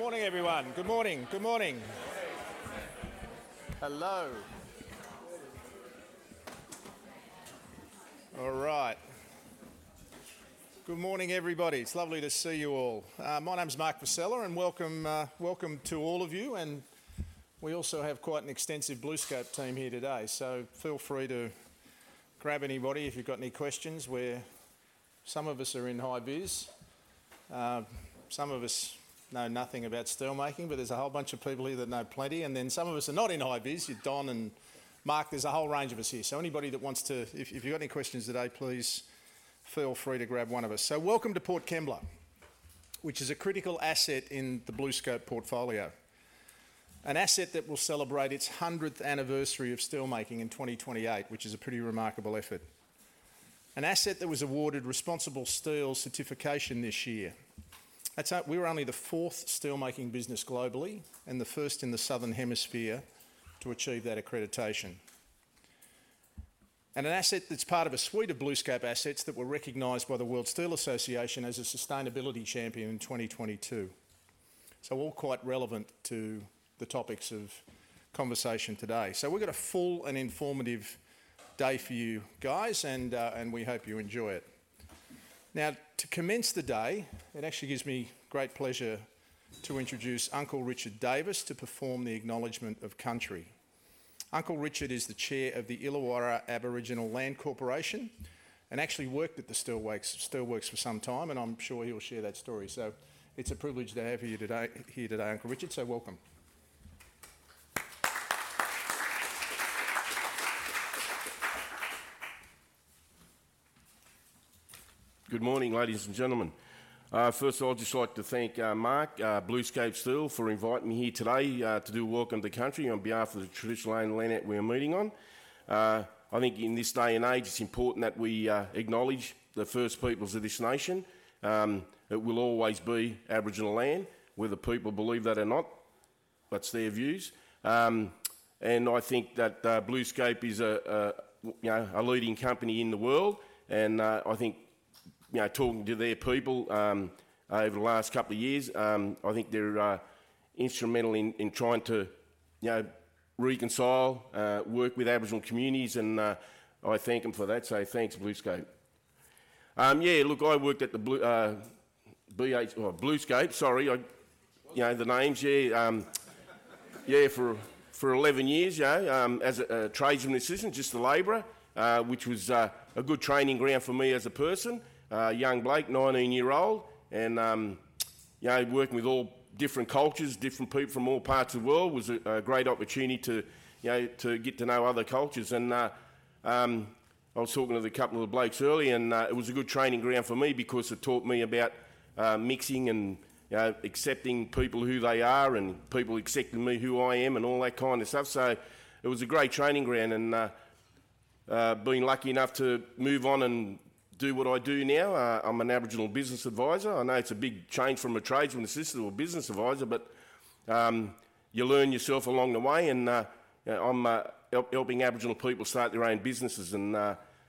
Good morning, everyone. Good morning. Good morning. Hello. All right. Good morning, everybody. It's lovely to see you all. My name's Mark Vassella, and welcome to all of you. We also have quite an extensive BlueScope team here today, so feel free to grab anybody if you've got any questions. Some of us are in high vis. Some of us know nothing about steel making, but there's a whole bunch of people here that know plenty. Some of us are not in high vis, you're Don and Mark. There's a whole range of us here. Anybody that wants to, if you've got any questions today, please feel free to grab one of us. Welcome to Port Kembla, which is a critical asset in the BlueScope portfolio. An asset that will celebrate its 100th anniversary of steelmaking in 2028, which is a pretty remarkable effort. An asset that was awarded ResponsibleSteel Certification this year. That's. We're only the fourth steelmaking business globally, and the first in the Southern Hemisphere to achieve that accreditation. An asset that's part of a suite of BlueScope assets that were recognized by the World Steel Association as a sustainability champion in 2022. All quite relevant to the topics of conversation today. We've got a full and informative day for you guys, and we hope you enjoy it. Now, to commence the day, it actually gives me great pleasure to introduce Uncle Richard Davis to perform the Acknowledgment of Country. Uncle Richard is the Chair of the Illawarra Aboriginal Corporation and actually worked at the Steelworks for some time, and I'm sure he will share that story. It's a privilege to have you here today, Uncle Richard Davis. Welcome. Good morning, ladies and gentlemen. First of all, I'd just like to thank Mark, BlueScope Steel for inviting me here today, to do Welcome to Country on behalf of the traditional owner of the land that we're meeting on. I think in this day and age, it's important that we acknowledge the First Peoples of this nation. It will always be Aboriginal land, whether people believe that or not. That's their views. I think that BlueScope is a you know, a leading company in the world. I think, you know, talking to their people over the last couple of years, I think they're instrumental in trying to you know reconcile work with Aboriginal communities, and I thank them for that. Thanks, BlueScope. Yeah, look, I worked at BlueScope, sorry. You know the names. Yeah. Yeah, for 11 years, yeah, as a tradesman assistant, just a laborer, which was a good training ground for me as a person. Young bloke, 19-year-old, and you know, working with all different cultures, different people from all parts of the world was a great opportunity to you know, to get to know other cultures. I was talking to the couple of blokes earlier, and it was a good training ground for me because it taught me about mixing and you know, accepting people who they are and people accepting me who I am and all that kind of stuff. It was a great training ground and, being lucky enough to move on and do what I do now. I'm an Aboriginal business advisor. I know it's a big change from a tradesman assistant to a business advisor, but, you learn yourself along the way and, you know, I'm helping Aboriginal people start their own businesses and, you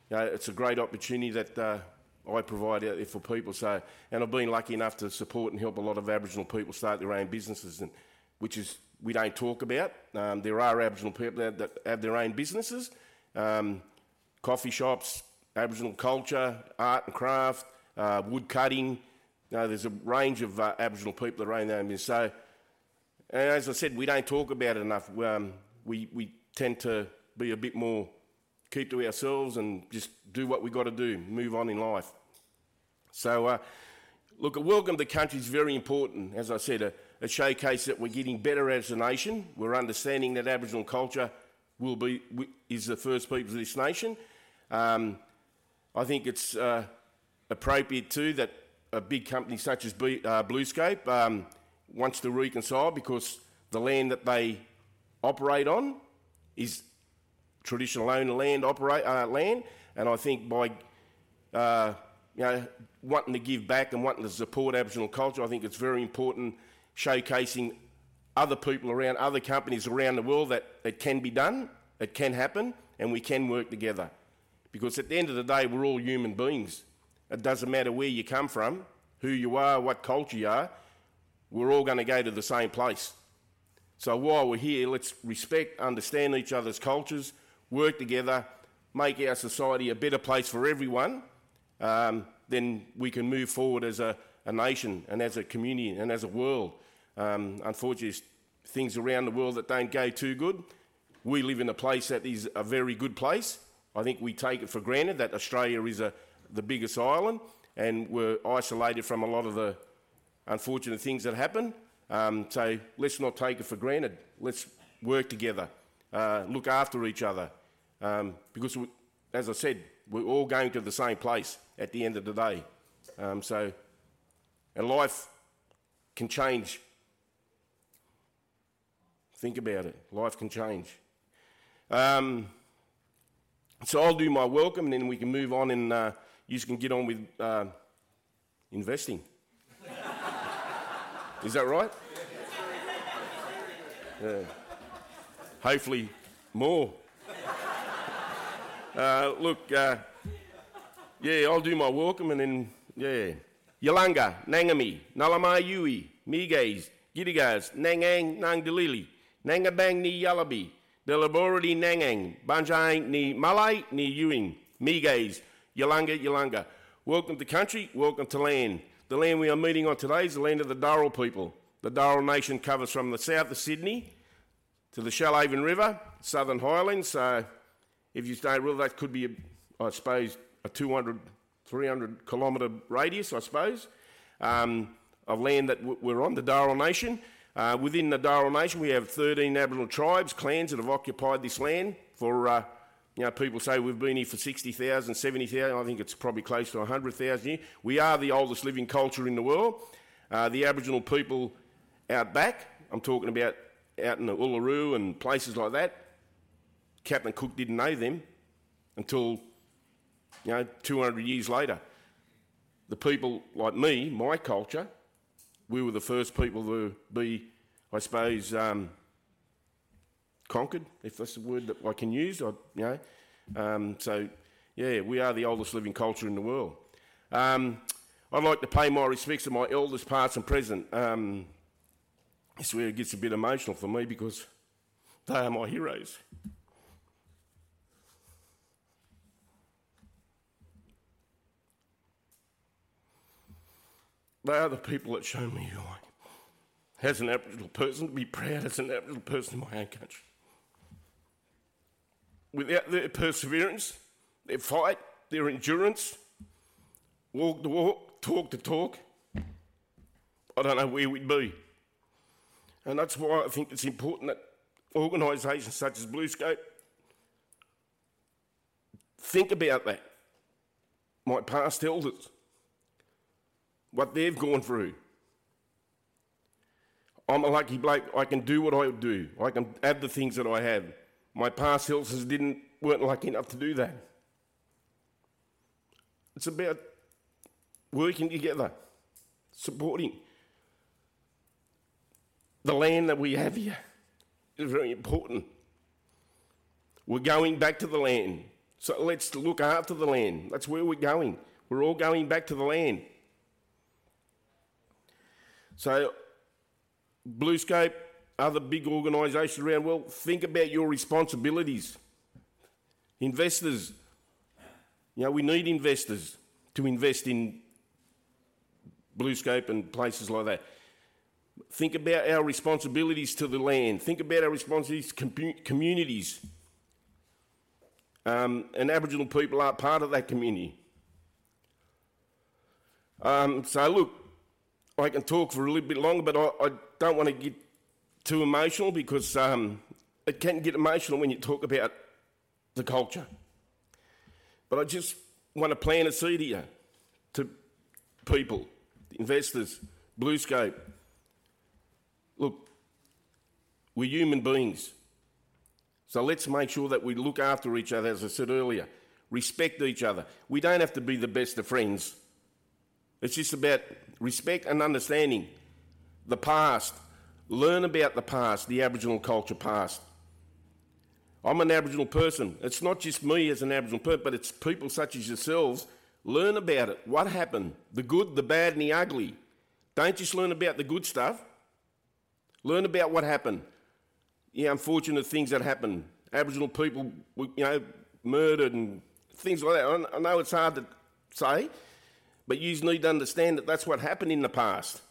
know, it's a great opportunity that I provide out here for people so. I've been lucky enough to support and help a lot of Aboriginal people start their own businesses and which is we don't talk about. There are Aboriginal people that have their own businesses, coffee shops, Aboriginal culture, art and craft, wood cutting. You know, there's a range of Aboriginal people that own their own business. As I said, we don't talk about it enough. We tend to be a bit more kept to ourselves and just do what we gotta do, move on in life. Look, a Welcome to Country is very important. As I said, a showcase that we're getting better as a nation. We're understanding that Aboriginal culture is the first people to this nation. I think it's appropriate too that a big company such as BlueScope wants to reconcile because the land that they operate on is traditional owner land. I think by, you know, wanting to give back and wanting to support Aboriginal culture, I think it's very important showcasing other people around, other companies around the world that it can be done, it can happen, and we can work together. Because at the end of the day, we're all human beings. It doesn't matter where you come from, who you are, what culture you are, we're all gonna go to the same place. While we're here, let's respect, understand each other's cultures, work together, make our society a better place for everyone. We can move forward as a nation and as a community and as a world. Unfortunately, there's things around the world that don't go too good. We live in a place that is a very good place. I think we take it for granted that Australia is the biggest island, and we're isolated from a lot of the unfortunate things that happen. Let's not take it for granted. Let's work together, look after each other, because we, as I said, we're all going to the same place at the end of the day. Life can change. Think about it. Life can change. I'll do my welcome, and then we can move on and, yous can get on with, investing. Is that right? Yeah. Hopefully more. Yeah, I'll do my welcome and then, yeah. Yalanga Nangami, Nalamai Hui, Migas, Girigas, Nangang, Nangde Lili, Nangabang ni Yalabi, Delaboradi Nangang, Banjang ni Malay ni Ewing, Migas, Yalanga. Welcome to country, welcome to land. The land we are meeting on today is the land of the Dharawal people. The Dharawal nation covers from the south of Sydney to the Shoalhaven River, Southern Highlands. If you stay rural, that could be, I suppose, a 200 km-300 km radius, I suppose, of land that we're on, the Dharawal nation. Within the Dharawal nation, we have 13 Aboriginal tribes, clans that have occupied this land for, you know, people say we've been here for 60,000, 70,000. I think it's probably close to a 100,000 year. We are the oldest living culture in the world. The Aboriginal people out back, I'm talking about out in the Uluru and places like that, Captain Cook didn't know them until, you know, 200 years later. The people like me, my culture, we were the first people to be, I suppose, conquered, if that's a word that I can use. I, you know. Yeah, we are the oldest living culture in the world. I'd like to pay my respects to my elders, past and present. This is where it gets a bit emotional for me because they are my heroes. They are the people that show me who I am, as an Aboriginal person, to be proud as an Aboriginal person in my own country. Without their perseverance, their fight, their endurance, walk the walk, talk the talk, I don't know where we'd be. That's why I think it's important that organizations such as BlueScope think about that. My past elders, what they've gone through. I'm a lucky bloke, I can do what I do. I can have the things that I have. My past elders weren't lucky enough to do that. It's about working together, supporting. The land that we have here is very important. We're going back to the land, so let's look after the land. That's where we're going. We're all going back to the land. BlueScope, other big organizations around the world, think about your responsibilities. Investors, you know, we need investors to invest in BlueScope and places like that. Think about our responsibilities to the land. Think about our responsibilities to communities. Aboriginal people are part of that community. Look, I can talk for a little bit longer, but I don't wanna get too emotional because it can get emotional when you talk about the culture. I just wanna plant a seed here to people, investors, BlueScope. Look, we're human beings, so let's make sure that we look after each other, as I said earlier, respect each other. We don't have to be the best of friends. It's just about respect and understanding the past. Learn about the past, the Aboriginal culture past. I'm an Aboriginal person. It's not just me as an Aboriginal person, but it's people such as yourselves. Learn about it. What happened? The good, the bad, and the ugly. Don't just learn about the good stuff. Learn about what happened. The unfortunate things that happened. Aboriginal people were, you know, murdered and things like that. I know it's hard to say, but yous need to understand that that's what happened in the past.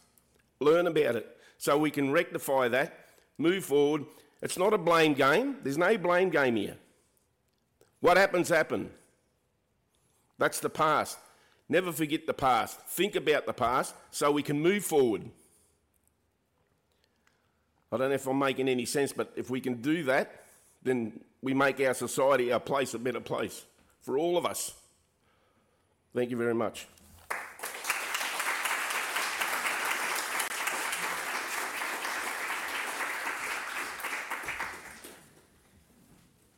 Learn about it so we can rectify that, move forward. It's not a blame game. There's no blame game here. What happened. That's the past. Never forget the past. Think about the past so we can move forward. I don't know if I'm making any sense, but if we can do that, then we make our society, our place, a better place for all of us. Thank you very much.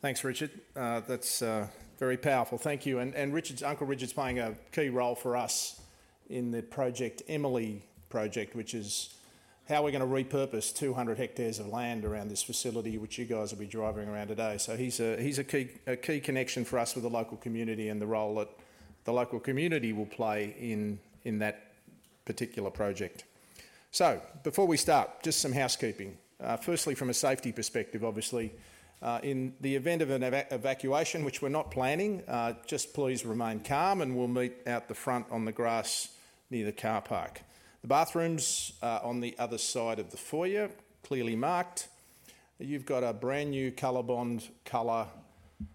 Thanks, Richard. That's very powerful. Thank you. Uncle Richard's playing a key role for us in the Project Emily project, which is how we're gonna repurpose 200 hectares of land around this facility, which you guys will be driving around today. He's a key connection for us with the local community and the role that the local community will play in that particular project. Before we start, just some housekeeping. Firstly, from a safety perspective, obviously, in the event of an evacuation, which we're not planning, just please remain calm and we'll meet out the front on the grass near the car park. The bathrooms are on the other side of the foyer, clearly marked. You've got a brand-new COLORBOND color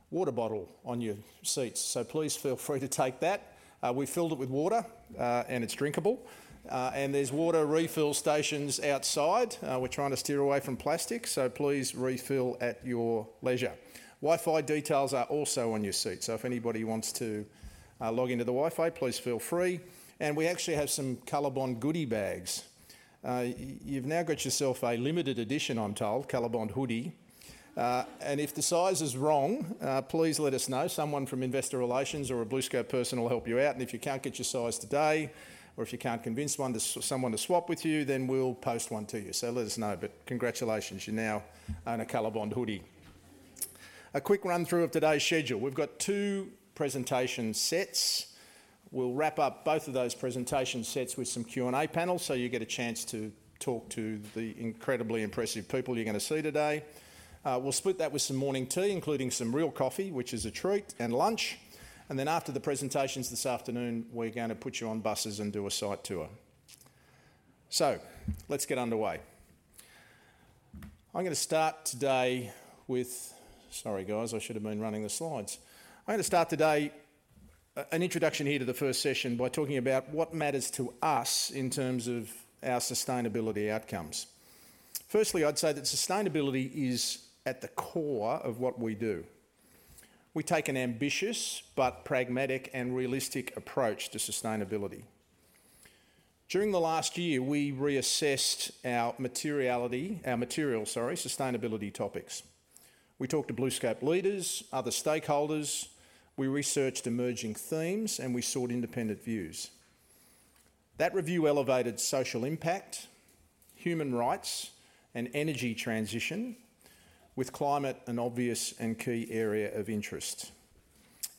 water bottle on your seats, so please feel free to take that. We've filled it with water, and it's drinkable. There's water refill stations outside. We're trying to steer away from plastic, so please refill at your leisure. Wi-Fi details are also on your seat, so if anybody wants to, log into the Wi-Fi, please feel free. We actually have some COLORBOND goodie bags. You've now got yourself a limited edition, I'm told, COLORBOND hoodie, and if the size is wrong, please let us know. Someone from Investor Relations or a BlueScope person will help you out, and if you can't get your size today, or if you can't convince one to someone to swap with you, then we'll post one to you. Let us know. Congratulations, you now own a COLORBOND hoodie. A quick run-through of today's schedule. We've got two presentation sets. We'll wrap up both of those presentation sets with some Q&A panel, so you get a chance to talk to the incredibly impressive people you're gonna see today. We'll split that with some morning tea, including some real coffee, which is a treat, and lunch, and then after the presentations this afternoon, we're gonna put you on buses and do a site tour. Let's get underway. Sorry guys, I should have been running the slides. I'm gonna start today, an introduction here to the first session by talking about what matters to us in terms of our sustainability outcomes. Firstly, I'd say that sustainability is at the core of what we do. We take an ambitious, but pragmatic and realistic approach to sustainability. During the last year, we reassessed our materiality, sorry, sustainability topics. We talked to BlueScope leaders, other stakeholders, we researched emerging themes, and we sought independent views. That review elevated social impact, human rights and energy transition, with climate an obvious and key area of interest.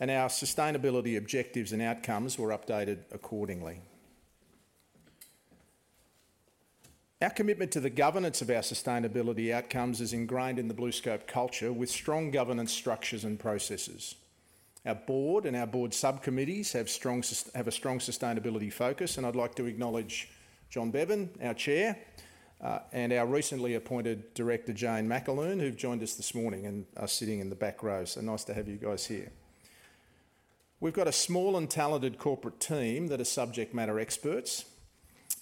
Our sustainability objectives and outcomes were updated accordingly. Our commitment to the governance of our sustainability outcomes is ingrained in the BlueScope culture with strong governance structures and processes. Our board and our board sub-committees have a strong sustainability focus, and I'd like to acknowledge John Bevan, our chair, and our recently appointed director, Jane McAloon, who've joined us this morning and are sitting in the back row. Nice to have you guys here. We've got a small and talented corporate team that are subject matter experts,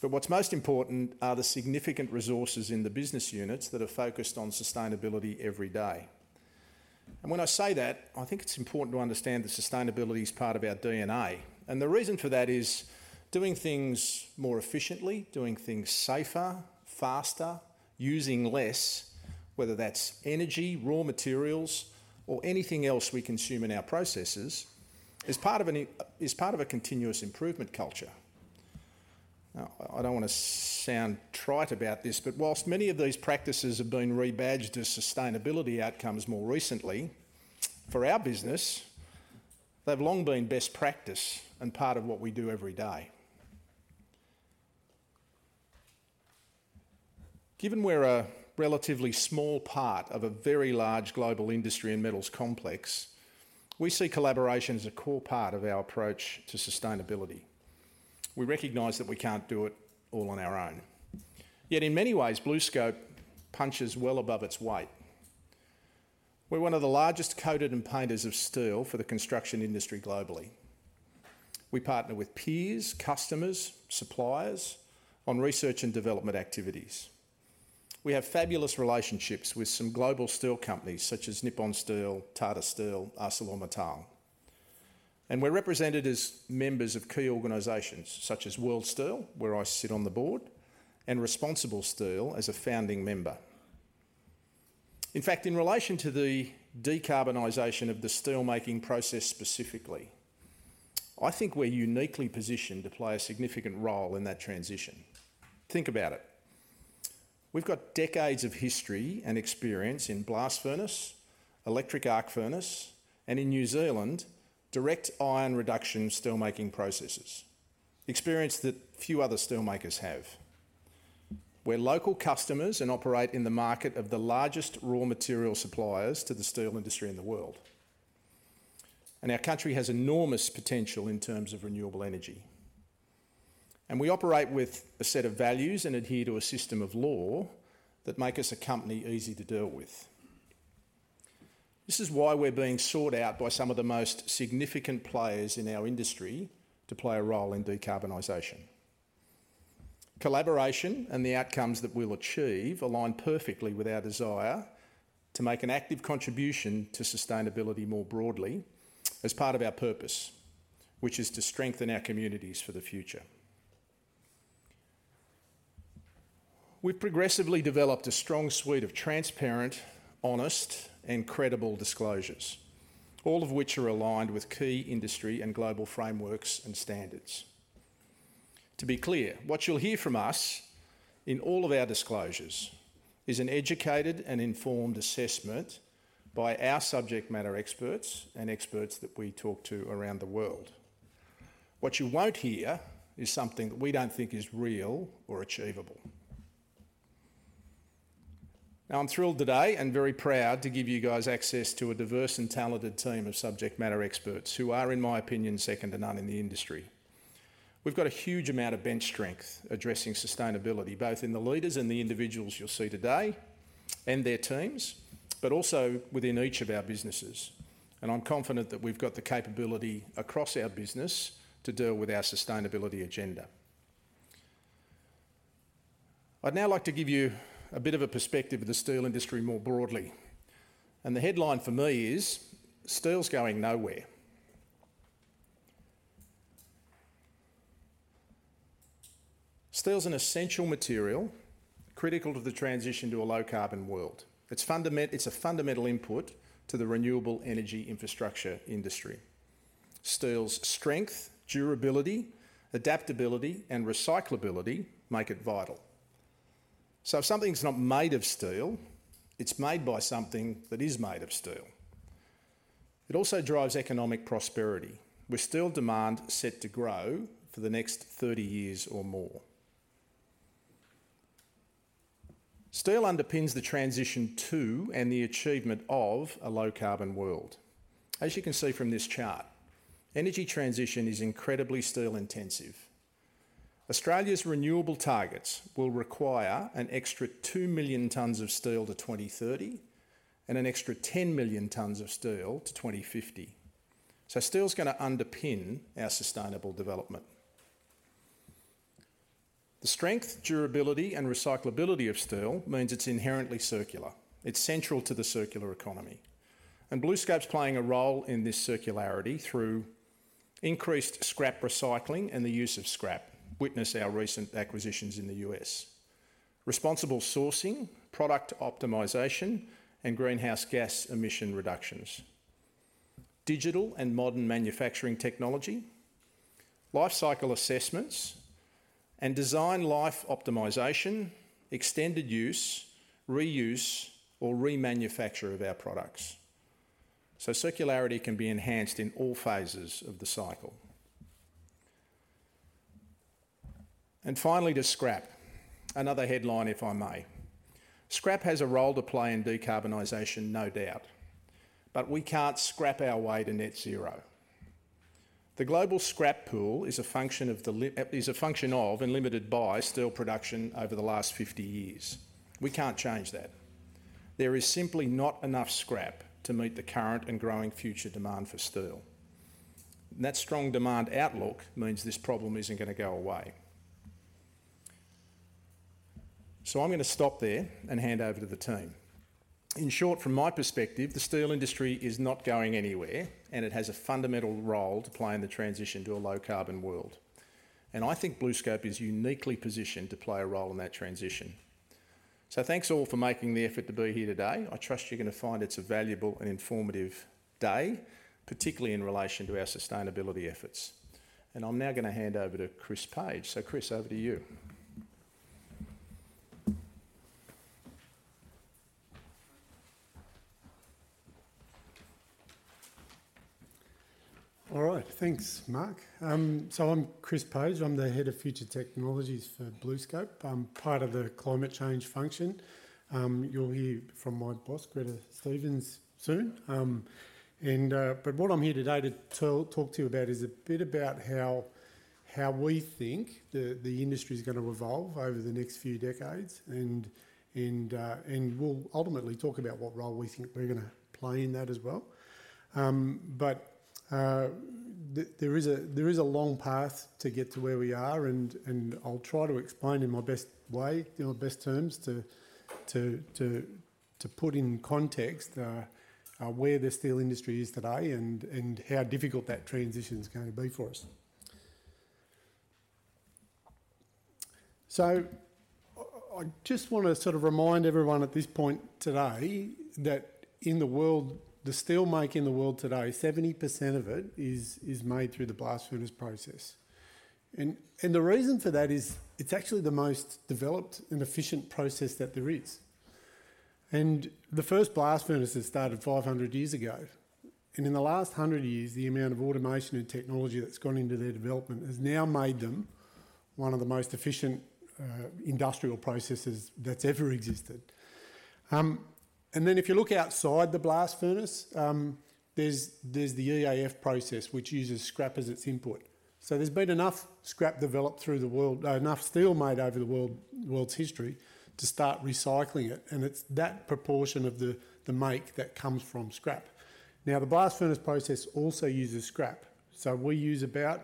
but what's most important are the significant resources in the business units that are focused on sustainability every day. When I say that, I think it's important to understand that sustainability is part of our DNA, and the reason for that is doing things more efficiently, doing things safer, faster, using less, whether that's energy, raw materials, or anything else we consume in our processes, is part of a continuous improvement culture. Now, I don't wanna sound trite about this, but while many of these practices have been rebadged as sustainability outcomes more recently, for our business, they've long been best practice and part of what we do every day. Given we're a relatively small part of a very large global industry and metals complex, we see collaboration as a core part of our approach to sustainability. We recognize that we can't do it all on our own. Yet in many ways, BlueScope punches well above its weight. We're one of the largest coater and painters of steel for the construction industry globally. We partner with peers, customers, suppliers on research and development activities. We have fabulous relationships with some global steel companies such as Nippon Steel, Tata Steel, ArcelorMittal. We're represented as members of key organizations such as worldsteel, where I sit on the board, and ResponsibleSteel as a founding member. In fact, in relation to the decarbonization of the steel-making process specifically, I think we're uniquely positioned to play a significant role in that transition. Think about it. We've got decades of history and experience in blast furnace, electric arc furnace, and in New Zealand, direct iron reduction steel-making processes, experience that few other steel-makers have. We're local customers and operate in the market of the largest raw material suppliers to the steel industry in the world, and our country has enormous potential in terms of renewable energy, and we operate with a set of values and adhere to a system of law that make us a company easy to deal with. This is why we're being sought out by some of the most significant players in our industry to play a role in decarbonization. Collaboration and the outcomes that we'll achieve align perfectly with our desire to make an active contribution to sustainability more broadly as part of our purpose, which is to strengthen our communities for the future. We've progressively developed a strong suite of transparent, honest and credible disclosures, all of which are aligned with key industry and global frameworks and standards. To be clear, what you'll hear from us in all of our disclosures is an educated and informed assessment by our subject matter experts and experts that we talk to around the world. What you won't hear is something that we don't think is real or achievable. Now, I'm thrilled today and very proud to give you guys access to a diverse and talented team of subject matter experts who are, in my opinion, second to none in the industry. We've got a huge amount of bench strength addressing sustainability, both in the leaders and the individuals you'll see today, and their teams, but also within each of our businesses, and I'm confident that we've got the capability across our business to deal with our sustainability agenda. I'd now like to give you a bit of a perspective of the steel industry more broadly, and the headline for me is, steel's going nowhere. Steel is an essential material critical to the transition to a low-carbon world. It's a fundamental input to the renewable energy infrastructure industry. Steel's strength, durability, adaptability, and recyclability make it vital. If something's not made of steel, it's made by something that is made of steel. It also drives economic prosperity, with steel demand set to grow for the next 30 years or more. Steel underpins the transition to and the achievement of a low-carbon world. As you can see from this chart, energy transition is incredibly steel-intensive. Australia's renewable targets will require an extra 2 million tons of steel to 2030, and an extra 10 million tons of steel to 2050. Steel's gonna underpin our sustainable development. The strength, durability, and recyclability of steel means it's inherently circular. It's central to the circular economy, and BlueScope's playing a role in this circularity through increased scrap recycling and the use of scrap. Witness our recent acquisitions in the U.S. Responsible sourcing, product optimization, and greenhouse gas emission reductions, digital and modern manufacturing technology, life cycle assessments, and design life optimization, extended use, reuse, or remanufacture of our products. Circularity can be enhanced in all phases of the cycle. Finally, to scrap. Another headline, if I may. Scrap has a role to play in decarbonization, no doubt, but we can't scrap our way to net zero. The global scrap pool is a function of and limited by steel production over the last 50 years. We can't change that. There is simply not enough scrap to meet the current and growing future demand for steel. That strong demand outlook means this problem isn't gonna go away. I'm gonna stop there and hand over to the team. In short, from my perspective, the steel industry is not going anywhere, and it has a fundamental role to play in the transition to a low-carbon world. I think BlueScope is uniquely positioned to play a role in that transition. Thanks, all, for making the effort to be here today. I trust you're gonna find it's a valuable and informative day, particularly in relation to our sustainability efforts. I'm now gonna hand over to Chris Page. Chris, over to you. All right. Thanks, Mark. I'm Chris Page. I'm the Head of Future Technologies for BlueScope. I'm part of the climate change function. You'll hear from my boss, Gretta Stephens, soon. What I'm here today to talk to you about is a bit about how we think the industry's gonna evolve over the next few decades, and we'll ultimately talk about what role we think we're gonna play in that as well. There is a long path to get to where we are, and I'll try to explain in my best way, in the best terms to put in context where the steel industry is today and how difficult that transition's going to be for us. I just wanna sort of remind everyone at this point today that in the world, the steel making in the world today, 70% of it is made through the blast furnace process. The reason for that is it's actually the most developed and efficient process that there is. The first blast furnaces started 500 years ago. In the last 100 years, the amount of automation and technology that's gone into their development has now made them one of the most efficient industrial processes that's ever existed. If you look outside the blast furnace, there's the EAF process, which uses scrap as its input. There's been enough scrap developed through the world, enough steel made over the world's history to start recycling it, and it's that proportion of the make that comes from scrap. The blast furnace process also uses scrap, so we use about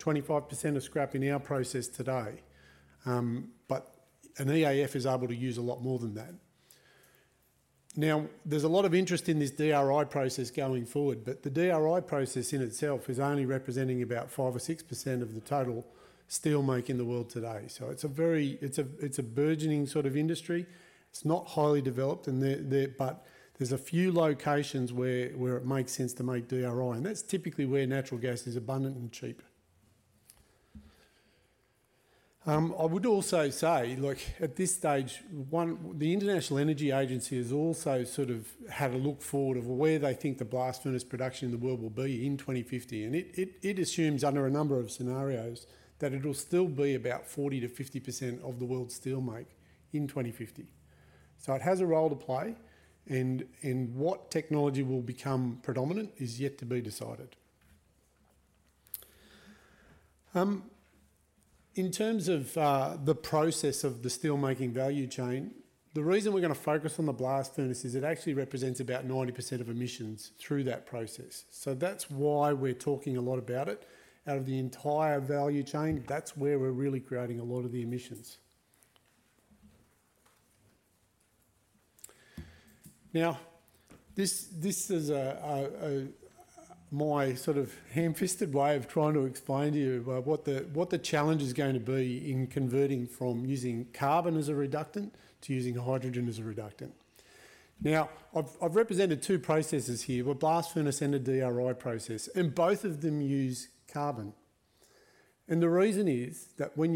25% of scrap in our process today. An EAF is able to use a lot more than that. There's a lot of interest in this DRI process going forward, but the DRI process in itself is only representing about 5% or 6% of the total steel make in the world today. It's a very burgeoning sort of industry. It's not highly developed, but there's a few locations where it makes sense to make DRI, and that's typically where natural gas is abundant and cheap. I would also say, like at this stage, the International Energy Agency has also sort of had a look forward of where they think the blast furnace production in the world will be in 2050, and it assumes under a number of scenarios that it'll still be about 40%-50% of the world's steel make in 2050. It has a role to play, and what technology will become predominant is yet to be decided. In terms of the process of the steelmaking value chain, the reason we're gonna focus on the blast furnace is it actually represents about 90% of emissions through that process, so that's why we're talking a lot about it. Out of the entire value chain, that's where we're really creating a lot of the emissions. Now, this is a my sort of ham-fisted way of trying to explain to you about what the challenge is going to be in converting from using carbon as a reductant to using hydrogen as a reductant. Now, I've represented two processes here. A blast furnace and a DRI process, and both of them use carbon. The reason is that when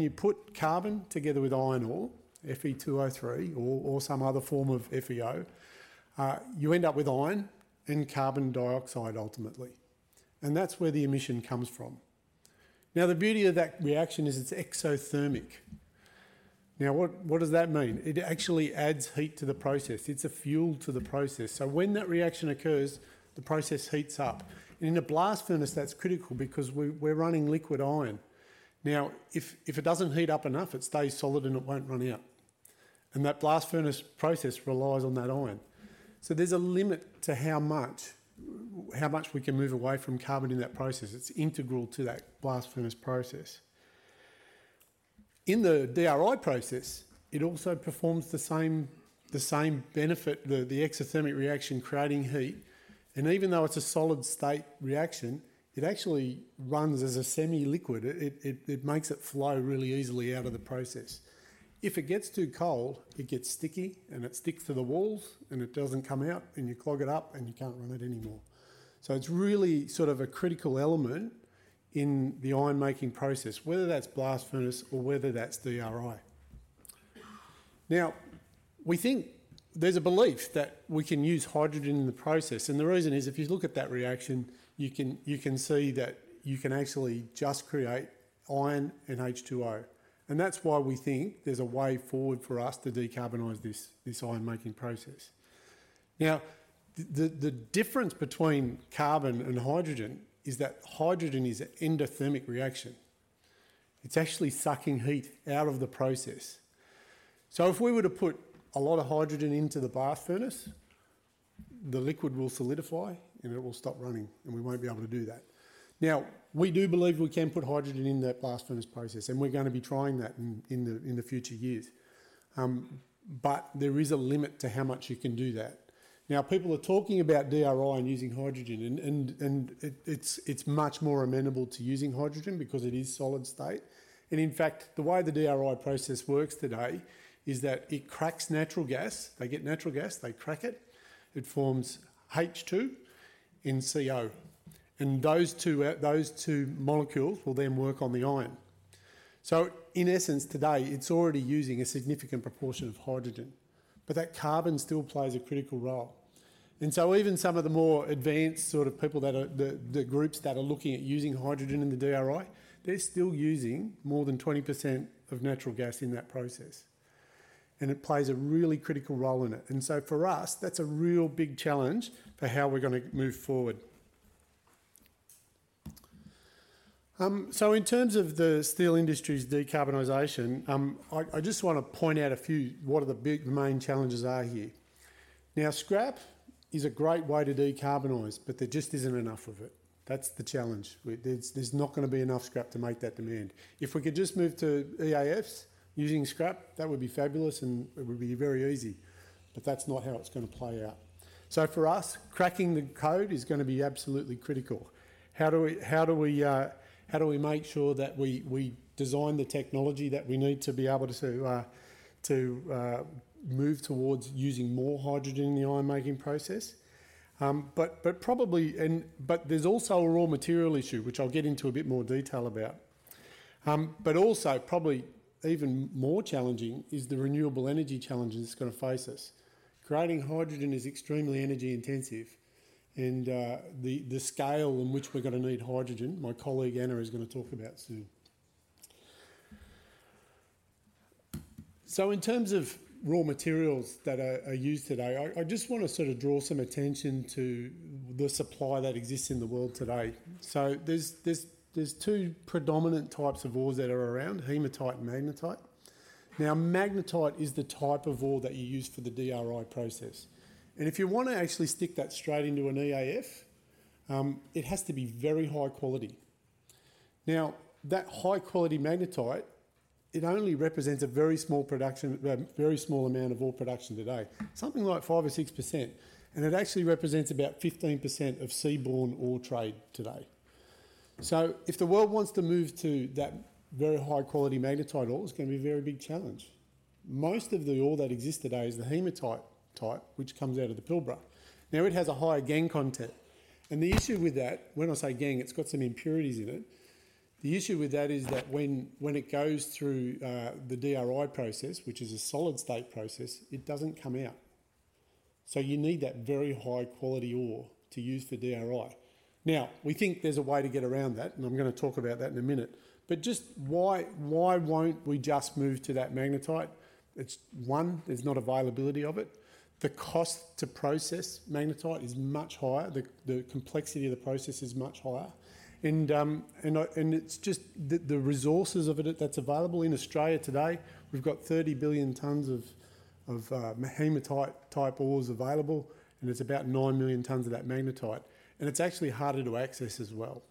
you put carbon together with iron ore, Fe2O3 or some other form of FeO, you end up with iron and carbon dioxide ultimately, and that's where the emission comes from. Now, the beauty of that reaction is it's exothermic. Now, what does that mean? It actually adds heat to the process. It's a fuel to the process. When that reaction occurs, the process heats up. In a blast furnace that's critical because we're running liquid iron. Now, if it doesn't heat up enough, it stays solid and it won't run out, and that blast furnace process relies on that iron. There's a limit to how much we can move away from carbon in that process. It's integral to that blast furnace process. In the DRI process, it also performs the same benefit, the exothermic reaction creating heat, and even though it's a solid state reaction, it actually runs as a semi-liquid. It makes it flow really easily out of the process. If it gets too cold, it gets sticky and it sticks to the walls and it doesn't come out and you clog it up and you can't run it anymore. It's really sort of a critical element in the ironmaking process, whether that's blast furnace or whether that's DRI. We think there's a belief that we can use hydrogen in the process, and the reason is if you look at that reaction, you can see that you can actually just create iron and H2O, and that's why we think there's a way forward for us to decarbonize this ironmaking process. The difference between carbon and hydrogen is that hydrogen is an endothermic reaction. It's actually sucking heat out of the process. If we were to put a lot of hydrogen into the blast furnace, the liquid will solidify and it will stop running, and we won't be able to do that. We do believe we can put hydrogen in that blast furnace process, and we're gonna be trying that in the future years. There is a limit to how much you can do that. People are talking about DRI and using hydrogen, and it is much more amenable to using hydrogen because it is solid state. In fact, the way the DRI process works today is that it cracks natural gas. They get natural gas, they crack it forms H2 and CO, and those two molecules will then work on the iron. In essence today, it is already using a significant proportion of hydrogen, but that carbon still plays a critical role. Even some of the more advanced sort of people that are the groups that are looking at using hydrogen in the DRI, they're still using more than 20% of natural gas in that process. It plays a really critical role in it. For us, that's a real big challenge for how we're gonna move forward. In terms of the steel industry's decarbonization, I just wanna point out a few what are the big main challenges are here. Now, scrap is a great way to decarbonize, but there just isn't enough of it. That's the challenge. There's not gonna be enough scrap to make that demand. If we could just move to EAFs using scrap, that would be fabulous and it would be very easy, but that's not how it's gonna play out. For us, cracking the code is gonna be absolutely critical. How do we make sure that we design the technology that we need to be able to move towards using more hydrogen in the ironmaking process? There's also a raw material issue, which I'll get into a bit more detail about. Probably even more challenging is the renewable energy challenge that's gonna face us. Creating hydrogen is extremely energy intensive and the scale in which we're gonna need hydrogen, my colleague Anna is gonna talk about soon. In terms of raw materials that are used today, I just wanna sort of draw some attention to the supply that exists in the world today. There are two predominant types of ores that are around, hematite and magnetite. Magnetite is the type of ore that you use for the DRI process, and if you wanna actually stick that straight into an EAF, it has to be very high quality. That high quality magnetite only represents a very small production, a very small amount of ore production today, something like 5% or 6%, and it actually represents about 15% of seaborne ore trade today. If the world wants to move to that very high quality magnetite ore, it's gonna be a very big challenge. Most of the ore that exists today is the hematite type, which comes out of the Pilbara. It has a higher gangue content, and the issue with that. When I say gangue, it's got some impurities in it. The issue with that is that when it goes through the DRI process, which is a solid state process, it doesn't come out. You need that very high quality ore to use for DRI. Now, we think there's a way to get around that, and I'm gonna talk about that in a minute. Just why won't we just move to that magnetite? It's one, there's not availability of it. The cost to process magnetite is much higher. The complexity of the process is much higher. It's just the resources of it that's available in Australia today. We've got 30 billion tons of hematite type ores available, and it's about 9 million tons of that magnetite, and it's actually harder to access as well.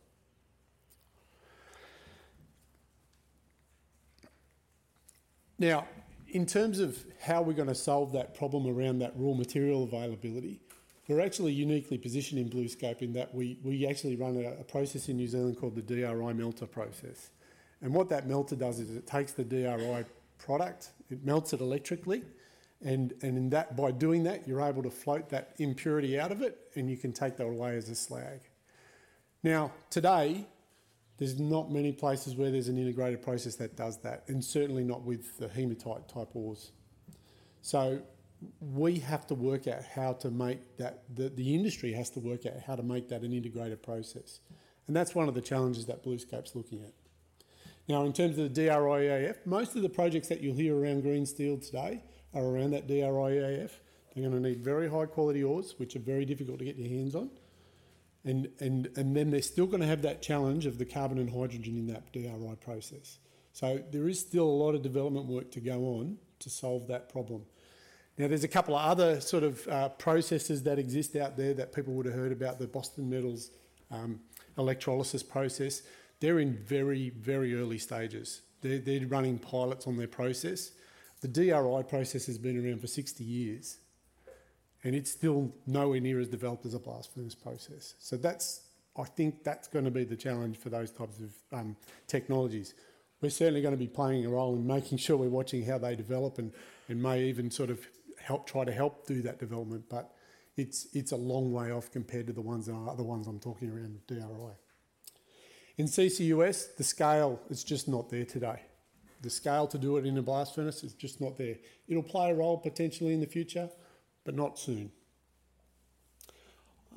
Now, in terms of how we're gonna solve that problem around that raw material availability, we're actually uniquely positioned in BlueScope in that we actually run a process in New Zealand called the DRI melter process. What that melter does is it takes the DRI product, it melts it electrically, and by doing that, you're able to float that impurity out of it, and you can take that away as a slag. Now, today, there's not many places where there's an integrated process that does that, and certainly not with the hematite-type ores. The industry has to work out how to make that an integrated process, and that's one of the challenges that BlueScope's looking at. Now, in terms of the DRI-EAF, most of the projects that you'll hear around green steel today are around that DRI-EAF. They're gonna need very high-quality ores, which are very difficult to get your hands on, and then they're still gonna have that challenge of the carbon and hydrogen in that DRI process. There is still a lot of development work to go on to solve that problem. Now, there's a couple of other sort of processes that exist out there that people would have heard about, the Boston Metal electrolysis process. They're in very, very early stages. They're running pilots on their process. The DRI process has been around for 60 years, and it's still nowhere near as developed as a blast furnace process. I think that's gonna be the challenge for those types of technologies. We're certainly gonna be playing a role in making sure we're watching how they develop and may even sort of help try to help do that development, but it's a long way off compared to the ones I'm talking about DRI. In CCUS, the scale is just not there today. The scale to do it in a blast furnace is just not there. It'll play a role potentially in the future, but not soon.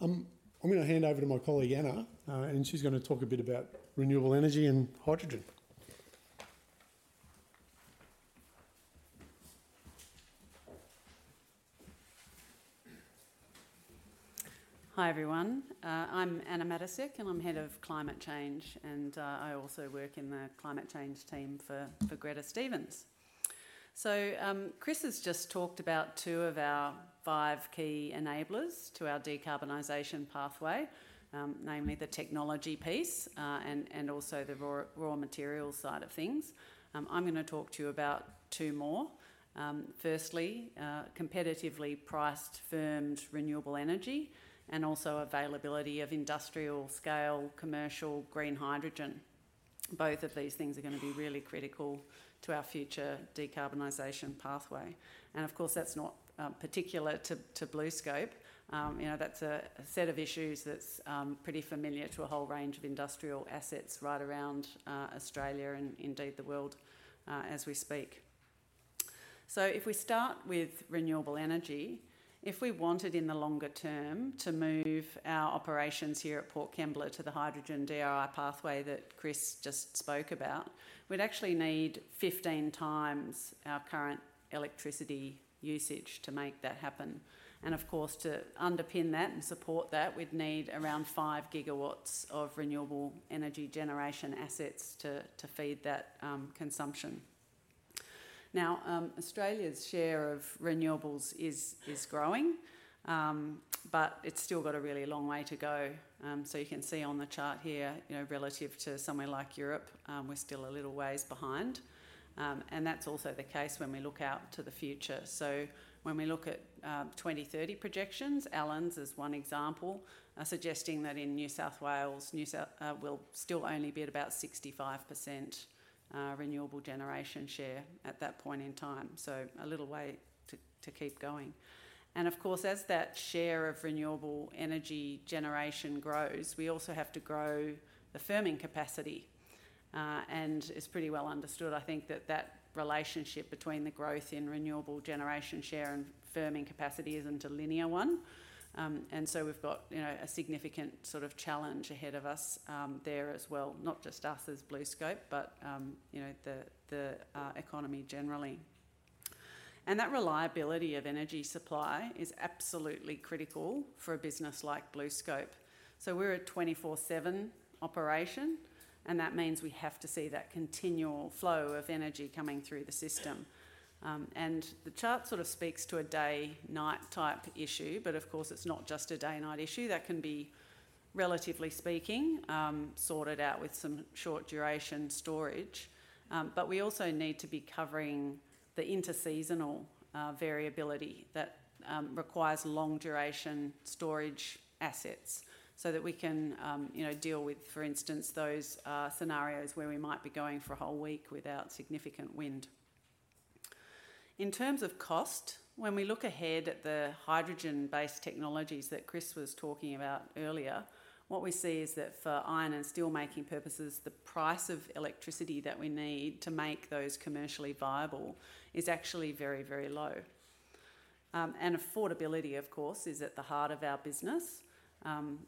I'm gonna hand over to my colleague, Anna, and she's gonna talk a bit about renewable energy and hydrogen. Hi, everyone. I'm Anna Matysek, and I'm Head of Climate Change, and I also work in the climate change team for Gretta Stephens. Chris has just talked about two of our five key enablers to our decarbonization pathway, namely the technology piece, and also the raw material side of things. I'm gonna talk to you about two more. Firstly, competitively priced firmed renewable energy and also availability of industrial-scale commercial green hydrogen. Both of these things are gonna be really critical to our future decarbonization pathway. Of course, that's not particular to BlueScope. You know, that's a set of issues that's pretty familiar to a whole range of industrial assets right around Australia and indeed the world, as we speak. If we start with renewable energy, if we wanted in the longer term to move our operations here at Port Kembla to the hydrogen DRI pathway that Chris just spoke about, we'd actually need 15 times our current electricity usage to make that happen. Of course, to underpin that and support that, we'd need around 5 GW of renewable energy generation assets to feed that consumption. Now, Australia's share of renewables is growing, but it's still got a really long way to go. You can see on the chart here, you know, relative to somewhere like Europe, we're still a little ways behind. That's also the case when we look out to the future. When we look at 2030 projections, Elands is one example suggesting that in New South Wales will still only be at about 65% renewable generation share at that point in time, so a little way to keep going. Of course, as that share of renewable energy generation grows, we also have to grow the firming capacity. It's pretty well understood, I think, that that relationship between the growth in renewable generation share and firming capacity isn't a linear one. We've got, you know, a significant sort of challenge ahead of us there as well, not just us as BlueScope, but, you know, the economy generally. That reliability of energy supply is absolutely critical for a business like BlueScope. We're a 24/7 operation, and that means we have to see that continual flow of energy coming through the system. The chart sort of speaks to a day-night type issue, but of course, it's not just a day-and-night issue. That can be, relatively speaking, sorted out with some short-duration storage. We also need to be covering the interseasonal variability that requires long-duration storage assets so that we can, you know, deal with, for instance, those scenarios where we might be going for a whole week without significant wind. In terms of cost, when we look ahead at the hydrogen-based technologies that Chris was talking about earlier, what we see is that for iron and steelmaking purposes, the price of electricity that we need to make those commercially viable is actually very, very low. Affordability, of course, is at the heart of our business.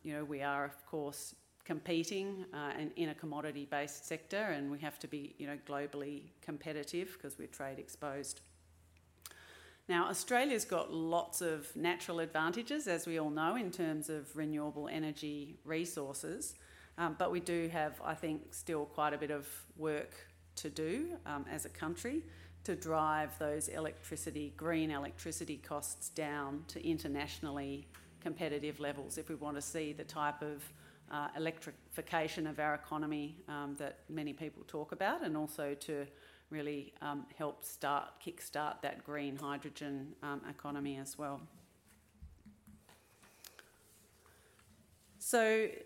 You know, we are of course competing in a commodity-based sector, and we have to be, you know, globally competitive because we're trade-exposed. Australia's got lots of natural advantages, as we all know, in terms of renewable energy resources. We do have, I think, still quite a bit of work to do as a country to drive those green electricity costs down to internationally competitive levels if we want to see the type of electrification of our economy that many people talk about and also to really help kickstart that green hydrogen economy as well.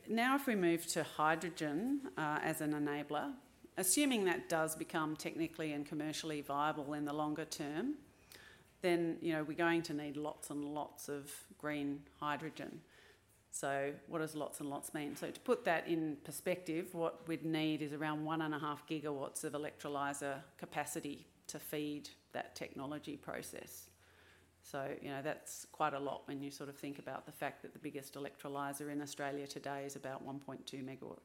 Now if we move to hydrogen as an enabler, assuming that does become technically and commercially viable in the longer term, then you know, we're going to need lots and lots of green hydrogen. What does lots and lots mean? To put that in perspective, what we'd need is around 1.5 GW of electrolyzer capacity to feed that technology process. You know, that's quite a lot when you sort of think about the fact that the biggest electrolyzer in Australia today is about 1.2 MW.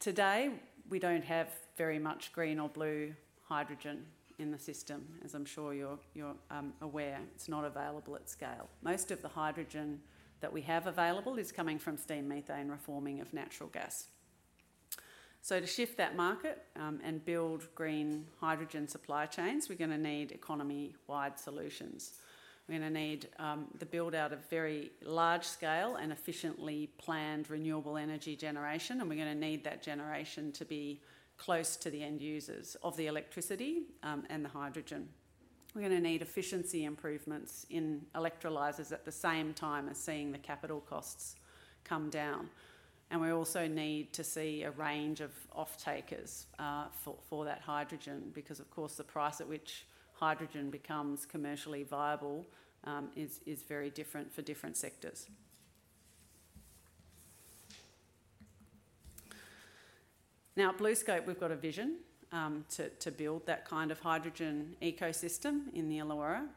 Today, we don't have very much green or blue hydrogen in the system, as I'm sure you're aware. It's not available at scale. Most of the hydrogen that we have available is coming from steam methane reforming of natural gas. To shift that market and build green hydrogen supply chains, we're gonna need economy-wide solutions. We're gonna need the build-out of very large scale and efficiently planned renewable energy generation, and we're gonna need that generation to be close to the end users of the electricity and the hydrogen. We're gonna need efficiency improvements in electrolyzers at the same time as seeing the capital costs come down. We also need to see a range of off-takers, for that hydrogen because of course the price at which hydrogen becomes commercially viable, is very different for different sectors. Now at BlueScope, we've got a vision, to build that kind of hydrogen ecosystem in the Illawarra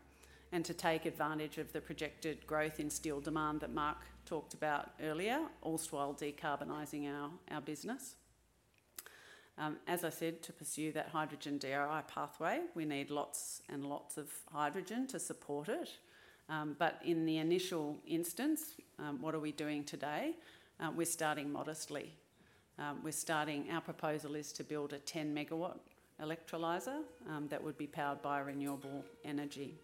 and to take advantage of the projected growth in steel demand that Mark talked about earlier, all whilst decarbonizing our business. As I said, to pursue that hydrogen DRI pathway, we need lots and lots of hydrogen to support it. But in the initial instance, what are we doing today? We're starting modestly. Our proposal is to build a 10 MW electrolyzer, that would be powered by renewable energy.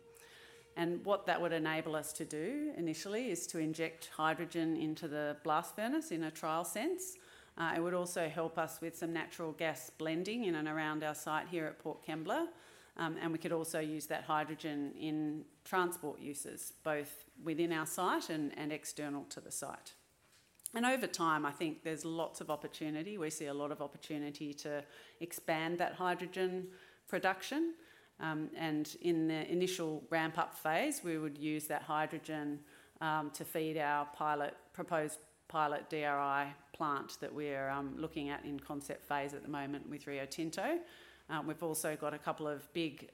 What that would enable us to do initially is to inject hydrogen into the blast furnace in a trial sense. It would also help us with some natural gas blending in and around our site here at Port Kembla, and we could also use that hydrogen in transport uses, both within our site and external to the site. Over time, I think there's lots of opportunity. We see a lot of opportunity to expand that hydrogen production, and in the initial ramp-up phase, we would use that hydrogen to feed our proposed pilot DRI plant that we're looking at in concept phase at the moment with Rio Tinto. We've also got a couple of big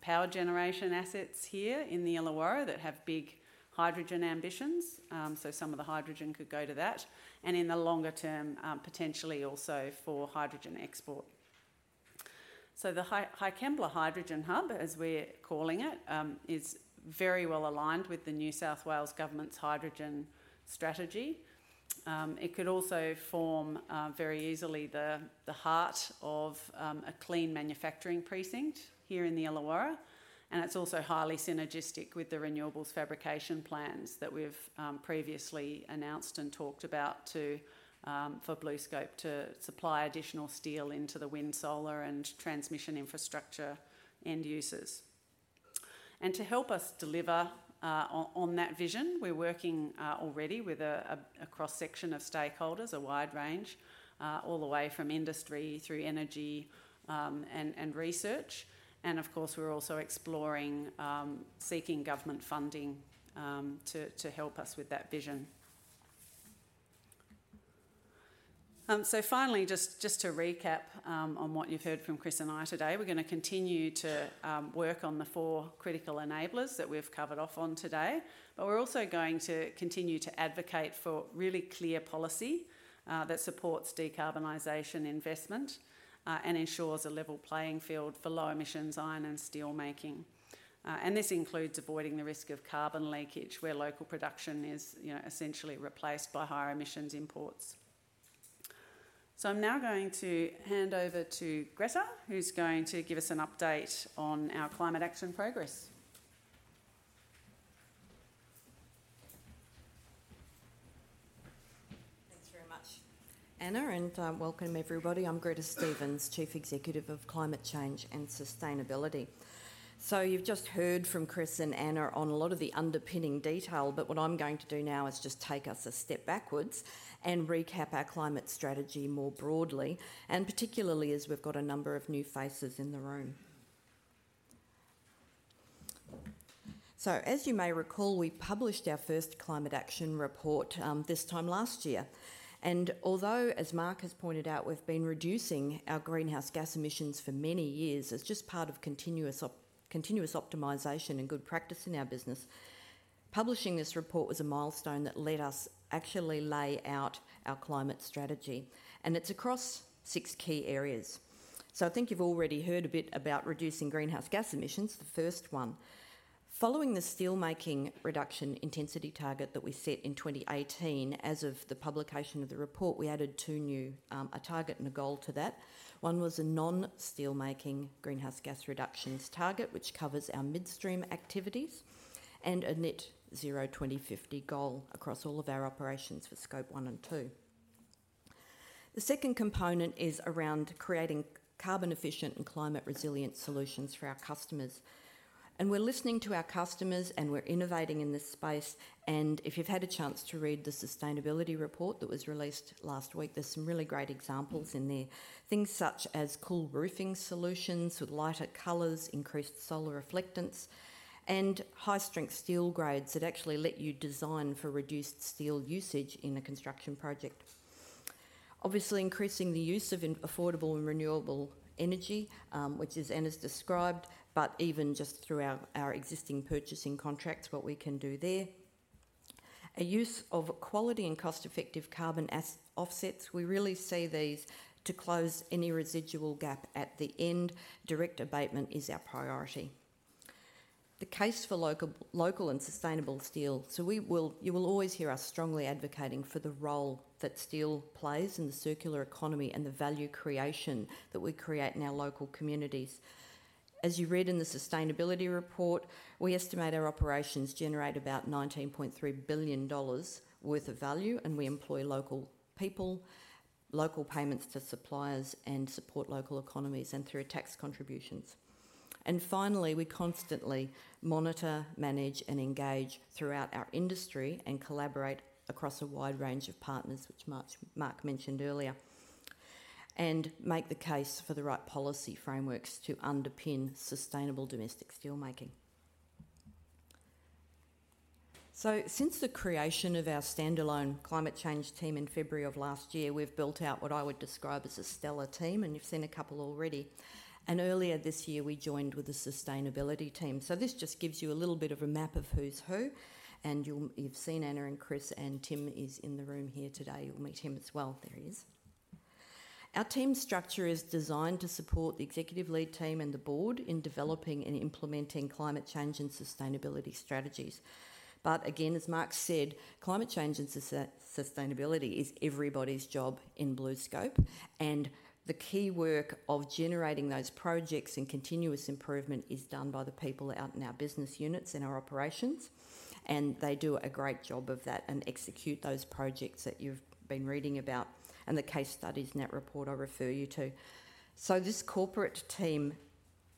power generation assets here in the Illawarra that have big hydrogen ambitions, so some of the hydrogen could go to that, and in the longer term, potentially also for hydrogen export. The Illawarra Hydrogen Hub, as we're calling it, is very well aligned with the New South Wales Government's hydrogen strategy. It could also form very easily the heart of a clean manufacturing precinct here in the Illawarra, and it's also highly synergistic with the renewables fabrication plans that we've previously announced and talked about for BlueScope to supply additional steel into the wind, solar, and transmission infrastructure end users. To help us deliver on that vision, we're working already with a cross-section of stakeholders, a wide range all the way from industry through energy and research. Of course, we're also exploring seeking government funding to help us with that vision. Finally, just to recap on what you've heard from Chris and I today, we're gonna continue to work on the four critical enablers that we've covered off on today. We're also going to continue to advocate for really clear policy that supports decarbonization investment and ensures a level playing field for low-emissions iron and steel making. This includes avoiding the risk of carbon leakage, where local production is, you know, essentially replaced by higher emissions imports. I'm now going to hand over to Gretta, who's going to give us an update on our climate action progress. Thanks very much, Anna, and welcome everybody. I'm Gretta Stephens, Chief Executive of Climate Change and Sustainability. You've just heard from Chris and Anna on a lot of the underpinning detail, but what I'm going to do now is just take us a step backwards and recap our climate strategy more broadly, and particularly as we've got a number of new faces in the room. As you may recall, we published our first climate action report this time last year. Although, as Mark has pointed out, we've been reducing our greenhouse gas emissions for many years as just part of continuous optimization and good practice in our business, publishing this report was a milestone that let us actually lay out our climate strategy, and it's across six key areas. I think you've already heard a bit about reducing greenhouse gas emissions, the first one. Following the steelmaking reduction intensity target that we set in 2018, as of the publication of the report, we added two new, a target and a goal to that. One was a non-steelmaking greenhouse gas reductions target, which covers our midstream activities, and a net zero 2050 goal across all of our operations for Scope 1 and 2. The second component is around creating carbon efficient and climate resilient solutions for our customers. We're listening to our customers, and we're innovating in this space, and if you've had a chance to read the sustainability report that was released last week, there's some really great examples in there. Things such as cool roofing solutions with lighter colors, increased solar reflectance, and high-strength steel grades that actually let you design for reduced steel usage in a construction project. Obviously, increasing the use of affordable and renewable energy, which Anna has described, but even just through our existing purchasing contracts, what we can do there. The use of quality and cost-effective carbon offsets. We really see these to close any residual gap at the end. Direct abatement is our priority. The case for local and sustainable steel. You will always hear us strongly advocating for the role that steel plays in the circular economy and the value creation that we create in our local communities. As you read in the sustainability report, we estimate our operations generate about 19.3 billion dollars worth of value, and we employ local people, local payments to suppliers, and support local economies, and through tax contributions. Finally, we constantly monitor, manage, and engage throughout our industry and collaborate across a wide range of partners, which Mark mentioned earlier, and make the case for the right policy frameworks to underpin sustainable domestic steel making. Since the creation of our standalone climate change team in February of last year, we've built out what I would describe as a stellar team, and you've seen a couple already. Earlier this year, we joined with the sustainability team. This just gives you a little bit of a map of who's who, and you've seen Anna and Chris, and Tim is in the room here today. You'll meet him as well. There he is. Our team structure is designed to support the executive lead team and the board in developing and implementing climate change and sustainability strategies. Again, as Mark said, climate change and sustainability is everybody's job in BlueScope. The key work of generating those projects and continuous improvement is done by the people out in our business units, in our operations, and they do a great job of that and execute those projects that you've been reading about and the case studies in that report I refer you to. This corporate team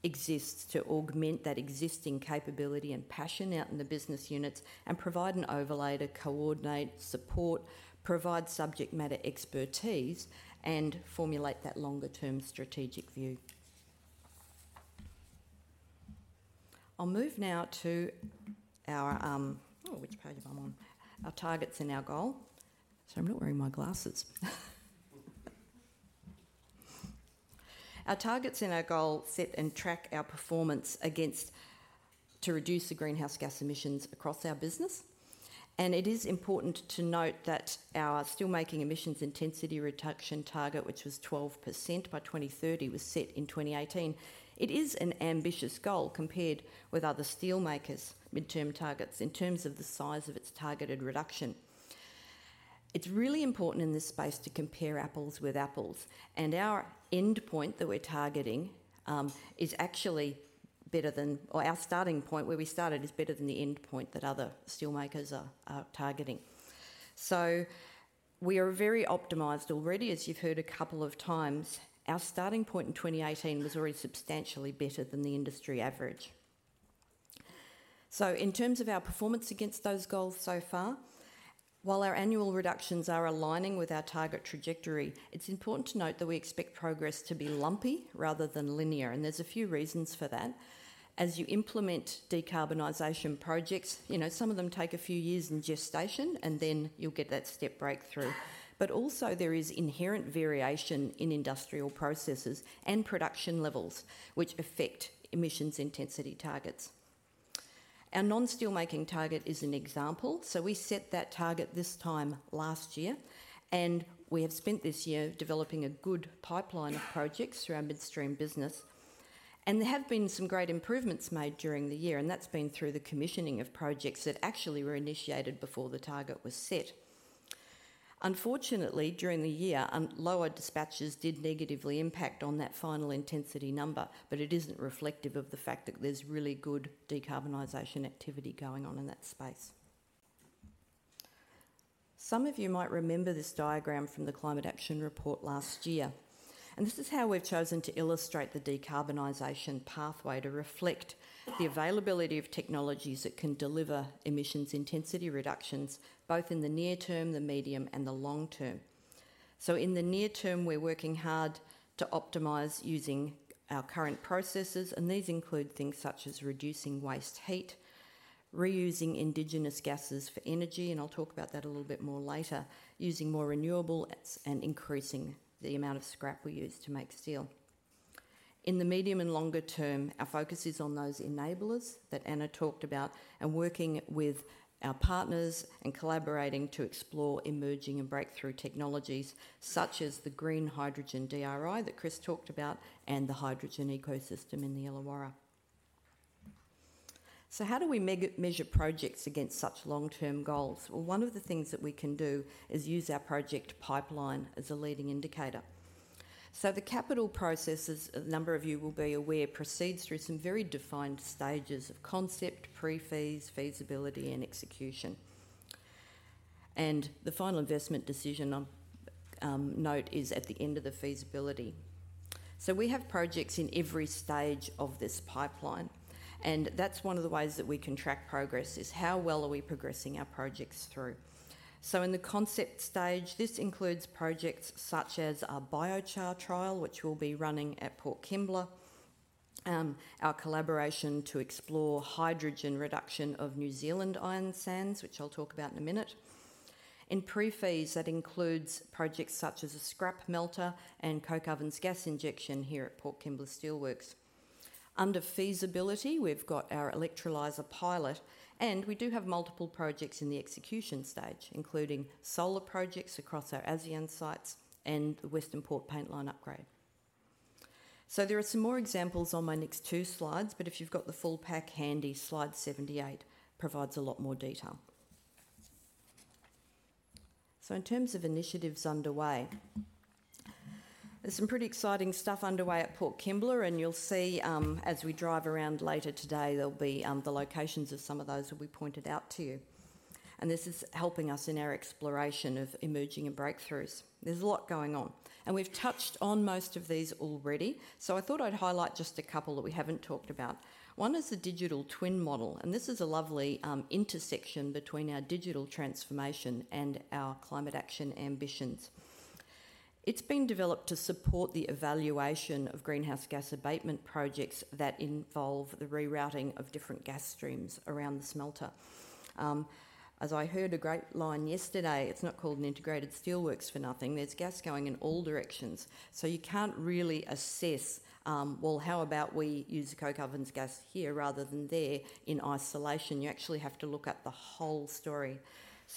exists to augment that existing capability and passion out in the business units and provide an overlay to coordinate, support, provide subject matter expertise, and formulate that longer term strategic view. I'll move now to our. Which page I'm on? Our targets and our goal. Sorry, I'm not wearing my glasses. Our targets and our goal set and track our performance against to reduce the greenhouse gas emissions across our business. It is important to note that our steel making emissions intensity reduction target, which was 12% by 2030, was set in 2018. It is an ambitious goal compared with other steel makers' midterm targets in terms of the size of its targeted reduction. It's really important in this space to compare apples with apples, and our endpoint that we're targeting is actually better than our starting point, where we started, is better than the endpoint that other steel makers are targeting. We are very optimized already, as you've heard a couple of times. Our starting point in 2018 was already substantially better than the industry average. In terms of our performance against those goals so far, while our annual reductions are aligning with our target trajectory, it's important to note that we expect progress to be lumpy rather than linear, and there's a few reasons for that. As you implement decarbonization projects, you know, some of them take a few years in gestation, and then you'll get that step breakthrough. Also, there is inherent variation in industrial processes and production levels, which affect emissions intensity targets. Our non-steel making target is an example. We set that target this time last year, and we have spent this year developing a good pipeline of projects through our midstream business. There have been some great improvements made during the year, and that's been through the commissioning of projects that actually were initiated before the target was set. Unfortunately, during the year, lower dispatches did negatively impact on that final intensity number, but it isn't reflective of the fact that there's really good decarbonization activity going on in that space. Some of you might remember this diagram from the climate action report last year, and this is how we've chosen to illustrate the decarbonization pathway to reflect the availability of technologies that can deliver emissions intensity reductions, both in the near term, the medium, and the long term. In the near term, we're working hard to optimize using our current processes, and these include things such as reducing waste heat, reusing indigenous gases for energy, and I'll talk about that a little bit more later, using more renewables, and increasing the amount of scrap we use to make steel. In the medium and longer term, our focus is on those enablers that Anna talked about and working with our partners and collaborating to explore emerging and breakthrough technologies such as the green hydrogen DRI that Chris talked about and the hydrogen ecosystem in the Illawarra. How do we measure projects against such long-term goals? Well, one of the things that we can do is use our project pipeline as a leading indicator. The capital processes, a number of you will be aware, proceeds through some very defined stages of concept, pre-feasibility, feasibility, and execution. The final investment decision of note is at the end of the feasibility. We have projects in every stage of this pipeline, and that's one of the ways that we can track progress, is how well are we progressing our projects through. In the concept stage, this includes projects such as our biochar trial, which we'll be running at Port Kembla, our collaboration to explore hydrogen reduction of New Zealand iron sands, which I'll talk about in a minute. In pre-feas, that includes projects such as a scrap melter and coke ovens gas injection here at Port Kembla Steelworks. Under feasibility, we've got our electrolyzer pilot, and we do have multiple projects in the execution stage, including solar projects across our ASEAN sites and the Western Port paint line upgrade. There are some more examples on my next two slides, but if you've got the full pack handy, slide 78 provides a lot more detail. In terms of initiatives underway, there's some pretty exciting stuff underway at Port Kembla, and you'll see, as we drive around later today, there'll be, the locations of some of those will be pointed out to you. This is helping us in our exploration of emerging and breakthroughs. There's a lot going on, and we've touched on most of these already, so I thought I'd highlight just a couple that we haven't talked about. One is the digital twin model, and this is a lovely, intersection between our digital transformation and our climate action ambitions. It's been developed to support the evaluation of greenhouse gas abatement projects that involve the rerouting of different gas streams around the smelter. As I heard a great line yesterday, it's not called an integrated steelworks for nothing. There's gas going in all directions, so you can't really assess, well, how about we use the coke ovens gas here rather than there in isolation. You actually have to look at the whole story.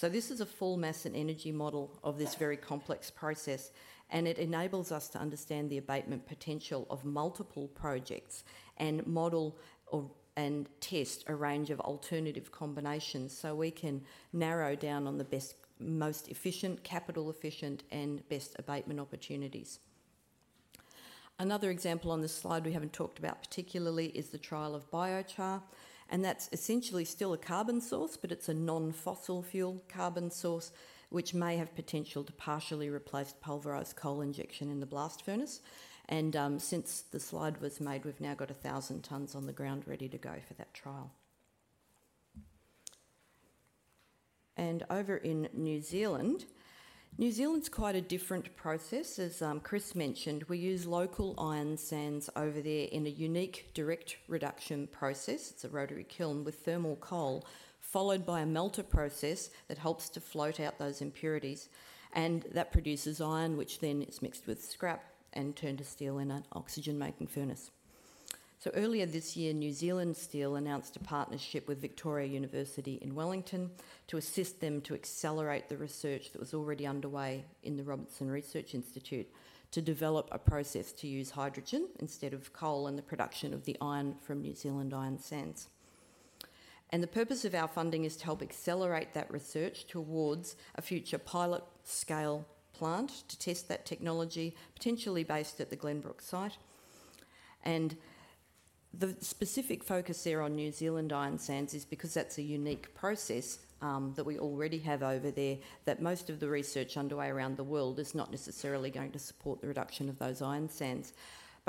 This is a full mass and energy model of this very complex process, and it enables us to understand the abatement potential of multiple projects and model and test a range of alternative combinations so we can narrow down on the best, most efficient, capital efficient, and best abatement opportunities. Another example on this slide we haven't talked about particularly is the trial of biochar, and that's essentially still a carbon source, but it's a non-fossil fuel carbon source, which may have potential to partially replace pulverized coal injection in the blast furnace. Since the slide was made, we've now got 1,000 tons on the ground ready to go for that trial. Over in New Zealand, New Zealand's quite a different process. As Chris mentioned, we use local iron sands over there in a unique direct reduction process. It's a rotary kiln with thermal coal, followed by a melter process that helps to float out those impurities, and that produces iron, which then is mixed with scrap and turned to steel in a basic oxygen furnace. Earlier this year, New Zealand Steel announced a partnership with Victoria University of Wellington to assist them to accelerate the research that was already underway in the Robinson Research Institute to develop a process to use hydrogen instead of coal in the production of the iron from New Zealand iron sands. The purpose of our funding is to help accelerate that research towards a future pilot-scale plant to test that technology, potentially based at the Glenbrook site. The specific focus there on New Zealand iron sands is because that's a unique process, that we already have over there that most of the research underway around the world is not necessarily going to support the reduction of those iron sands.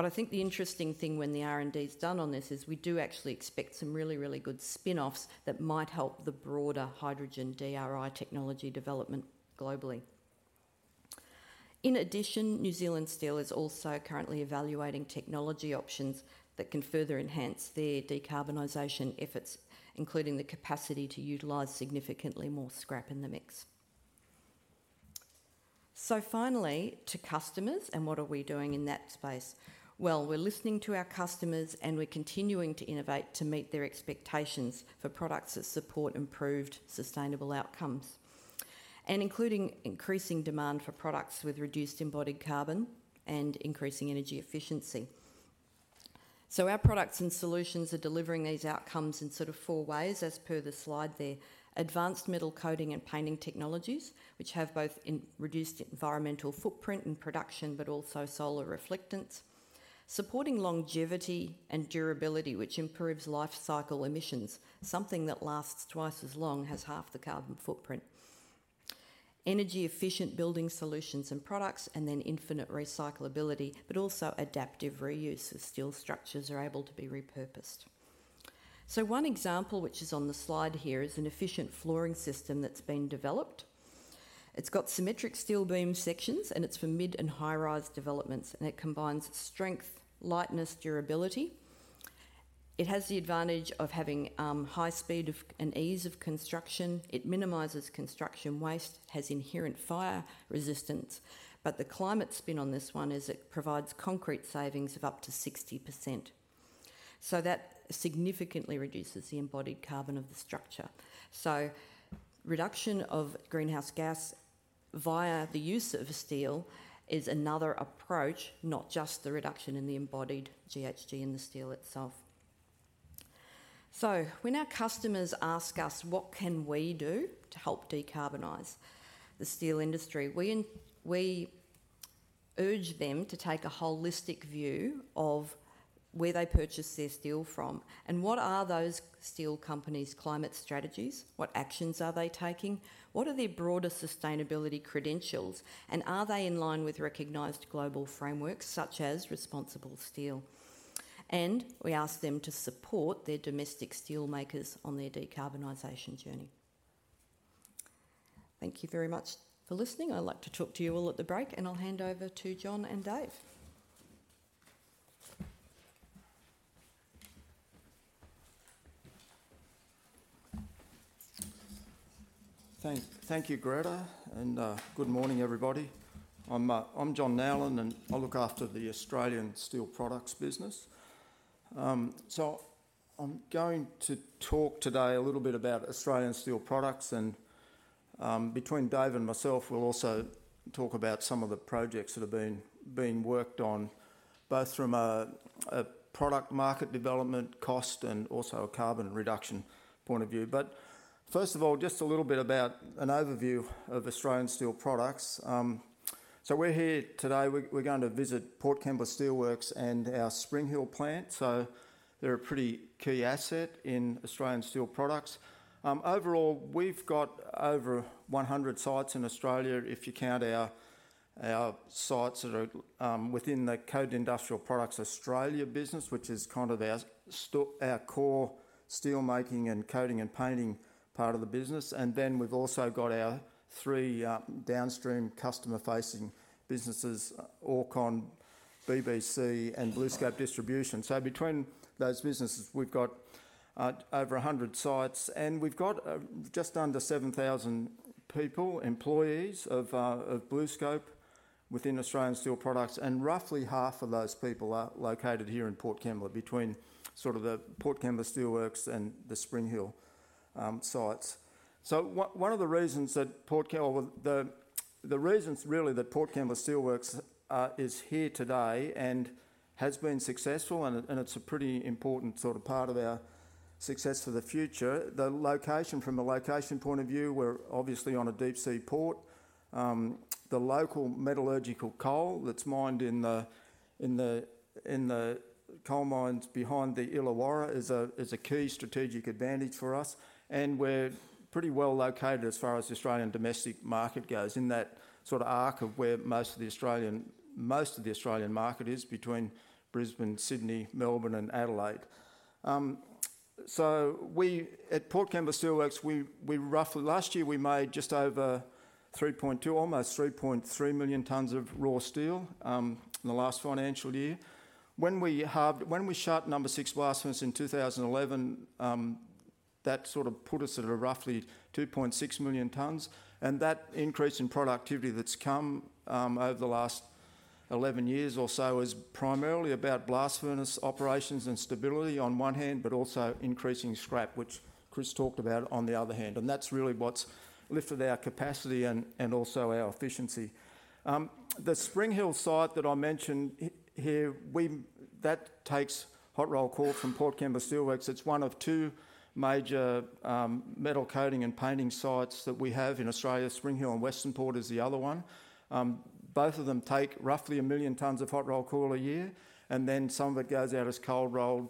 I think the interesting thing when the R&D is done on this is we do actually expect some really, really good spin-offs that might help the broader hydrogen DRI technology development globally. In addition, New Zealand Steel is also currently evaluating technology options that can further enhance their decarbonization efforts, including the capacity to utilize significantly more scrap in the mix. Finally, to customers, and what are we doing in that space? Well, we're listening to our customers, and we're continuing to innovate to meet their expectations for products that support improved sustainable outcomes, and including increasing demand for products with reduced embodied carbon and increasing energy efficiency. Our products and solutions are delivering these outcomes in sort of four ways as per the slide there. Advanced metal coating and painting technologies, which have both reduced environmental footprint in production, but also solar reflectance. Supporting longevity and durability, which improves life cycle emissions. Something that lasts twice as long has half the carbon footprint. Energy-efficient building solutions and products, and then infinite recyclability, but also adaptive reuse as steel structures are able to be repurposed. One example, which is on the slide here, is an efficient flooring system that's been developed. It's got symmetric steel beam sections, and it's for mid and high-rise developments, and it combines strength, lightness, durability. It has the advantage of having high speed of, and ease of construction. It minimizes construction waste. It has inherent fire resistance. The climate spin on this one is it provides concrete savings of up to 60%. That significantly reduces the embodied carbon of the structure. Reduction of greenhouse gas via the use of steel is another approach, not just the reduction in the embodied GHG in the steel itself. When our customers ask us, what can we do to help decarbonize the steel industry? We urge them to take a holistic view of where they purchase their steel from, and what are those steel companies' climate strategies, what actions are they taking, what are their broader sustainability credentials, and are they in line with recognized global frameworks such as ResponsibleSteel? We ask them to support their domestic steel makers on their decarbonization journey. Thank you very much for listening. I'd like to talk to you all at the break, and I'll hand over to John and Dave. Thank you, Gretta, and good morning, everybody. I'm John Nowlan, and I look after the Australian Steel Products business. I'm going to talk today a little bit about Australian Steel Products and, between Dave and myself, we'll also talk about some of the projects that have been worked on, both from a product market development cost and also a carbon reduction point of view. First of all, just a little bit about an overview of Australian Steel Products. We're here today, we're going to visit Port Kembla Steelworks and our Spring Hill plant, so they're a pretty key asset in Australian Steel Products. Overall, we've got over 100 sites in Australia, if you count our sites that are within the Coated Products Australia business, which is kind of our core steel making and coating and painting part of the business. We've also got our three downstream customer-facing businesses, Orrcon, BBC and BlueScope Distribution. Between those businesses, we've got over 100 sites, and we've got just under 7,000 people, employees of BlueScope within Australian Steel Products, and roughly half of those people are located here in Port Kembla between the Port Kembla Steelworks and the Spring Hill sites. One of the reasons really that Port Kembla Steelworks is here today and has been successful, and it's a pretty important sort of part of our success for the future, the location from a location point of view, we're obviously on a deep sea port. The local metallurgical coal that's mined in the coal mines behind the Illawarra is a key strategic advantage for us, and we're pretty well located as far as the Australian domestic market goes in that sort of arc of where most of the Australian market is between Brisbane, Sydney, Melbourne and Adelaide. We at Port Kembla Steelworks roughly last year we made just over 3.2 million tons, almost 3.3 million tons of raw steel in the last financial year. When we shut number six blast furnace in 2011, that sort of put us at a roughly 2.6 million tons, and that increase in productivity that's come over the last 11 years or so is primarily about blast furnace operations and stability on one hand, but also increasing scrap, which Chris talked about on the other hand, and that's really what's lifted our capacity and also our efficiency. The Spring Hill site that I mentioned that takes hot rolled coil from Port Kembla Steelworks. It's one of two major metal coating and painting sites that we have in Australia. Spring Hill and Western Port is the other one. Both of them take roughly 1 million tons of hot rolled coil a year, and then some of it goes out as cold rolled.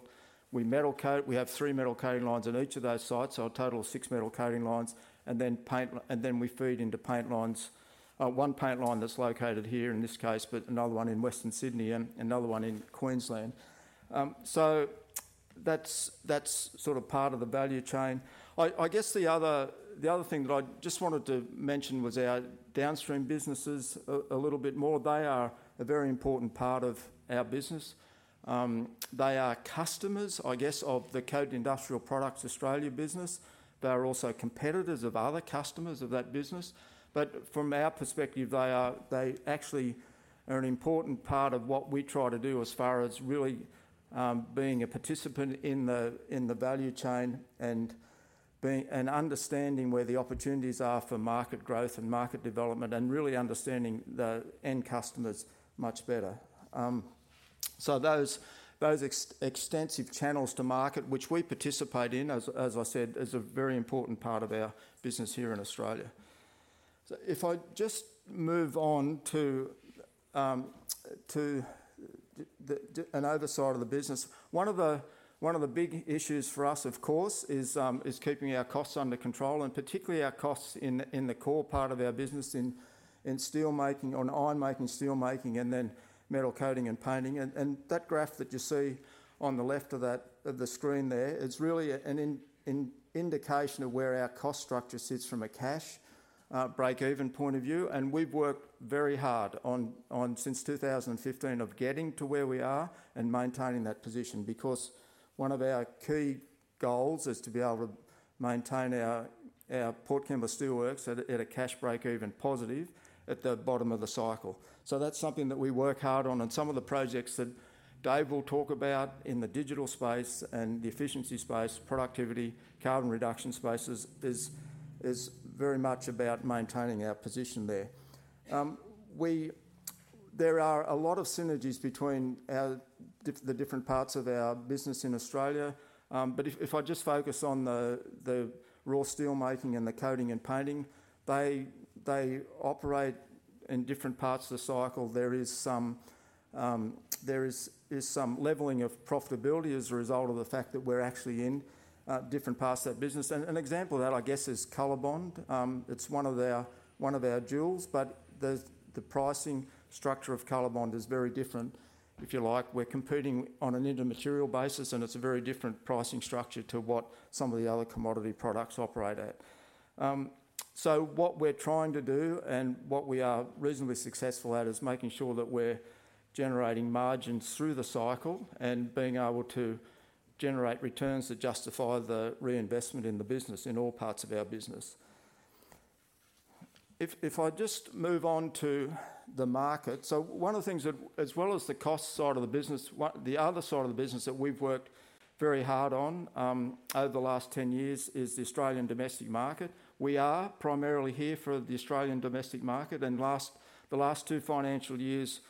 We metal coat. We have three metal coating lines on each of those sites, so a total of six metal coating lines, and then we feed into paint lines. One paint line that's located here in this case, but another one in Western Sydney and another one in Queensland. So that's sort of part of the value chain. I guess the other thing that I just wanted to mention was our downstream businesses a little bit more. They are a very important part of our business. They are customers, I guess, of the Coated Products Australia business. They are also competitors of other customers of that business. From our perspective, they actually are an important part of what we try to do as far as really being a participant in the value chain and understanding where the opportunities are for market growth and market development and really understanding the end customers much better. Those extensive channels to market, which we participate in, as I said, is a very important part of our business here in Australia. If I just move on to another side of the business. One of the big issues for us, of course, is keeping our costs under control and particularly our costs in the core part of our business in steel making or in iron making, steel making, and then metal coating and painting. That graph that you see on the left of the screen there is really an indication of where our cost structure sits from a cash break-even point of view. We've worked very hard on since 2015 of getting to where we are and maintaining that position because one of our key goals is to be able to maintain our Port Kembla Steelworks at a cash break-even positive at the bottom of the cycle. That's something that we work hard on, and some of the projects that Dave will talk about in the digital space and the efficiency space, productivity, carbon reduction spaces is very much about maintaining our position there. There are a lot of synergies between our different parts of our business in Australia. But if I just focus on the raw steel making and the coating and painting, they operate in different parts of the cycle. There is some leveling of profitability as a result of the fact that we're actually in different parts of that business. An example of that, I guess, is COLORBOND. It's one of our jewels, but the pricing structure of COLORBOND is very different, if you like. We're competing on an intermaterial basis, and it's a very different pricing structure to what some of the other commodity products operate at. What we're trying to do and what we are reasonably successful at is making sure that we're generating margins through the cycle and being able to generate returns that justify the reinvestment in the business, in all parts of our business. If I just move on to the market. One of the things that, as well as the cost side of the business, the other side of the business that we've worked very hard on, over the last 10 years is the Australian domestic market. We are primarily here for the Australian domestic market, and the last two financial years,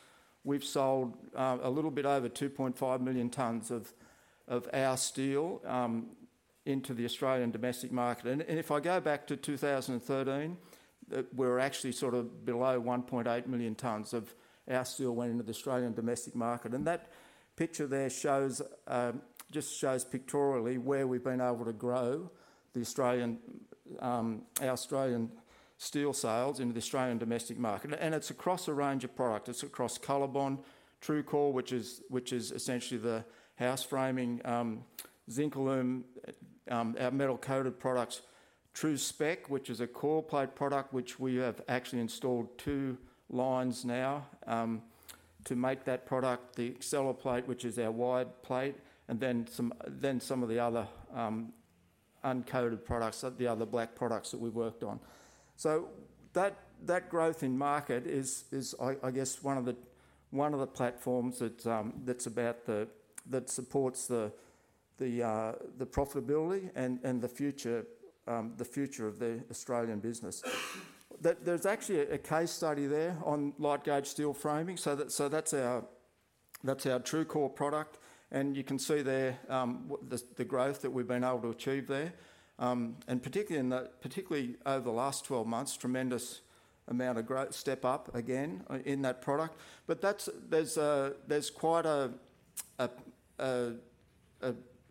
we've sold a little bit over 2.5 million tons of our steel into the Australian domestic market. If I go back to 2013, we're actually sort of below 1.8 million tons of our steel went into the Australian domestic market. That picture there shows just shows pictorially where we've been able to grow the Australian our Australian steel sales into the Australian domestic market, and it's across a range of product. It's across COLORBOND, TRUECORE, which is essentially the house framing, ZINCALUME, our metal-coated products, TRU-SPEC, which is a core plate product which we have actually installed two lines now, to make that product, the XLERPLATE, which is our wide plate, and then some of the other uncoated products, the other black products that we've worked on. That growth in market is, I guess one of the platforms that supports the profitability and the future of the Australian business. There's actually a case study there on light gauge steel framing. That's our TRUECORE product, and you can see there, the growth that we've been able to achieve there. Particularly over the last 12 months, tremendous amount of step up again in that product. That's, there's quite an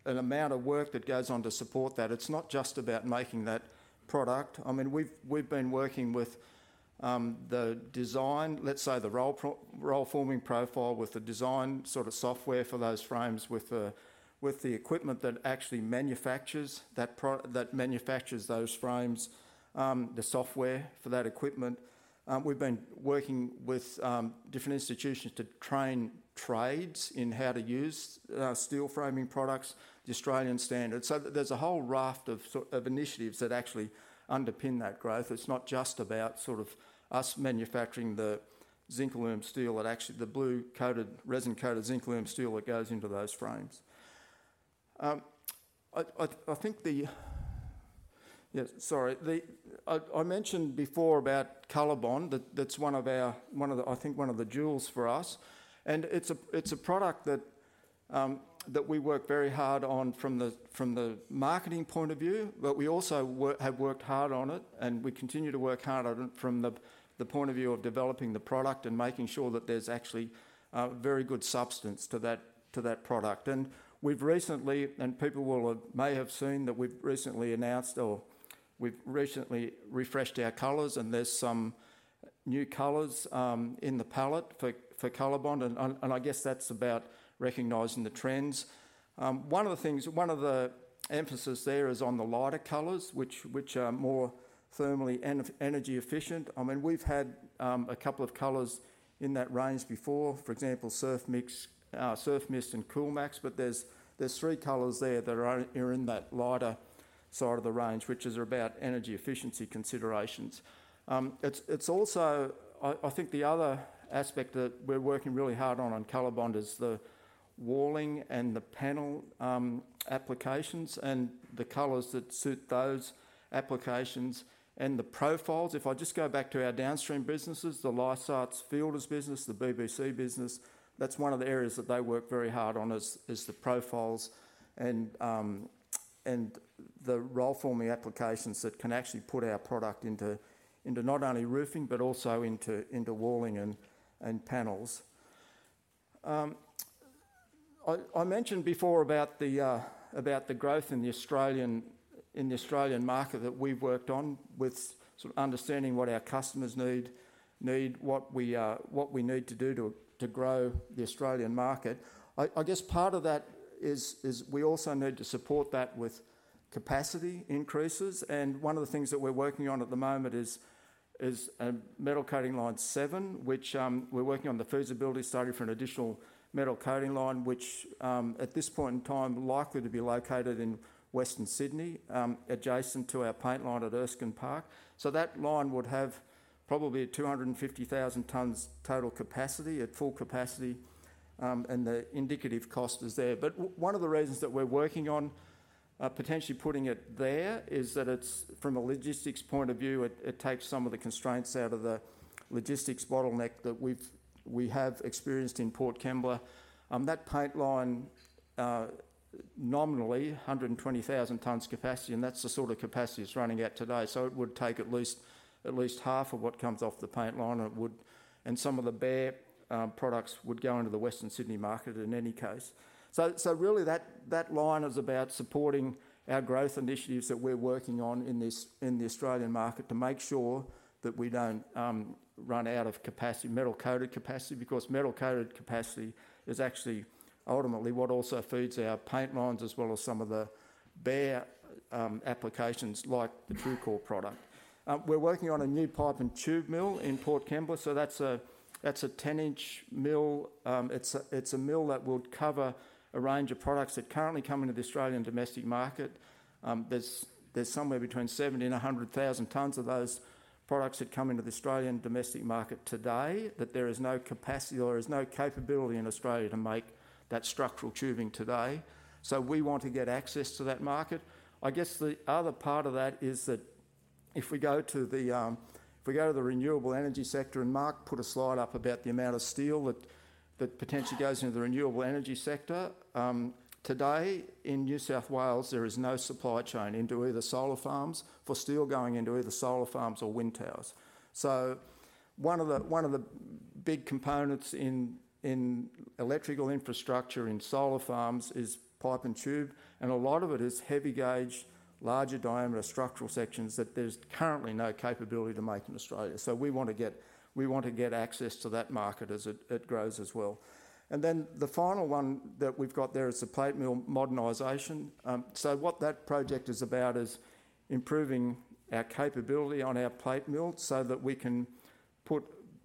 amount of work that goes on to support that. It's not just about making that product. I mean, we've been working with the design, let's say the roll forming profile with the design sort of software for those frames with the equipment that actually manufactures those frames, the software for that equipment. We've been working with different institutions to train trades in how to use our steel framing products, the Australian standards. There's a whole raft of initiatives that actually underpin that growth. It's not just about sort of us manufacturing the ZINCALUME steel that actually, the blue-coated, resin-coated ZINCALUME steel that goes into those frames. I mentioned before about COLORBOND. That's one of the jewels for us, and it's a product that we work very hard on from the marketing point of view, but we also have worked hard on it and we continue to work hard on it from the point of view of developing the product and making sure that there's actually very good substance to that product. People may have seen that we've recently announced or we've recently refreshed our colors, and there's some new colors in the palette for COLORBOND, and I guess that's about recognizing the trends. One of the emphasis there is on the lighter colors which are more thermally and energy efficient. I mean, we've had a couple of colors in that range before. For example, Surfmist and Coolmax, but there's three colors there that are in that lighter side of the range, which is about energy efficiency considerations. It's also, I think the other aspect that we're working really hard on COLORBOND is the walling and the panel applications and the colors that suit those applications and the profiles. If I just go back to our downstream businesses, the Lysaght and Fielders business, the BBC business, that's one of the areas that they work very hard on is the profiles and the roll forming applications that can actually put our product into not only roofing but also into walling and panels. I mentioned before about the growth in the Australian market that we've worked on with sort of understanding what our customers need, what we need to do to grow the Australian market. I guess part of that is we also need to support that with capacity increases, and one of the things that we're working on at the moment is Metal Coating Line #7, which we're working on the feasibility study for an additional metal coating line which at this point in time likely to be located in Western Sydney, adjacent to our paint line at Erskine Park. That line would have probably 250,000 tons total capacity at full capacity, and the indicative cost is there. One of the reasons that we're working on potentially putting it there is that it's from a logistics point of view, it takes some of the constraints out of the logistics bottleneck that we've experienced in Port Kembla. That paint line, nominally 120,000 tons capacity. That's the sort of capacity it's running at today. It would take at least half of what comes off the paint line, and it would. Some of the bare products would go into the Western Sydney market in any case. Really, that line is about supporting our growth initiatives that we're working on in the Australian market to make sure that we don't run out of capacity, metal-coated capacity, because metal-coated capacity is actually ultimately what also feeds our paint lines as well as some of the bare applications like the TRUECORE product. We're working on a new pipe and tube mill in Port Kembla. That's a 10 in mill. It's a mill that would cover a range of products that currently come into the Australian domestic market. There's somewhere between 70,000 tons-100,000 tons of those products that come into the Australian domestic market today, but there is no capacity or there's no capability in Australia to make that structural tubing today. We want to get access to that market. I guess the other part of that is that if we go to the renewable energy sector, and Mark put a slide up about the amount of steel that potentially goes into the renewable energy sector, today in New South Wales, there is no supply chain into either solar farms for steel going into either solar farms or wind towers. One of the big components in electrical infrastructure in solar farms is pipe and tube, and a lot of it is heavy gauge, larger diameter structural sections that there's currently no capability to make in Australia. We want to get access to that market as it grows as well. Then the final one that we've got there is the plate mill modernization. What that project is about is improving our capability on our plate mill so that we can put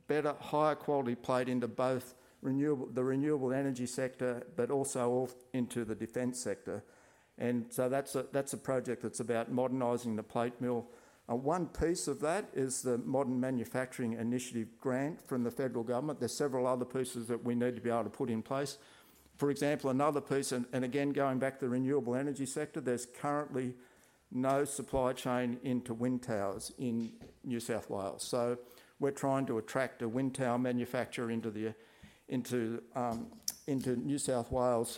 better, higher quality plate into both the renewable energy sector, but also off into the defense sector. That's a project that's about modernizing the plate mill. One piece of that is the Modern Manufacturing Initiative grant from the federal government. There's several other pieces that we need to be able to put in place. For example, another piece, and again, going back to the renewable energy sector, there's currently no supply chain into wind towers in New South Wales. We're trying to attract a wind tower manufacturer into New South Wales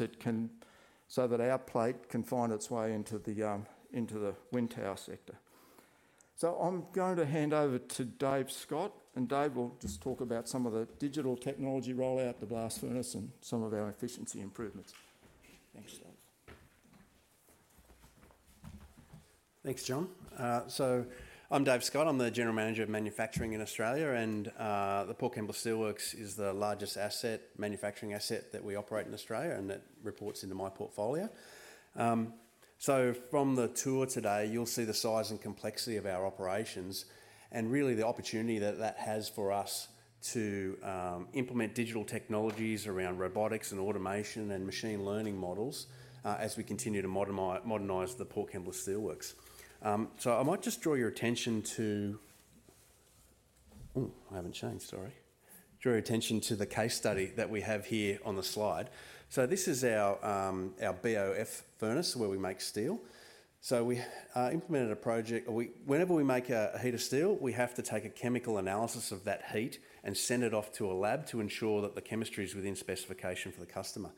so that our plate can find its way into the wind tower sector. I'm going to hand over to Dave Scott, and Dave will just talk about some of the digital technology rollout at the blast furnace and some of our efficiency improvements. Thanks, Dave. Thanks, John. I'm Dave Scott. I'm the General Manager Manufacturing in Australia, and the Port Kembla Steelworks is the largest asset, manufacturing asset that we operate in Australia, and that reports into my portfolio. From the tour today, you'll see the size and complexity of our operations and really the opportunity that that has for us to implement digital technologies around robotics and automation and machine learning models, as we continue to modernize the Port Kembla Steelworks. I might just draw your attention to. Oh, I haven't changed. Sorry. Draw your attention to the case study that we have here on the slide. This is our BOF furnace where we make steel. We implemented a project whenever we make a heat of steel, we have to take a chemical analysis of that heat and send it off to a lab to ensure that the chemistry is within specification for the customer.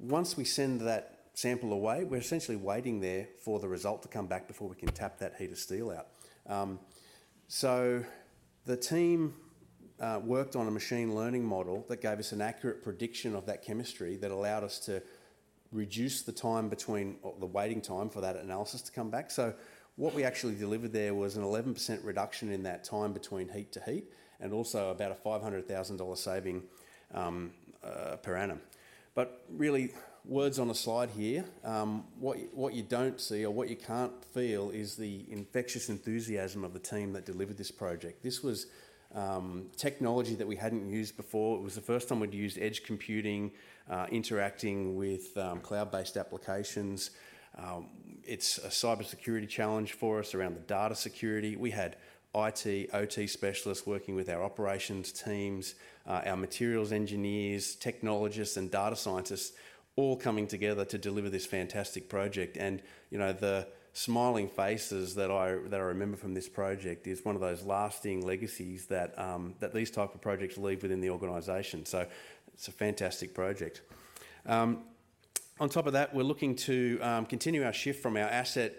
Once we send that sample away, we're essentially waiting there for the result to come back before we can tap that heat of steel out. The team worked on a machine learning model that gave us an accurate prediction of that chemistry that allowed us to reduce the time between, or the waiting time for that analysis to come back. What we actually delivered there was an 11% reduction in that time between heat to heat, and also about an 500,000 dollar saving per annum. Really words on a slide here, what you don't see or what you can't feel is the infectious enthusiasm of the team that delivered this project. This was technology that we hadn't used before. It was the first time we'd used edge computing, interacting with cloud-based applications. It's a cybersecurity challenge for us around the data security. We had IT, OT specialists working with our operations teams, our materials engineers, technologists, and data scientists all coming together to deliver this fantastic project. You know, the smiling faces that I remember from this project is one of those lasting legacies that these type of projects leave within the organization. It's a fantastic project. On top of that, we're looking to continue our shift from our asset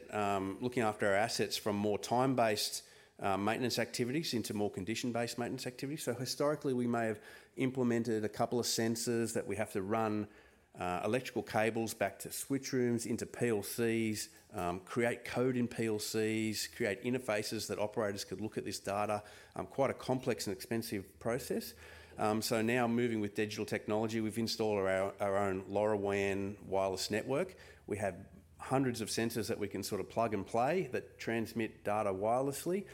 looking after our assets from more time-based maintenance activities into more condition-based maintenance activities. Historically, we may have implemented a couple of sensors that we have to run electrical cables back to switch rooms into PLCs, create code in PLCs, create interfaces that operators could look at this data, quite a complex and expensive process. Now moving with digital technology, we've installed our own LoRaWAN wireless network. We have hundreds of sensors that we can sort of plug and play that transmit data wirelessly.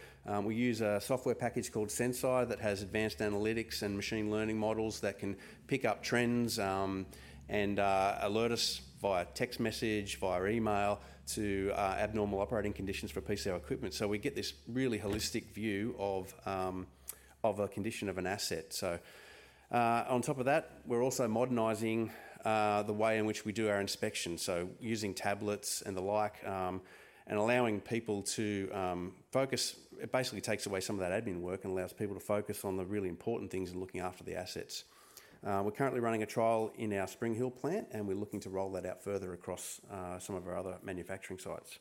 We use a software package called Senseye that has advanced analytics and machine learning models that can pick up trends and alert us via text message, via email to abnormal operating conditions for a piece of our equipment. We get this really holistic view of a condition of an asset. On top of that, we're also modernizing the way in which we do our inspections. Using tablets and the like, and allowing people to focus. It basically takes away some of that admin work and allows people to focus on the really important things in looking after the assets. We're currently running a trial in our Spring Hill plant, and we're looking to roll that out further across some of our other manufacturing sites.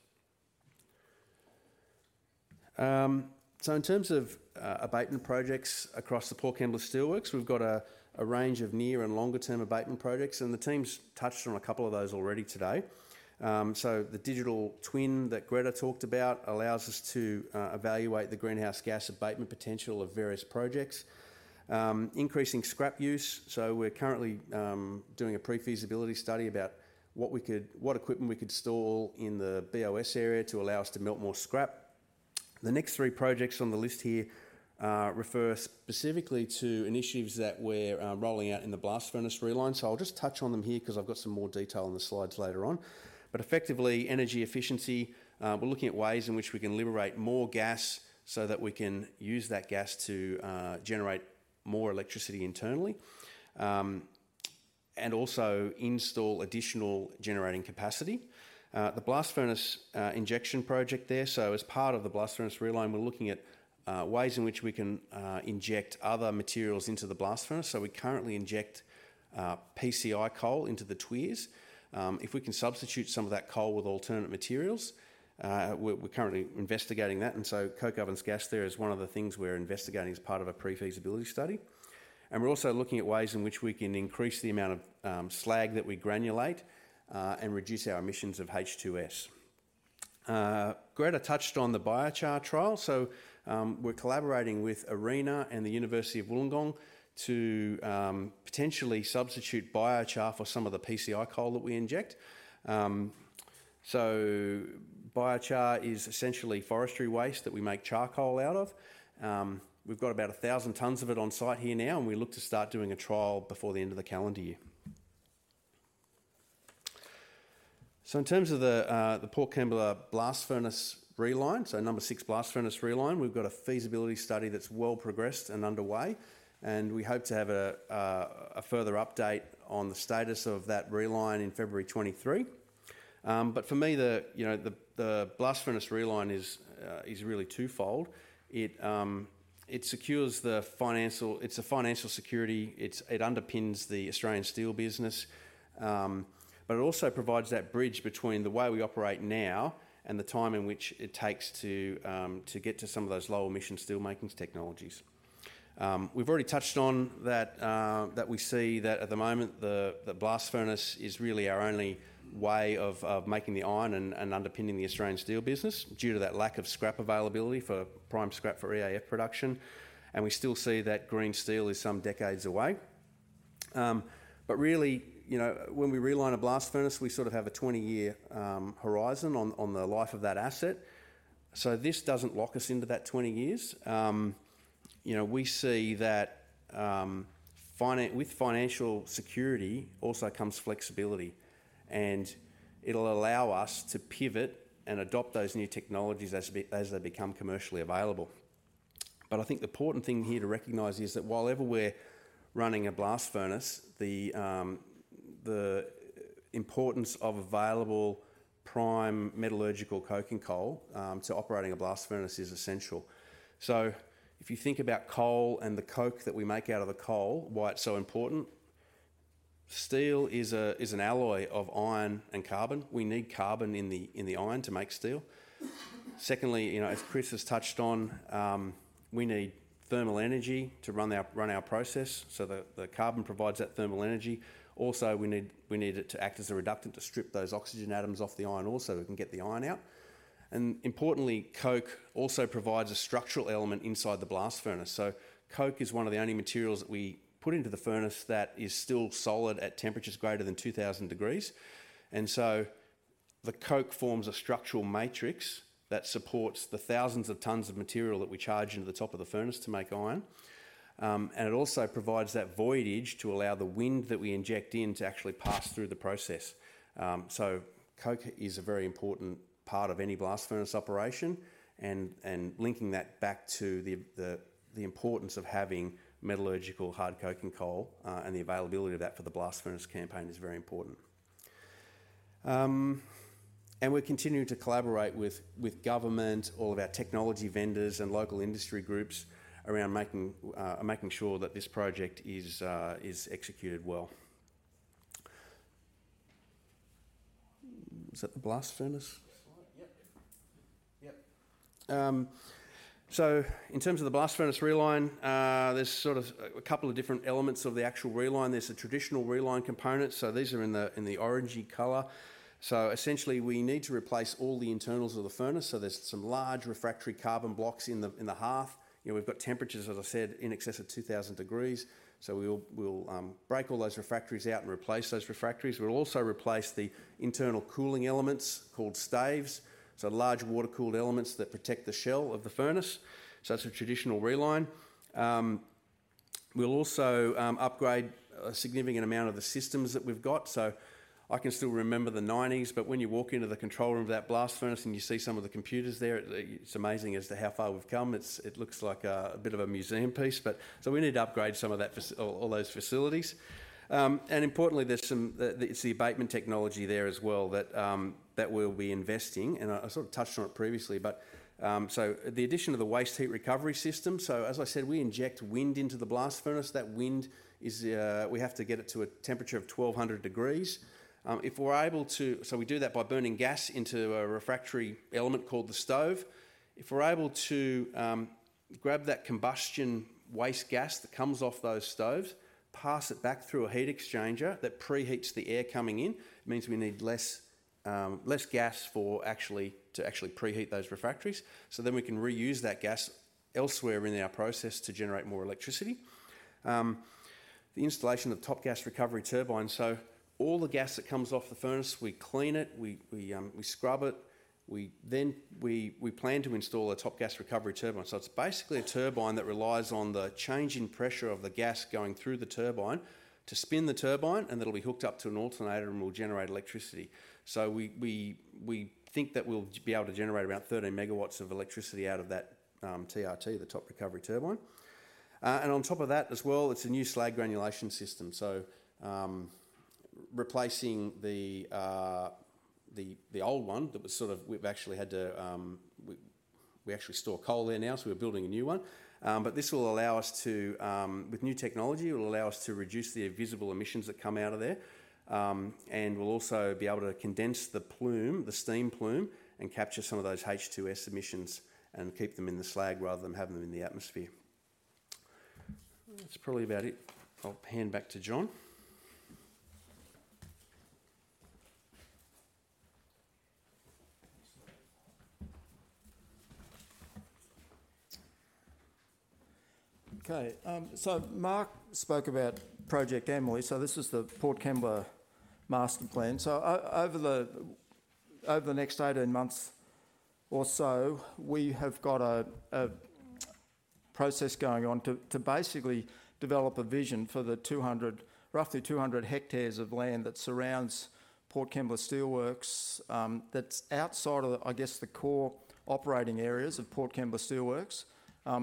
In terms of abatement projects across the Port Kembla Steelworks, we've got a range of near and longer-term abatement projects, and the team's touched on a couple of those already today. The digital twin that Gretta talked about allows us to evaluate the greenhouse gas abatement potential of various projects. Increasing scrap use, we're currently doing a pre-feasibility study about what equipment we could store in the BOS area to allow us to melt more scrap. The next three projects on the list here refer specifically to initiatives that we're rolling out in the blast furnace reline. I'll just touch on them here 'cause I've got some more detail on the slides later on. Effectively, energy efficiency, we're looking at ways in which we can liberate more gas so that we can use that gas to generate more electricity internally, and also install additional generating capacity. The blast furnace injection project there, as part of the blast furnace reline, we're looking at ways in which we can inject other materials into the blast furnace. We currently inject PCI coal into the tuyeres. If we can substitute some of that coal with alternate materials, we're currently investigating that, and coke ovens gas there is one of the things we're investigating as part of a pre-feasibility study. We're also looking at ways in which we can increase the amount of slag that we granulate and reduce our emissions of H2S. Gretta touched on the biochar trial. We're collaborating with ARENA and the University of Wollongong to potentially substitute biochar for some of the PCI coal that we inject. Biochar is essentially forestry waste that we make charcoal out of. We've got about 1,000 tons of it on site here now, and we look to start doing a trial before the end of the calendar year. In terms of the Port Kembla blast furnace reline, so number six blast furnace reline, we've got a feasibility study that's well progressed and underway, and we hope to have a further update on the status of that reline in February 2023. For me, you know, the blast furnace reline is really twofold. It secures the financial. It's a financial security. It underpins the Australian steel business, but it also provides that bridge between the way we operate now and the time in which it takes to get to some of those low-emission steelmaking technologies. We've already touched on that we see that at the moment the blast furnace is really our only way of making the iron and underpinning the Australian steel business due to that lack of scrap availability for prime scrap for EAF production, and we still see that green steel is some decades away. But really, you know, when we reline a blast furnace, we sort of have a 20-year horizon on the life of that asset. This doesn't lock us into that 20 years. You know, we see that with financial security also comes flexibility, and it'll allow us to pivot and adopt those new technologies as they become commercially available. I think the important thing here to recognize is that while ever we're running a blast furnace, the importance of available prime metallurgical coking coal to operating a blast furnace is essential. If you think about coal and the coke that we make out of the coal, why it's so important, steel is an alloy of iron and carbon. We need carbon in the iron to make steel. Secondly, you know, as Chris has touched on, we need thermal energy to run our process, so the carbon provides that thermal energy. We need it to act as a reductant to strip those oxygen atoms off the iron ore so we can get the iron out. Importantly, coke also provides a structural element inside the blast furnace. Coke is one of the only materials that we put into the furnace that is still solid at temperatures greater than 2,000 degrees. The coke forms a structural matrix that supports the thousands of tons of material that we charge into the top of the furnace to make iron. It also provides that voidage to allow the wind that we inject in to actually pass through the process. Coke is a very important part of any blast furnace operation and linking that back to the importance of having metallurgical hard coking coal and the availability of that for the blast furnace campaign is very important. We're continuing to collaborate with government, all of our technology vendors and local industry groups around making sure that this project is executed well. Is that the blast furnace slide In terms of the blast furnace reline, there's sort of a couple of different elements of the actual reline. There's the traditional reline component, so these are in the orangey color. Essentially, we need to replace all the internals of the furnace, so there's some large refractory carbon blocks in the hearth. You know, we've got temperatures, as I said, in excess of 2,000 degrees, so we'll break all those refractories out and replace those refractories. We'll also replace the internal cooling elements called staves, so large water-cooled elements that protect the shell of the furnace. That's a traditional reline. We'll also upgrade a significant amount of the systems that we've got. I can still remember the 1990s, but when you walk into the control room of that blast furnace and you see some of the computers there, it's amazing as to how far we've come. It looks like a bit of a museum piece. We need to upgrade some of that, all those facilities. Importantly, it's the abatement technology there as well that we'll be investing. I sort of touched on it previously, but the addition of the waste heat recovery system, as I said, we inject wind into the blast furnace. That wind, we have to get it to a temperature of 1,200 degrees. If we're able to, we do that by burning gas into a refractory element called the stove. If we're able to grab that combustion waste gas that comes off those stoves, pass it back through a heat exchanger that preheats the air coming in, means we need less gas to actually preheat those refractories. We can reuse that gas elsewhere in our process to generate more electricity. The installation of the top gas recovery turbine, so all the gas that comes off the furnace, we clean it, we scrub it. We plan to install a top gas recovery turbine. It's basically a turbine that relies on the change in pressure of the gas going through the turbine to spin the turbine, and it'll be hooked up to an alternator and will generate electricity. We think that we'll be able to generate about 13 MW of electricity out of that, TRT, the top recovery turbine. On top of that as well, it's a new slag granulation system. Replacing the old one that was. We've actually had to actually store coal there now, so we're building a new one. This will allow us to, with new technology, it will allow us to reduce the visible emissions that come out of there, and we'll also be able to condense the plume, the steam plume, and capture some of those H2S emissions and keep them in the slag rather than have them in the atmosphere. That's probably about it. I'll hand back to John. Mark spoke about Project Emily. This is the Port Kembla master plan. Over the next 18 months or so, we have got a process going on to basically develop a vision for the roughly 200 hectares of land that surrounds Port Kembla Steelworks, that's outside of the, I guess, the core operating areas of Port Kembla Steelworks.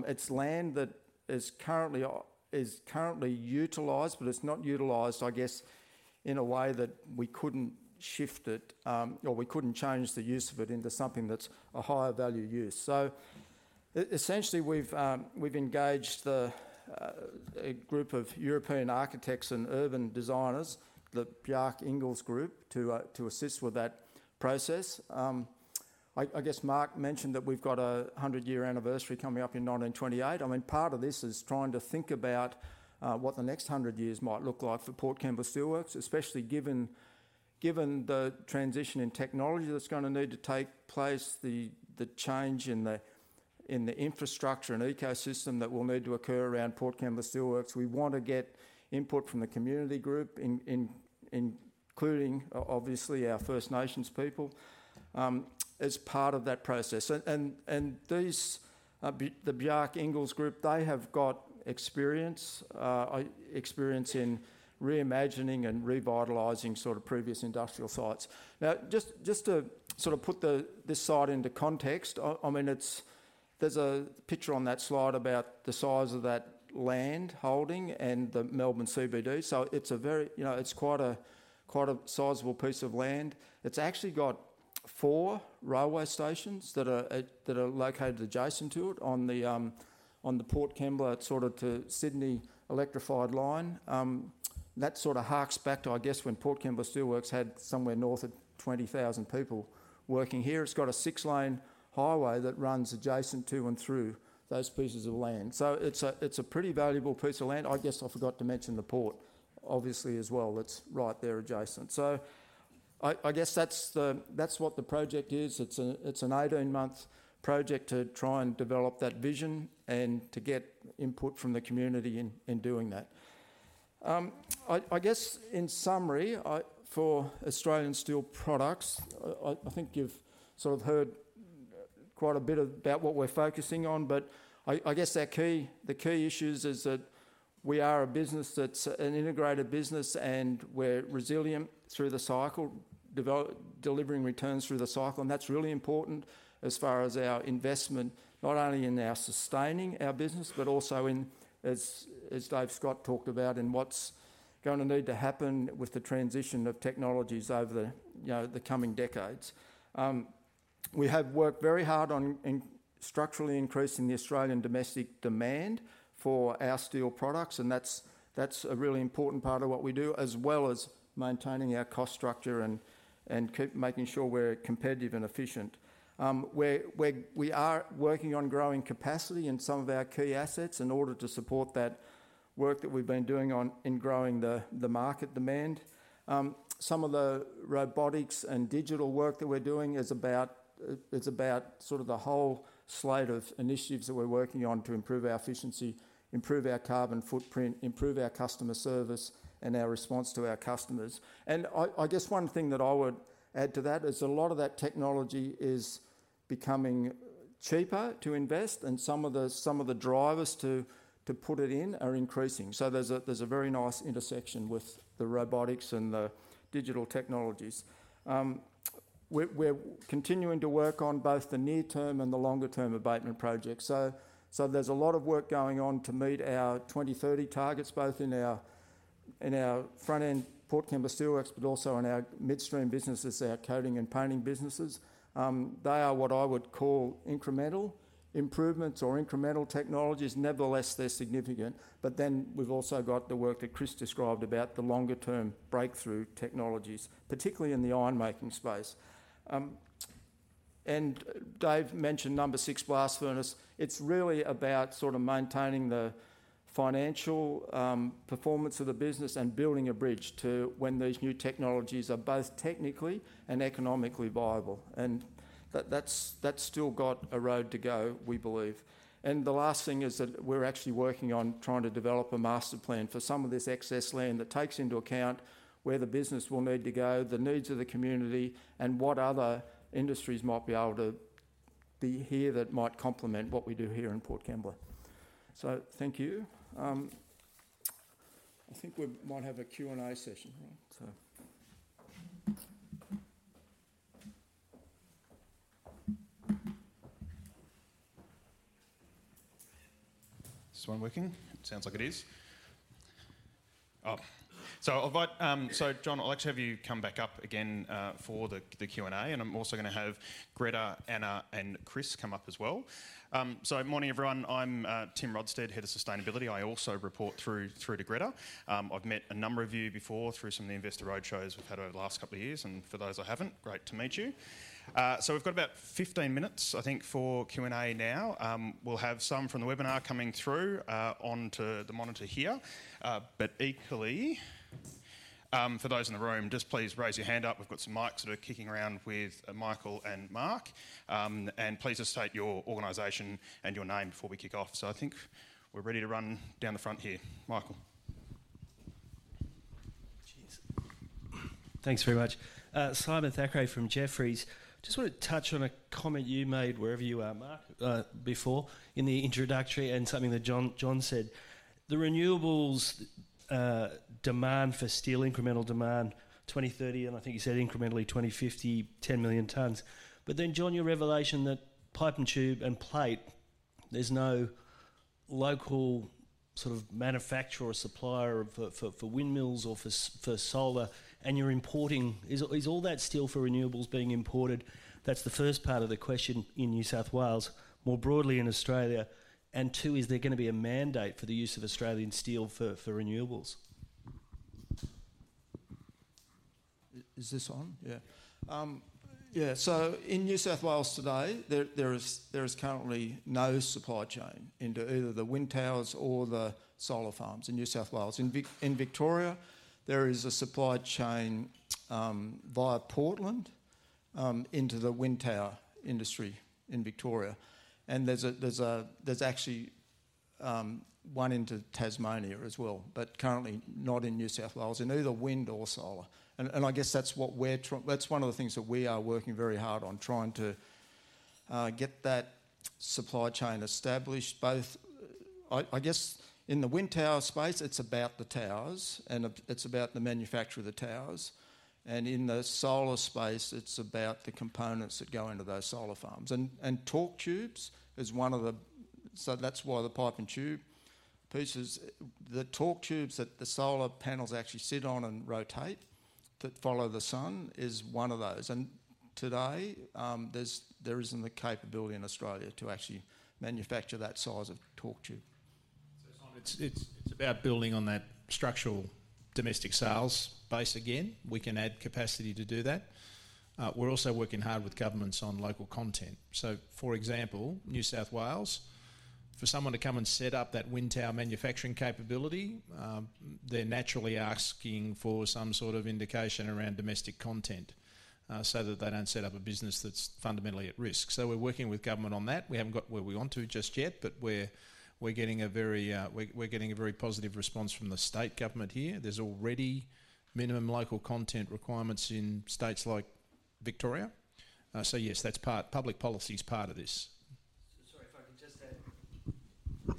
It's land that is currently utilized, but it's not utilized, I guess, in a way that we couldn't shift it, or we couldn't change the use of it into something that's a higher value use. Essentially, we've engaged a group of European architects and urban designers, the Bjarke Ingels Group, to assist with that process. I guess Mark mentioned that we've got a 100-year anniversary coming up in 1928. I mean, part of this is trying to think about what the next 100 years might look like for Port Kembla Steelworks, especially given the transition in technology that's gonna need to take place, the change in the infrastructure and ecosystem that will need to occur around Port Kembla Steelworks. We want to get input from the community group, including obviously our First Nations people, as part of that process. These, the Bjarke Ingels Group, they have got experience in reimagining and revitalizing sort of previous industrial sites. Now, just to sort of put this site into context, I mean, there's a picture on that slide about the size of that land holding and the Melbourne CBD. It's a very, you know, it's quite a sizable piece of land. It's actually got four railway stations that are located adjacent to it on the Port Kembla sort of to Sydney electrified line. That sort of harks back to, I guess, when Port Kembla Steelworks had somewhere north of 20,000 people working here. It's got a six-lane highway that runs adjacent to and through those pieces of land. It's a pretty valuable piece of land. I guess I forgot to mention the port, obviously, as well, that's right there adjacent. I guess that's what the project is. It's an 18-month project to try and develop that vision and to get input from the community in doing that. I guess in summary, for Australian Steel Products, I think you've sort of heard quite a bit about what we're focusing on. Our key issues is that we are a business that's an integrated business, and we're resilient through the cycle, delivering returns through the cycle. That's really important as far as our investment, not only in sustaining our business, but also in, as Dave Scott talked about, in what's gonna need to happen with the transition of technologies over the, you know, coming decades. We have worked very hard on structurally increasing the Australian domestic demand for our steel products, and that's a really important part of what we do, as well as maintaining our cost structure and keep making sure we're competitive and efficient. We are working on growing capacity in some of our key assets in order to support that work that we've been doing on growing the market demand. Some of the robotics and digital work that we're doing is about sort of the whole slate of initiatives that we're working on to improve our efficiency, improve our carbon footprint, improve our customer service, and our response to our customers. I guess one thing that I would add to that is a lot of that technology is becoming cheaper to invest, and some of the drivers to put it in are increasing. So there's a very nice intersection with the robotics and the digital technologies. We're continuing to work on both the near-term and the longer-term abatement projects. So there's a lot of work going on to meet our 2030 targets, both in our front-end Port Kembla Steelworks, but also in our midstream businesses, our coating and painting businesses. They are what I would call incremental improvements or incremental technologies. Nevertheless, they're significant. Then we've also got the work that Chris described about the longer-term breakthrough technologies, particularly in the iron-making space. Dave mentioned number six blast furnace. It's really about sort of maintaining the financial performance of the business and building a bridge to when these new technologies are both technically and economically viable. That's still got a road to go, we believe. The last thing is that we're actually working on trying to develop a master plan for some of this excess land that takes into account where the business will need to go, the needs of the community, and what other industries might be able to be here that might complement what we do here in Port Kembla. Thank you. I think we might have a Q&A session here. Is this one working? Sounds like it is. Oh. John, I'd like to have you come back up again for the Q&A, and I'm also gonna have Gretta, Anna, and Chris come up as well. Morning everyone. I'm Tim Rodsted, Head of Sustainability. I also report through to Gretta. I've met a number of you before through some of the investor roadshows we've had over the last couple of years, and for those I haven't, great to meet you. We've got about 15 minutes, I think, for Q&A now. We'll have some from the webinar coming through onto the monitor here. But equally, for those in the room, just please raise your hand up. We've got some mics that are kicking around with Michael and Mark. Please just state your organization and your name before we kick off. I think we're ready to run down the front here. Michael. Cheers. Thanks very much. Simon Thackray from Jefferies. Just want to touch on a comment you made wherever you are, Mark, before in the introductory and something that John said. The renewables demand for steel, incremental demand, 2030, and I think you said incrementally 2050, 10 million tons. But then John, your revelation that pipe and tube and plate, there's no local sort of manufacturer or supplier of, for windmills or for solar, and you're importing. Is all that steel for renewables being imported? That's the first part of the question in New South Wales, more broadly in Australia. Two, is there gonna be a mandate for the use of Australian steel for renewables? Is this on? Yeah. Yeah, so in New South Wales today, there is currently no supply chain into either the wind towers or the solar farms in New South Wales. In Victoria, there is a supply chain via Portland into the wind tower industry in Victoria, and there's actually one into Tasmania as well, but currently not in New South Wales in either wind or solar. I guess that's what we're trying to get that supply chain established both. I guess in the wind tower space, it's about the towers and it's about the manufacture of the towers, and in the solar space, it's about the components that go into those solar farms. Torque tubes is one of the pipe and tube pieces, the torque tubes that the solar panels actually sit on and rotate that follow the sun is one of those. Today, there isn't the capability in Australia to actually manufacture that size of torque tube. Simon, it's about building on that structural domestic sales base again. We can add capacity to do that. We're also working hard with governments on local content. For example, New South Wales, for someone to come and set up that wind tower manufacturing capability, they're naturally asking for some sort of indication around domestic content, so that they don't set up a business that's fundamentally at risk. We're working with government on that. We haven't got where we want to just yet, but we're getting a very positive response from the state government here. There's already minimum local content requirements in states like Victoria. Yes, that's part, public policy is part of this. Sorry, if I could just add.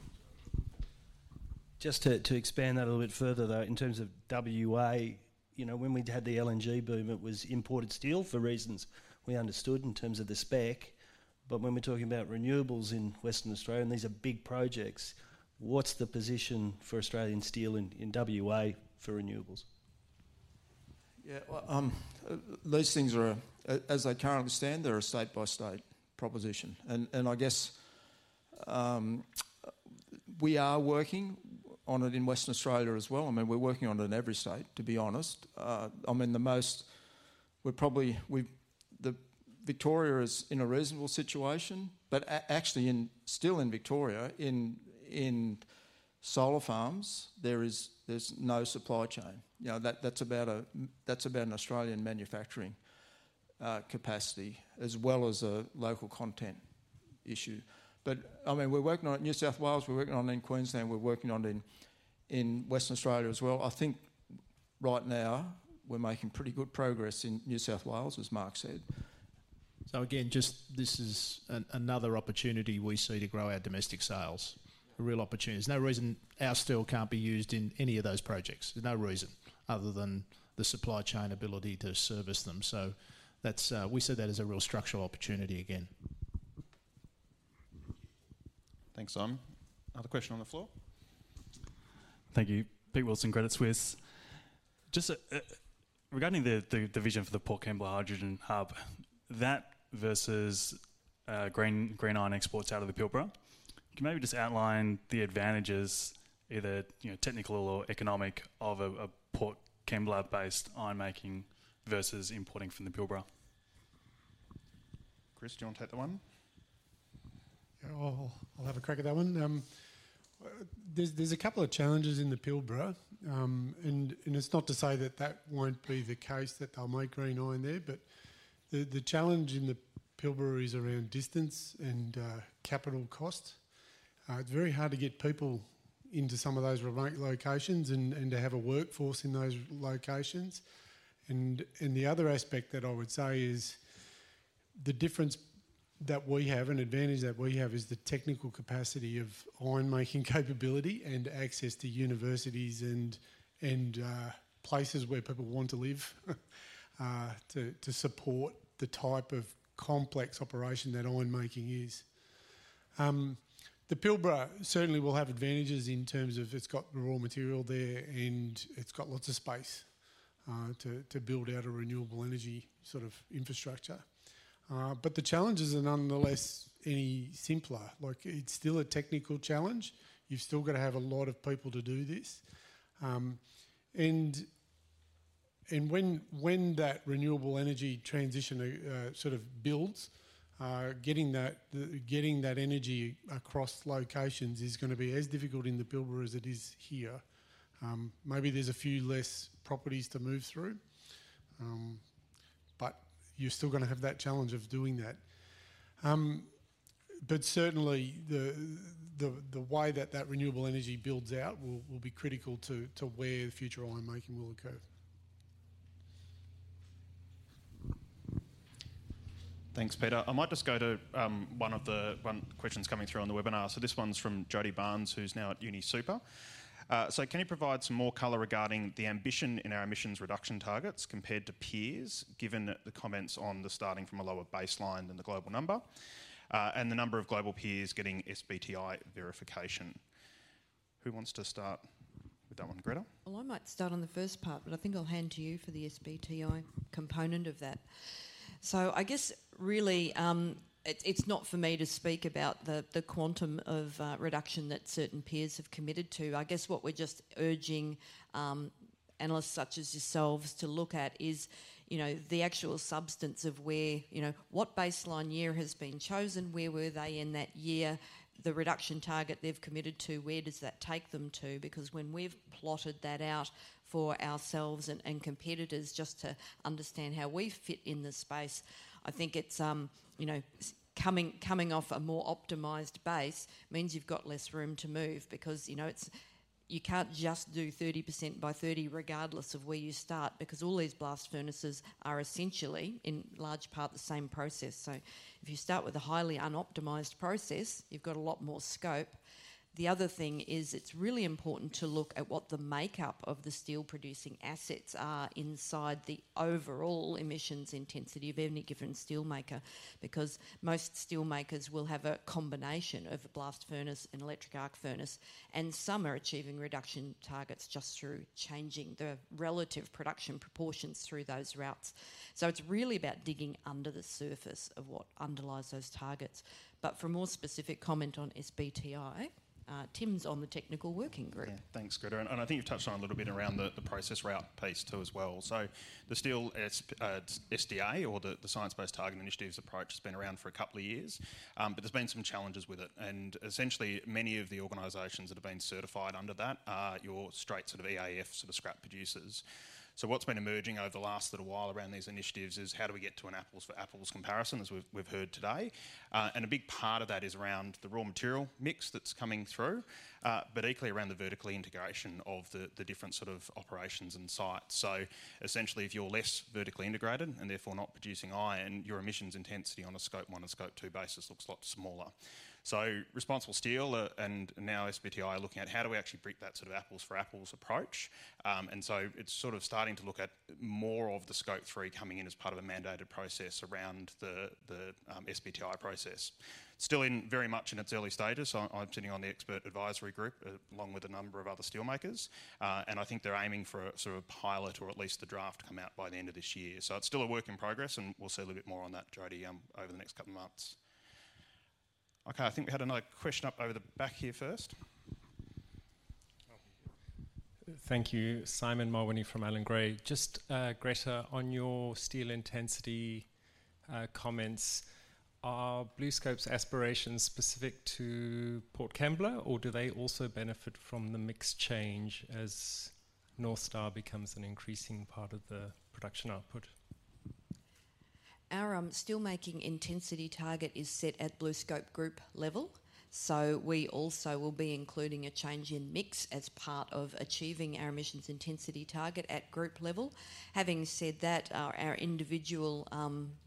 Just to expand that a little bit further though, in terms of WA, you know, when we'd had the LNG boom, it was imported steel for reasons we understood in terms of the spec, but when we're talking about renewables in Western Australia, and these are big projects, what's the position for Australian steel in WA for renewables? Yeah. Well, those things are, as I currently understand, they're a state-by-state proposition. I guess we are working on it in Western Australia as well. I mean, we're working on it in every state, to be honest. I mean, Victoria is in a reasonable situation, but actually, still in Victoria, in solar farms, there's no supply chain. You know, that's about an Australian manufacturing capacity as well as a local content issue. I mean, we're working on it in New South Wales, we're working on it in Queensland, we're working on it in Western Australia as well. I think right now we're making pretty good progress in New South Wales, as Mark said. Again, just this is another opportunity we see to grow our domestic sales. A real opportunity. There's no reason our steel can't be used in any of those projects. There's no reason other than the supply chain ability to service them. That's. We see that as a real structural opportunity again. Thanks, Simon. Another question on the floor. Thank you. Peter Wilson, Credit Suisse. Just regarding the vision for the Port Kembla hydrogen hub, that versus green iron exports out of the Pilbara, can you maybe just outline the advantages, either you know technical or economic of a Port Kembla-based iron making versus importing from the Pilbara? Chris, do you want to take that one? Yeah. I'll have a crack at that one. There's a couple of challenges in the Pilbara. It's not to say that won't be the case, that they'll make green iron there. The challenge in the Pilbara is around distance and capital cost. It's very hard to get people into some of those remote locations and to have a workforce in those locations. The other aspect that I would say is the difference that we have and advantage that we have is the technical capacity of iron making capability and access to universities and places where people want to live to support the type of complex operation that iron making is. The Pilbara certainly will have advantages in terms of it's got the raw material there, and it's got lots of space to build out a renewable energy sort of infrastructure. The challenges are nonetheless not any simpler. Like, it's still a technical challenge. You've still gotta have a lot of people to do this. When that renewable energy transition sort of builds, getting that energy across locations is gonna be as difficult in the Pilbara as it is here. Maybe there's a few less properties to move through, but you're still gonna have that challenge of doing that. Certainly the way that that renewable energy builds out will be critical to where the future ironmaking will occur. Thanks, Peter. I might just go to one of the questions coming through on the webinar. This one's from Jodie Barns, who's now at UniSuper. Can you provide some more color regarding the ambition in our emissions reduction targets compared to peers, given the comments on starting from a lower baseline than the global number, and the number of global peers getting SBTI verification? Who wants to start with that one? Gretta? Well, I might start on the first part, but I think I'll hand to you for the SBTI component of that. I guess really, it's not for me to speak about the quantum of reduction that certain peers have committed to. I guess what we're just urging analysts such as yourselves to look at is, you know, the actual substance of where, you know, what baseline year has been chosen, where were they in that year, the reduction target they've committed to, where does that take them to. Because when we've plotted that out for ourselves and competitors just to understand how we fit in the space, I think it's coming off a more optimized base means you've got less room to move because it's you can't just do 30% by 30% regardless of where you start, because all these blast furnaces are essentially, in large part, the same process. If you start with a highly unoptimized process, you've got a lot more scope. The other thing is, it's really important to look at what the makeup of the steel-producing assets are inside the overall emissions intensity of any given steel maker, because most steel makers will have a combination of a blast furnace and electric arc furnace, and some are achieving reduction targets just through changing the relative production proportions through those routes. It's really about digging under the surface of what underlies those targets. For more specific comment on SBTI, Tim's on the technical working group. Thanks, Gretta. I think you've touched on a little bit around the process route piece too as well. The steel SBTI or the science-based target initiative's approach has been around for a couple of years. There's been some challenges with it. Essentially, many of the organizations that have been certified under that are your straight sort of EAF sort of scrap producers. What's been emerging over the last little while around these initiatives is how do we get to an apples for apples comparison, as we've heard today. A big part of that is around the raw material mix that's coming through, but equally around the vertical integration of the different sort of operations and sites. Essentially, if you're less vertically integrated and therefore not producing iron, your emissions intensity on a Scope 1 and Scope 2 basis looks a lot smaller. Responsible Steel and now SBTI are looking at how do we actually bring that sort of apples for apples approach. It's sort of starting to look at more of the Scope 3 coming in as part of a mandated process around the SBTI process. Still very much in its early stages. I'm sitting on the expert advisory group along with a number of other steelmakers. I think they're aiming for sort of a pilot or at least the draft to come out by the end of this year. It's still a work in progress, and we'll say a little bit more on that, Jodie, over the next couple of months. Okay. I think we had another question up over the back here first. Thank you. Simon Mawhinney from Allan Gray. Just, Gretta, on your steel intensity comments, are BlueScope's aspirations specific to Port Kembla, or do they also benefit from the mix change as North Star becomes an increasing part of the production output? Our steelmaking intensity target is set at BlueScope Group level. We also will be including a change in mix as part of achieving our emissions intensity target at group level. Having said that, our individual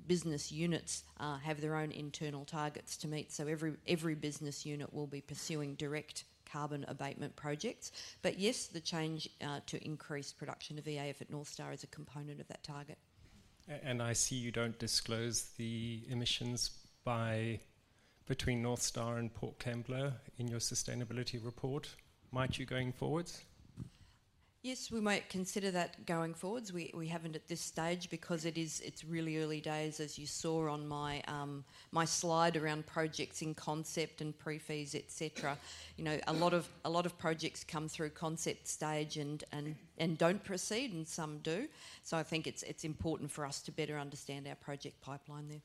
business units have their own internal targets to meet, so every business unit will be pursuing direct carbon abatement projects. Yes, the change to increase production of EAF at North Star is a component of that target. I see you don't disclose the emissions breakdown between North Star and Port Kembla in your sustainability report. Might you going forward? Yes, we might consider that going forward. We haven't at this stage because it's really early days, as you saw on my slide around projects in concept and pre-feas, et cetera. You know, a lot of projects come through concept stage and don't proceed, and some do. I think it's important for us to better understand our project pipeline there.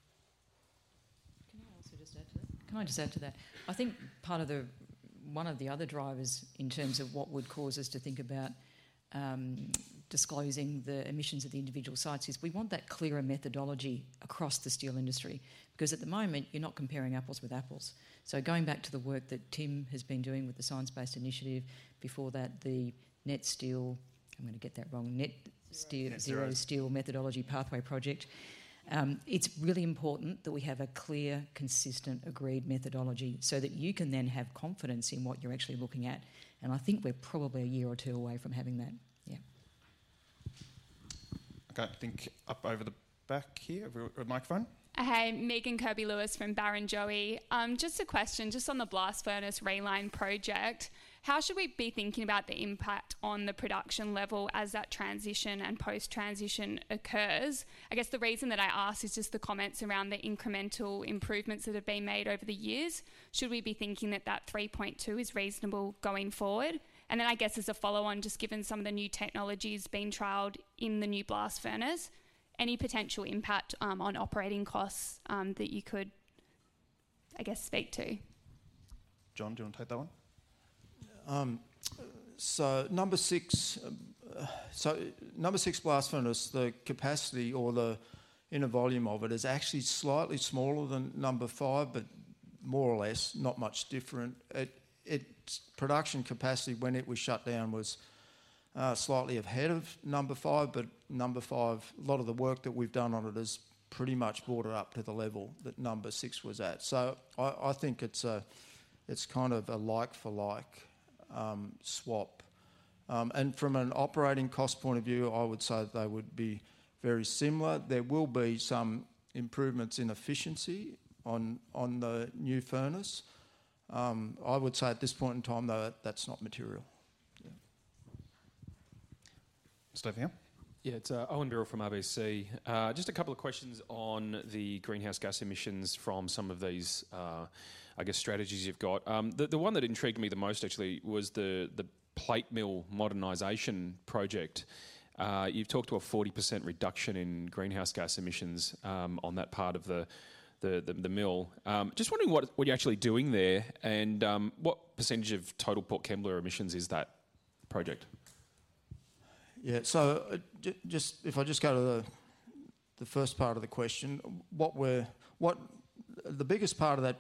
Can I just add to that? I think part of the one of the other drivers in terms of what would cause us to think about disclosing the emissions of the individual sites is we want that clearer methodology across the steel industry. Because at the moment, you're not comparing apples with apples. Going back to the work that Tim has been doing with the science-based initiative, before that, the net zero steel. Net zero. Zero Steel Pathway Methodology Project. It's really important that we have a clear, consistent, agreed methodology so that you can then have confidence in what you're actually looking at. I think we're probably a year or two away from having that. Yeah. Okay. I think up over the back here. We've got a microphone. Hi. Megan Kirby-Lewis from Barrenjoey. Just a question, just on the blast furnace reline project. How should we be thinking about the impact on the production level as that transition and post-transition occurs? I guess the reason that I ask is just the comments around the incremental improvements that have been made over the years. Should we be thinking that 3.2 million tons is reasonable going forward? As a follow-on, just given some of the new technologies being trialed in the new blast furnaces, any potential impact on operating costs that you could, I guess, speak to? John, do you want to take that one? number six blast furnace, the capacity or the inner volume of it is actually slightly smaller than number five, but more or less not much different. Its production capacity when it was shut down was slightly ahead of number five. Number five, a lot of the work that we've done on it has pretty much brought it up to the level that number six was at. I think it's kind of a like for like swap. From an operating cost point of view, I would say they would be very similar. There will be some improvements in efficiency on the new furnace. I would say at this point in time, though, that's not material. Yeah. It's Owen Birrell from RBC. Just a couple of questions on the greenhouse gas emissions from some of these strategies you've got. The one that intrigued me the most actually was the plate mill modernization project. You've talked to a 40% reduction in greenhouse gas emissions on that part of the mill. Just wondering what you're actually doing there and what percentage of total Port Kembla emissions is that project? If I just go to the first part of the question, the biggest part of that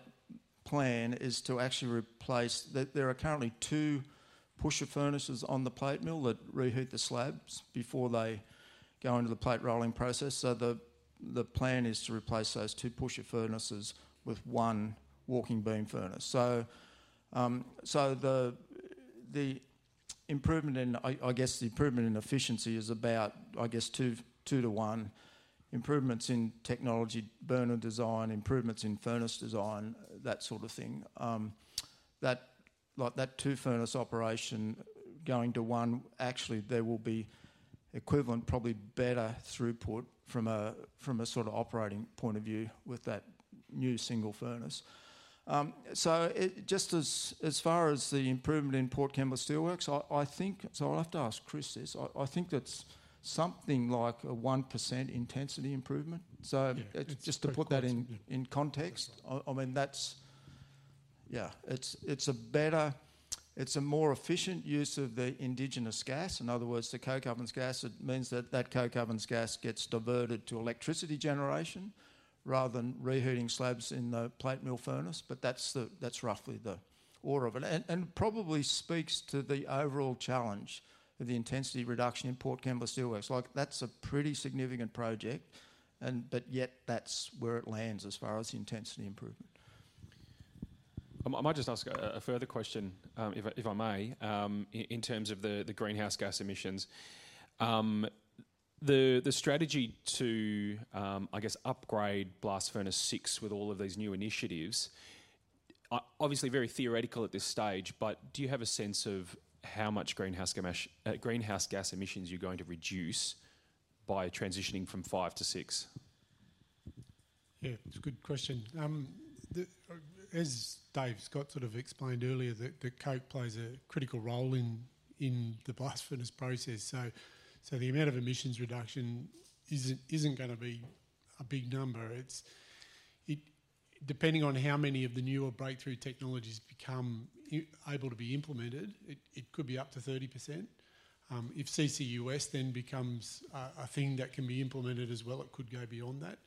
plan is to actually replace. There are currently two pusher furnaces on the plate mill that reheat the slabs before they go into the plate rolling process. The plan is to replace those two pusher furnaces with one walking beam furnace. I guess the improvement in efficiency is about two to one. Improvements in technology, burner design, improvements in furnace design, that sort of thing. That two furnace operation going to one, actually, there will be equivalent, probably better throughput from a sort of operating point of view with that new single furnace. As far as the improvement in Port Kembla Steelworks, I think I'll have to ask Chris this. I think that's something like a 1% intensity improvement. Yeah. Just to put that in context. I mean, yeah. It's a more efficient use of the indigenous gas. In other words, the coke oven gas. It means that coke oven gas gets diverted to electricity generation rather than reheating slabs in the plate mill furnace. That's roughly the order of it. Probably speaks to the overall challenge of the intensity reduction in Port Kembla Steelworks. Like, that's a pretty significant project, yet that's where it lands as far as the intensity improvement. I might just ask a further question, if I may, in terms of the greenhouse gas emissions. The strategy to, I guess, upgrade blast furnace six with all of these new initiatives, obviously very theoretical at this stage, but do you have a sense of how much greenhouse gas emissions you're going to reduce by transitioning from five to six? Yeah. It's a good question. As Dave Scott sort of explained earlier, the coke plays a critical role in the blast furnace process. So the amount of emissions reduction isn't gonna be a big number. It's It depends on how many of the newer breakthrough technologies become viable to be implemented, it could be up to 30%. If CCUS then becomes a thing that can be implemented as well, it could go beyond that.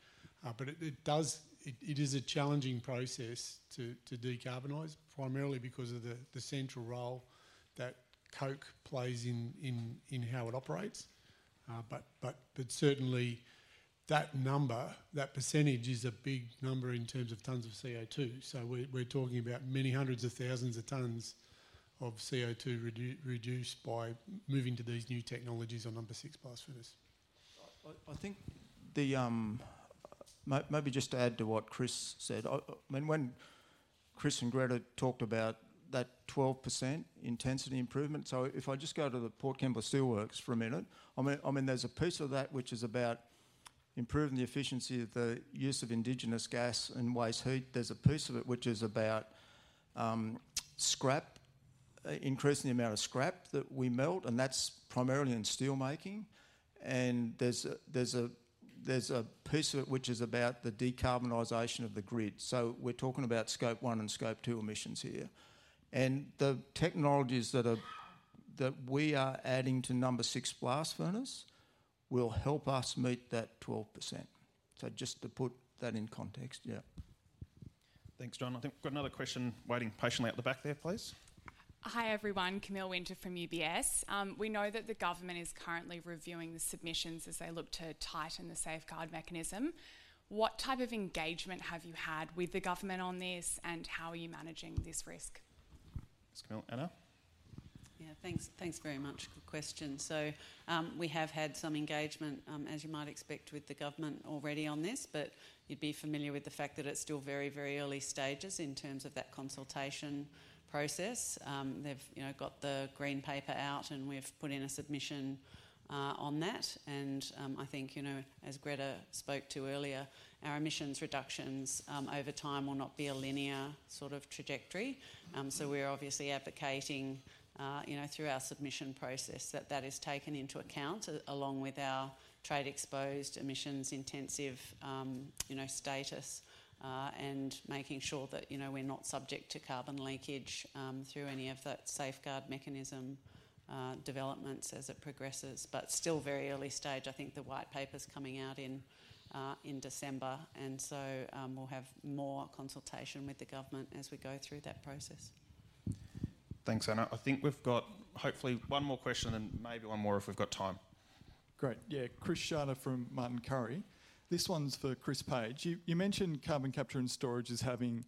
It is a challenging process to decarbonize, primarily because of the central role that coke plays in how it operates. Certainly that number, that percentage is a big number in terms of tons of CO2. We're talking about many hundreds of thousands of tons of CO2 reduced by moving to these new technologies on number six blast furnace. I think maybe just to add to what Chris said. When Chris and Gretta talked about that 12% intensity improvement, if I just go to the Port Kembla Steelworks for a minute, I mean, there's a piece of that which is about improving the efficiency of the use of indigenous gas and waste heat. There's a piece of it which is about scrap, increasing the amount of scrap that we melt, and that's primarily in steelmaking. There's a piece of it which is about the decarbonization of the grid. We're talking about Scope 1 and Scope 2 emissions here. The technologies that we are adding to number six blast furnace will help us meet that 12%. Just to put that in context. Thanks, John. I think we've got another question waiting patiently at the back there, please. Hi, everyone. Camille Wynter from UBS. We know that the government is currently reviewing the submissions as they look to tighten the Safeguard Mechanism. What type of engagement have you had with the government on this, and how are you managing this risk? Thanks, Camille. Anna? Yeah. Thanks, thanks very much. Good question. We have had some engagement, as you might expect with the government already on this. You'd be familiar with the fact that it's still very, very early stages in terms of that consultation process. They've, you know, got the green paper out, and we've put in a submission on that. I think, you know, as Gretta spoke to earlier, our emissions reductions over time will not be a linear sort of trajectory. We're obviously advocating, you know, through our submission process that that is taken into account along with our trade exposed emissions intensive, you know, status. Making sure that, you know, we're not subject to carbon leakage through any of that Safeguard Mechanism developments as it progresses. Still very early stage. I think the white paper's coming out in December. We'll have more consultation with the government as we go through that process. Thanks, Anna. I think we've got hopefully one more question and maybe one more if we've got time. Great. Yeah. Chris Schade from Martin Currie. This one's for Chris Page. You mentioned carbon capture and storage as having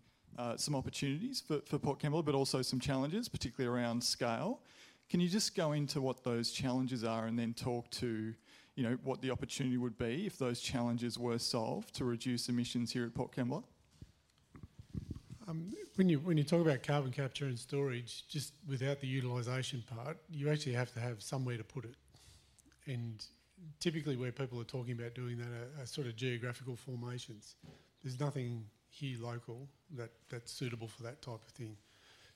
some opportunities for Port Kembla, but also some challenges, particularly around scale. Can you just go into what those challenges are and then talk to, you know, what the opportunity would be if those challenges were solved to reduce emissions here at Port Kembla? When you talk about carbon capture and storage, just without the utilization part, you actually have to have somewhere to put it. Typically, where people are talking about doing that are sort of geographical formations. There's nothing here local that's suitable for that type of thing.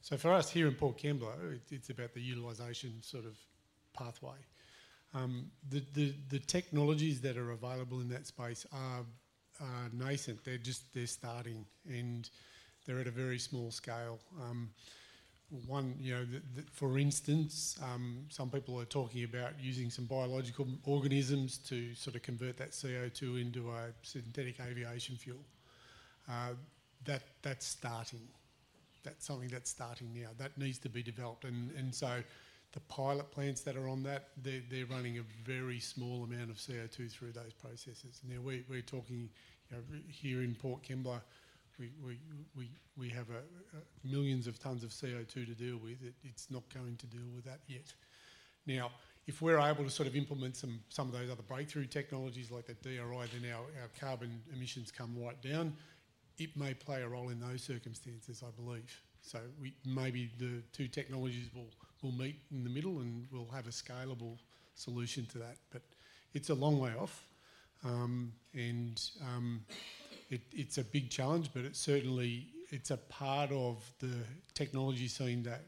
So for us here in Port Kembla, it's about the utilization sort of pathway. The technologies that are available in that space are nascent. They're just starting, and they're at a very small scale. You know, for instance, some people are talking about using some biological organisms to sort of convert that CO2 into a synthetic aviation fuel. That's starting. That's something that's starting now. That needs to be developed. The pilot plants that are on that, they're running a very small amount of CO2 through those processes. Now, we're talking, you know, right here in Port Kembla, we have millions of tons of CO2 to deal with. It's not going to deal with that yet. Now, if we're able to sort of implement some of those other breakthrough technologies like that DRI, then our carbon emissions come right down. It may play a role in those circumstances, I believe. Maybe the two technologies will meet in the middle, and we'll have a scalable solution to that. It's a long way off. It's a big challenge, but it's certainly a part of the technology scene that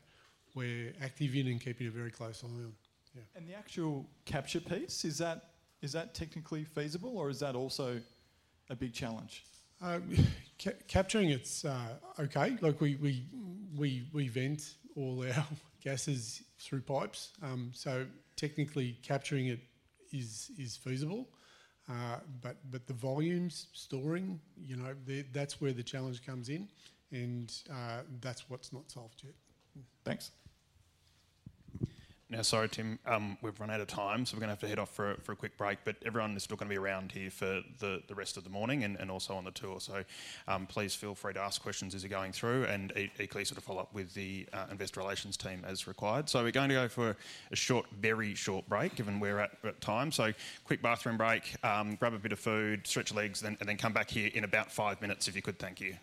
we're active in and keeping a very close eye on. Yeah. The actual capture piece, is that technically feasible, or is that also a big challenge? Capturing it is okay. Look, we vent all our gases through pipes. So technically capturing it is feasible. But the volumes storing, you know, that's where the challenge comes in, and that's what's not solved yet. Thanks. Sorry, Tim, we've run out of time, so we're gonna have to head off for a quick break. Everyone is still gonna be around here for the rest of the morning and also on the tour. Please feel free to ask questions as you're going through, and equally sort of follow up with the Investor Relations team as required. We're going to go for a short, very short break, given where we're at time. Quick bathroom break, grab a bit of food, stretch your legs, and then come back here in about five minutes, if you could. Thank you.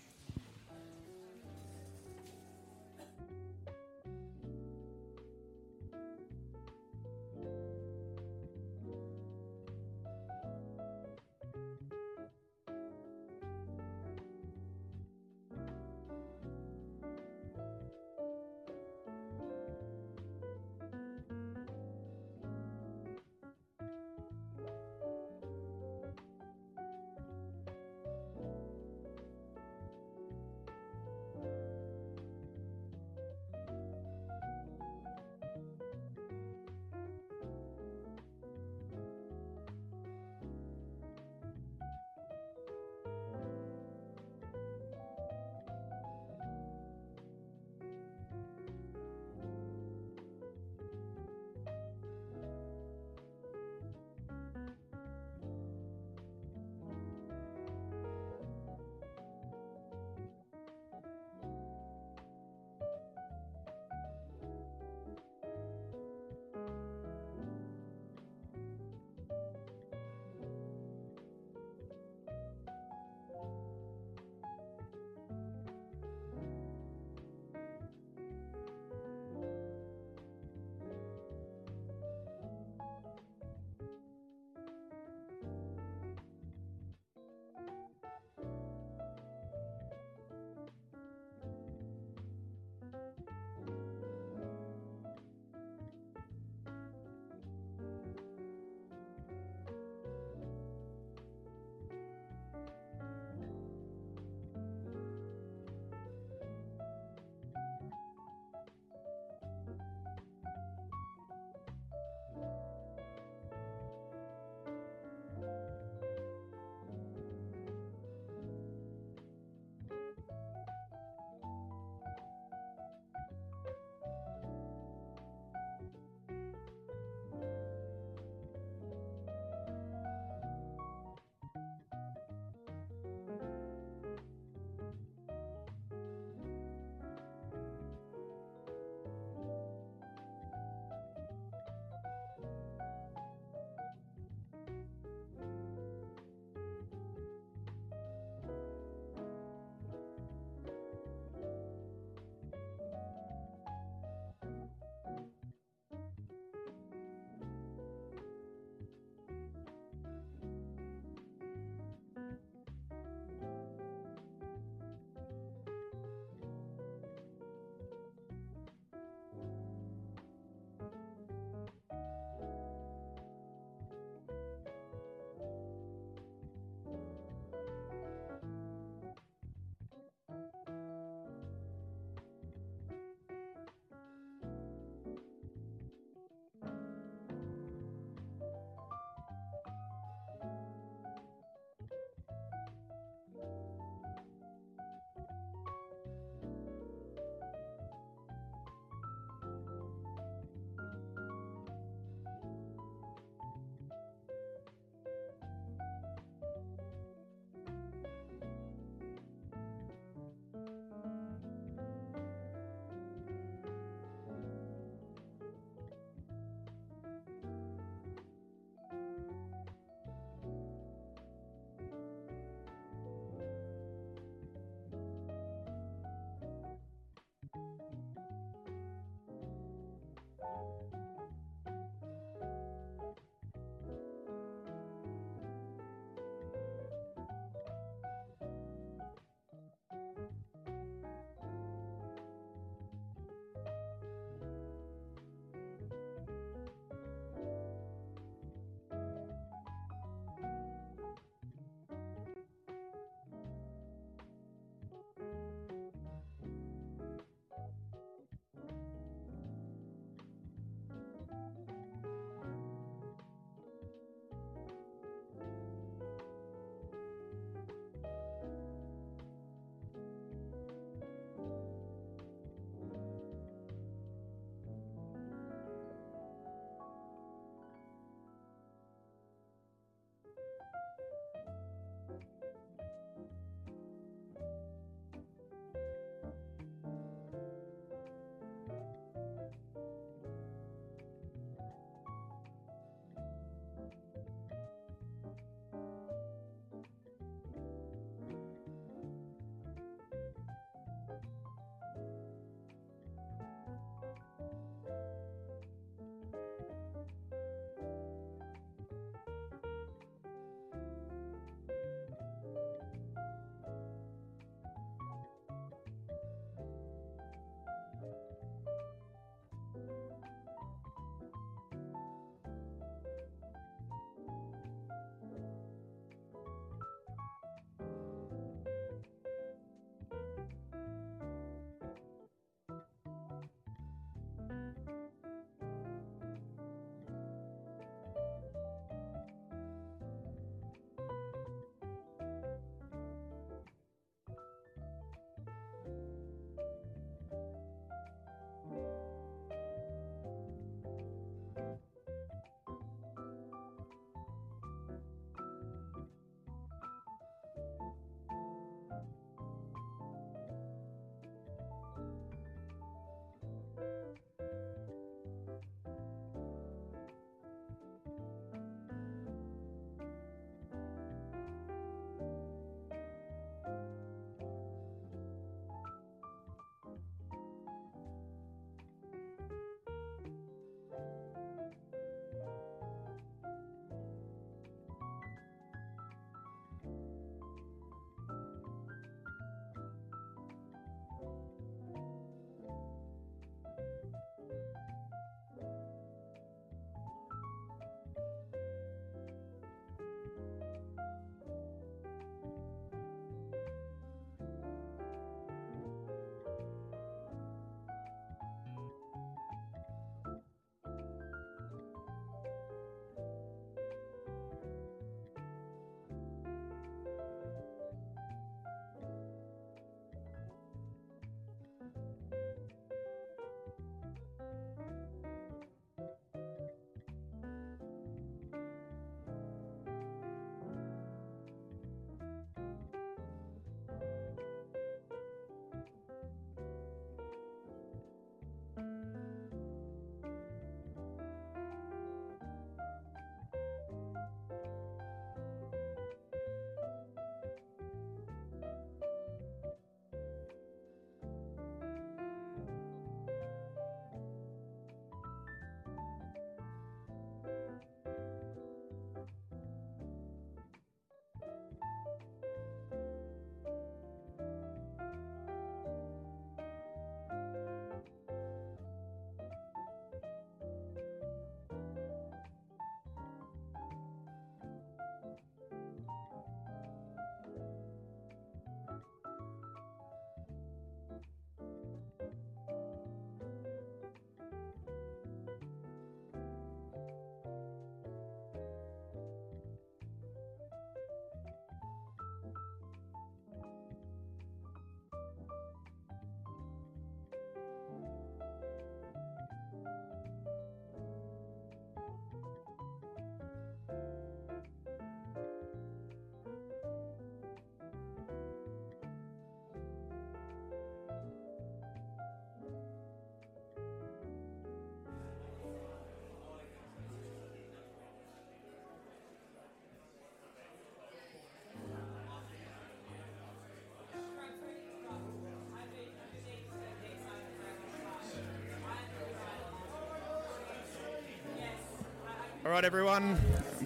All right, everyone,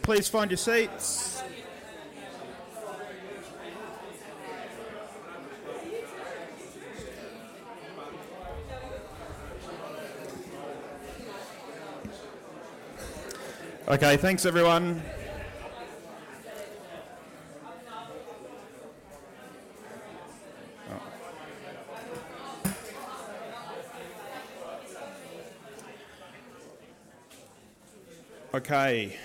please find your seats. Okay, thanks everyone. Okay.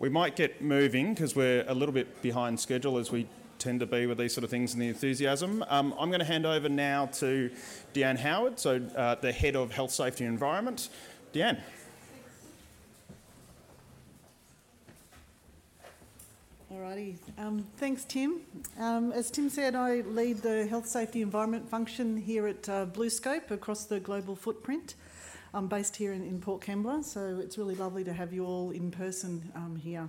We might get moving 'cause we're a little bit behind schedule, as we tend to be with these sort of things and the enthusiasm. I'm gonna hand over now to Deanne Howard, so, the Head of Health, Safety and Environment. Deanne. Thanks. All righty. Thanks Tim. As Tim said, I lead the health, safety, environment function here at BlueScope across the global footprint. I'm based here in Port Kembla, so it's really lovely to have you all in person here.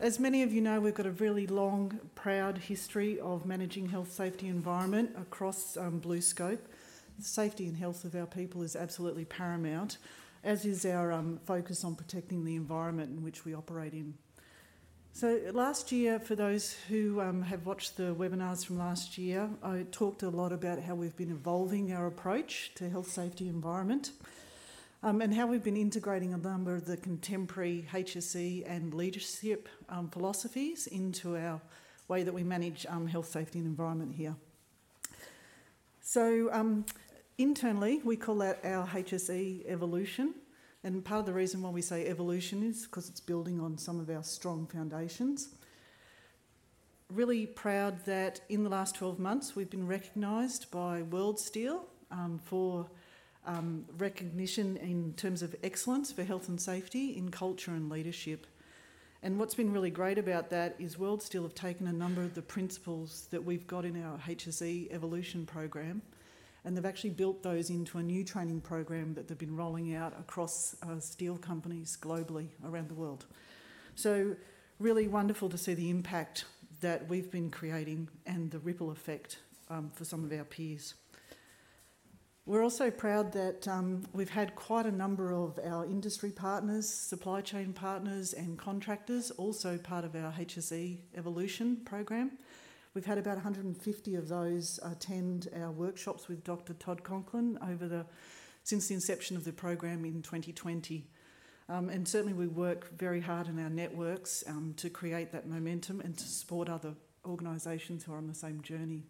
As many of you know, we've got a really long, proud history of managing health, safety, environment across BlueScope. The safety and health of our people is absolutely paramount, as is our focus on protecting the environment in which we operate in. Last year, for those who have watched the webinars from last year, I talked a lot about how we've been evolving our approach to health, safety, environment, and how we've been integrating a number of the contemporary HSE and leadership philosophies into our way that we manage health, safety, and environment here. Internally, we call that our HSE Evolution, and part of the reason why we say evolution is 'cause it's building on some of our strong foundations. Really proud that in the last 12 months we've been recognized by worldsteel for recognition in terms of excellence for health and safety in culture and leadership. What's been really great about that is worldsteel have taken a number of the principles that we've got in our HSE Evolution program, and they've actually built those into a new training program that they've been rolling out across steel companies globally around the world. Really wonderful to see the impact that we've been creating and the ripple effect for some of our peers. We're also proud that we've had quite a number of our industry partners, supply chain partners, and contractors also part of our HSE Evolution program. We've had about 150 of those attend our workshops with Dr. Todd Conklin since the inception of the program in 2020. Certainly we work very hard in our networks to create that momentum and to support other organizations who are on the same journey.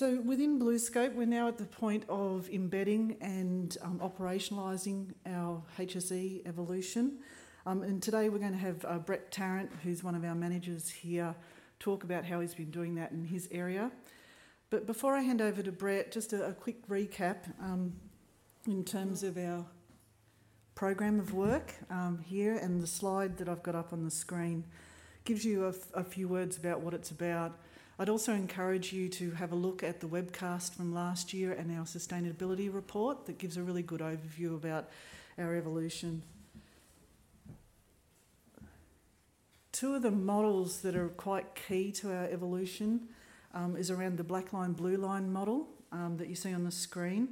Within BlueScope, we're now at the point of embedding and operationalizing our HSE Evolution. Today we're gonna have Brett Tarrant, who's one of our managers here, talk about how he's been doing that in his area. Before I hand over to Brett, just a quick recap in terms of our program of work here, and the slide that I've got up on the screen gives you a few words about what it's about. I'd also encourage you to have a look at the webcast from last year and our sustainability report that gives a really good overview about our evolution. Two of the models that are quite key to our evolution is around the black line, blue line model that you see on the screen.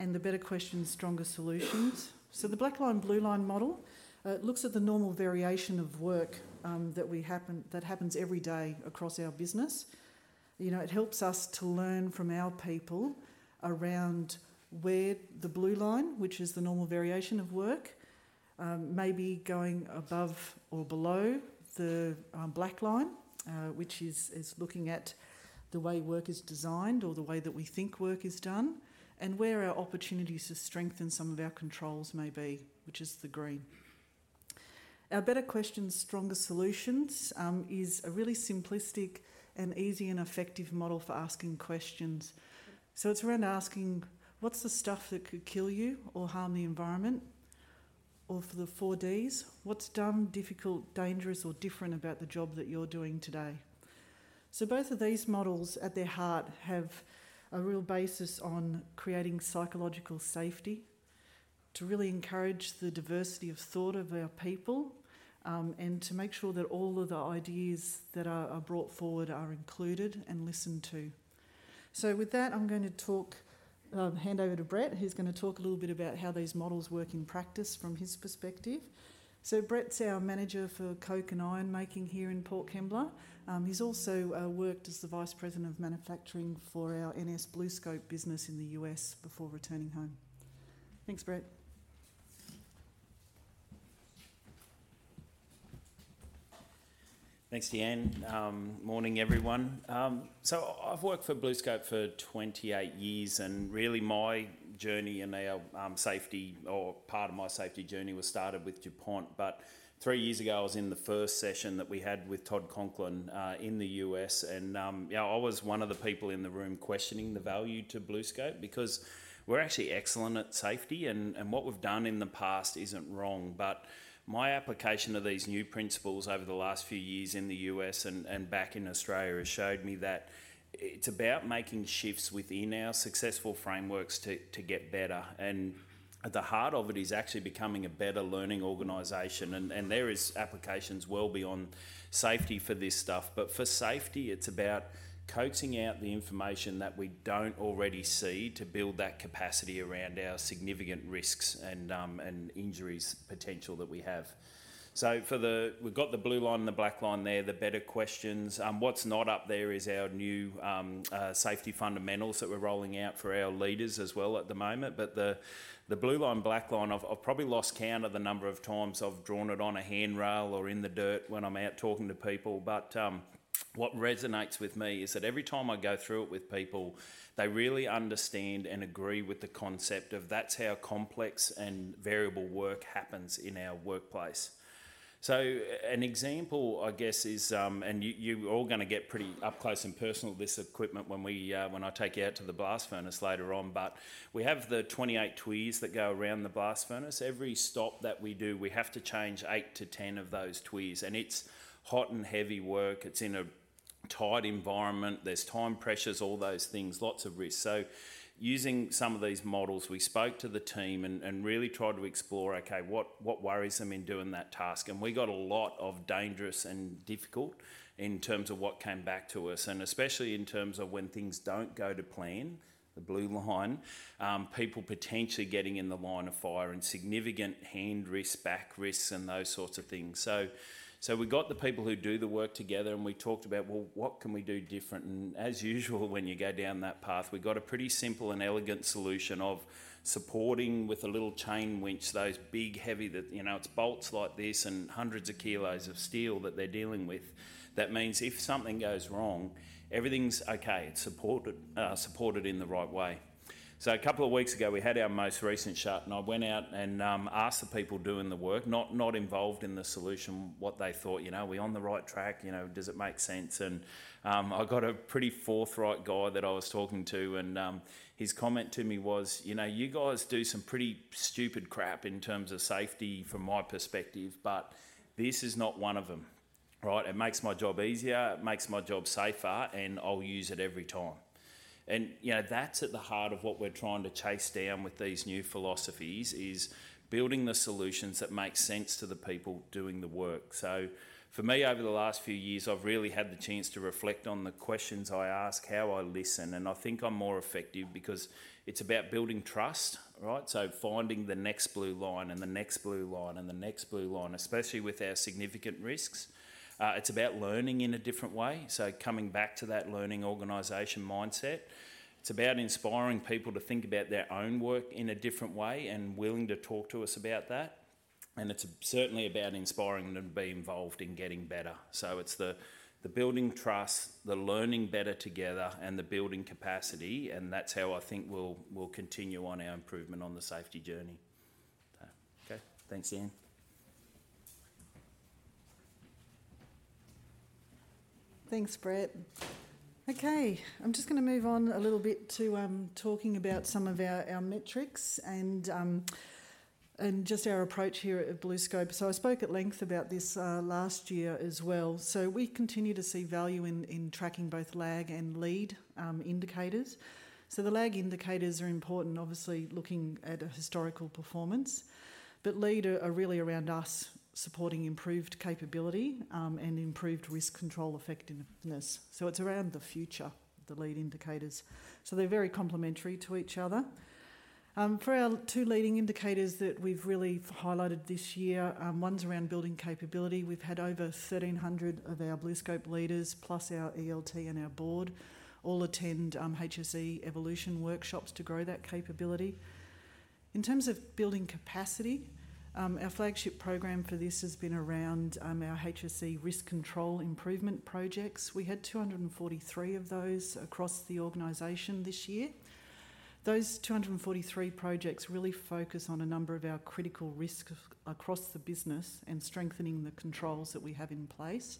The better questions, stronger solutions. The black line, blue line model looks at the normal variation of work that happens every day across our business. You know, it helps us to learn from our people around where the blue line, which is the normal variation of work, may be going above or below the black line, which is looking at the way work is designed or the way that we think work is done, and where our opportunities to strengthen some of our controls may be, which is the green. Our better questions, stronger solutions is a really simplistic and easy and effective model for asking questions. It's around asking what's the stuff that could kill you or harm the environment, or for the four Ds, what's dumb, difficult, dangerous or different about the job that you're doing today? Both of these models at their heart have a real basis on creating psychological safety to really encourage the diversity of thought of our people, and to make sure that all of the ideas that are brought forward are included and listened to. With that, I'm gonna hand over to Brett, who's gonna talk a little bit about how these models work in practice from his perspective. Brett's our manager for coke and iron making here in Port Kembla. He's also worked as the vice president of manufacturing for our NS BlueScope business in the U.S. before returning home. Thanks, Brett. Thanks, Deanne. Morning, everyone. I've worked for BlueScope for 28 years and really my journey in our safety or part of my safety journey was started with DuPont. Three years ago, I was in the first session that we had with Todd Conklin in the U.S. and yeah, I was one of the people in the room questioning the value to BlueScope because we're actually excellent at safety and what we've done in the past isn't wrong. My application of these new principles over the last few years in the U.S. and back in Australia has showed me that it's about making shifts within our successful frameworks to get better. At the heart of it is actually becoming a better learning organization and there is applications well beyond safety for this stuff. For safety, it's about coaxing out the information that we don't already see to build that capacity around our significant risks and injuries potential that we have. So we've got the blue line and the black line there, the better questions. What's not up there is our new safety fundamentals that we're rolling out for our leaders as well at the moment. The blue line, black line, I've probably lost count of the number of times I've drawn it on a handrail or in the dirt when I'm out talking to people. What resonates with me is that every time I go through it with people, they really understand and agree with the concept of that's how complex and variable work happens in our workplace. An example, I guess, is, and you all gonna get pretty up close and personal with this equipment when I take you out to the blast furnace later on. We have the 28 tuyeres that go around the blast furnace. Every stop that we do, we have to change eight to 10 of those tuyeres, and it's hot and heavy work. It's in a tight environment. There's time pressures, all those things, lots of risks. Using some of these models, we spoke to the team and really tried to explore, okay, what worries them in doing that task? We got a lot of dangerous and difficult in terms of what came back to us, and especially in terms of when things don't go to plan, the blue line, people potentially getting in the line of fire and significant hand risks, back risks and those sorts of things. We got the people who do the work together and we talked about, well, what can we do different? As usual, when you go down that path, we got a pretty simple and elegant solution of supporting with a little chain winch, those big, heavy, you know, it's bolts like this and hundreds of kilos of steel that they're dealing with. That means if something goes wrong, everything's okay. It's supported in the right way. A couple of weeks ago, we had our most recent shut and I went out and asked the people doing the work, not involved in the solution, what they thought. You know, are we on the right track? You know, does it make sense? And I got a pretty forthright guy that I was talking to, and his comment to me was, "You know, you guys do some pretty stupid crap in terms of safety from my perspective, but this is not one of them. Right? It makes my job easier, it makes my job safer, and I'll use it every time." And you know, that's at the heart of what we're trying to chase down with these new philosophies, is building the solutions that make sense to the people doing the work. For me, over the last few years, I've really had the chance to reflect on the questions I ask, how I listen, and I think I'm more effective because it's about building trust, right? Finding the next blue line, and the next blue line, and the next blue line, especially with our significant risks. It's about learning in a different way. Coming back to that learning organization mindset. It's about inspiring people to think about their own work in a different way and willing to talk to us about that, and it's certainly about inspiring them to be involved in getting better. It's the building trust, the learning better together, and the building capacity, and that's how I think we'll continue on our improvement on the safety journey. Okay. Thanks, Deanne. Thanks, Brett. Okay, I'm just gonna move on a little bit to talking about some of our metrics and just our approach here at BlueScope. I spoke at length about this last year as well. We continue to see value in tracking both lag and lead indicators. The lag indicators are important, obviously, looking at a historical performance. But lead are really around us supporting improved capability and improved risk control effectiveness. It's around the future, the lead indicators. They're very complementary to each other. For our two leading indicators that we've really highlighted this year, one's around building capability. We've had over 1,300 of our BlueScope leaders, plus our ELT and our board, all attend HSE Evolution workshops to grow that capability. In terms of building capacity, our flagship program for this has been around our HSE risk control improvement projects. We had 243 of those across the organization this year. Those 243 projects really focus on a number of our critical risks across the business and strengthening the controls that we have in place.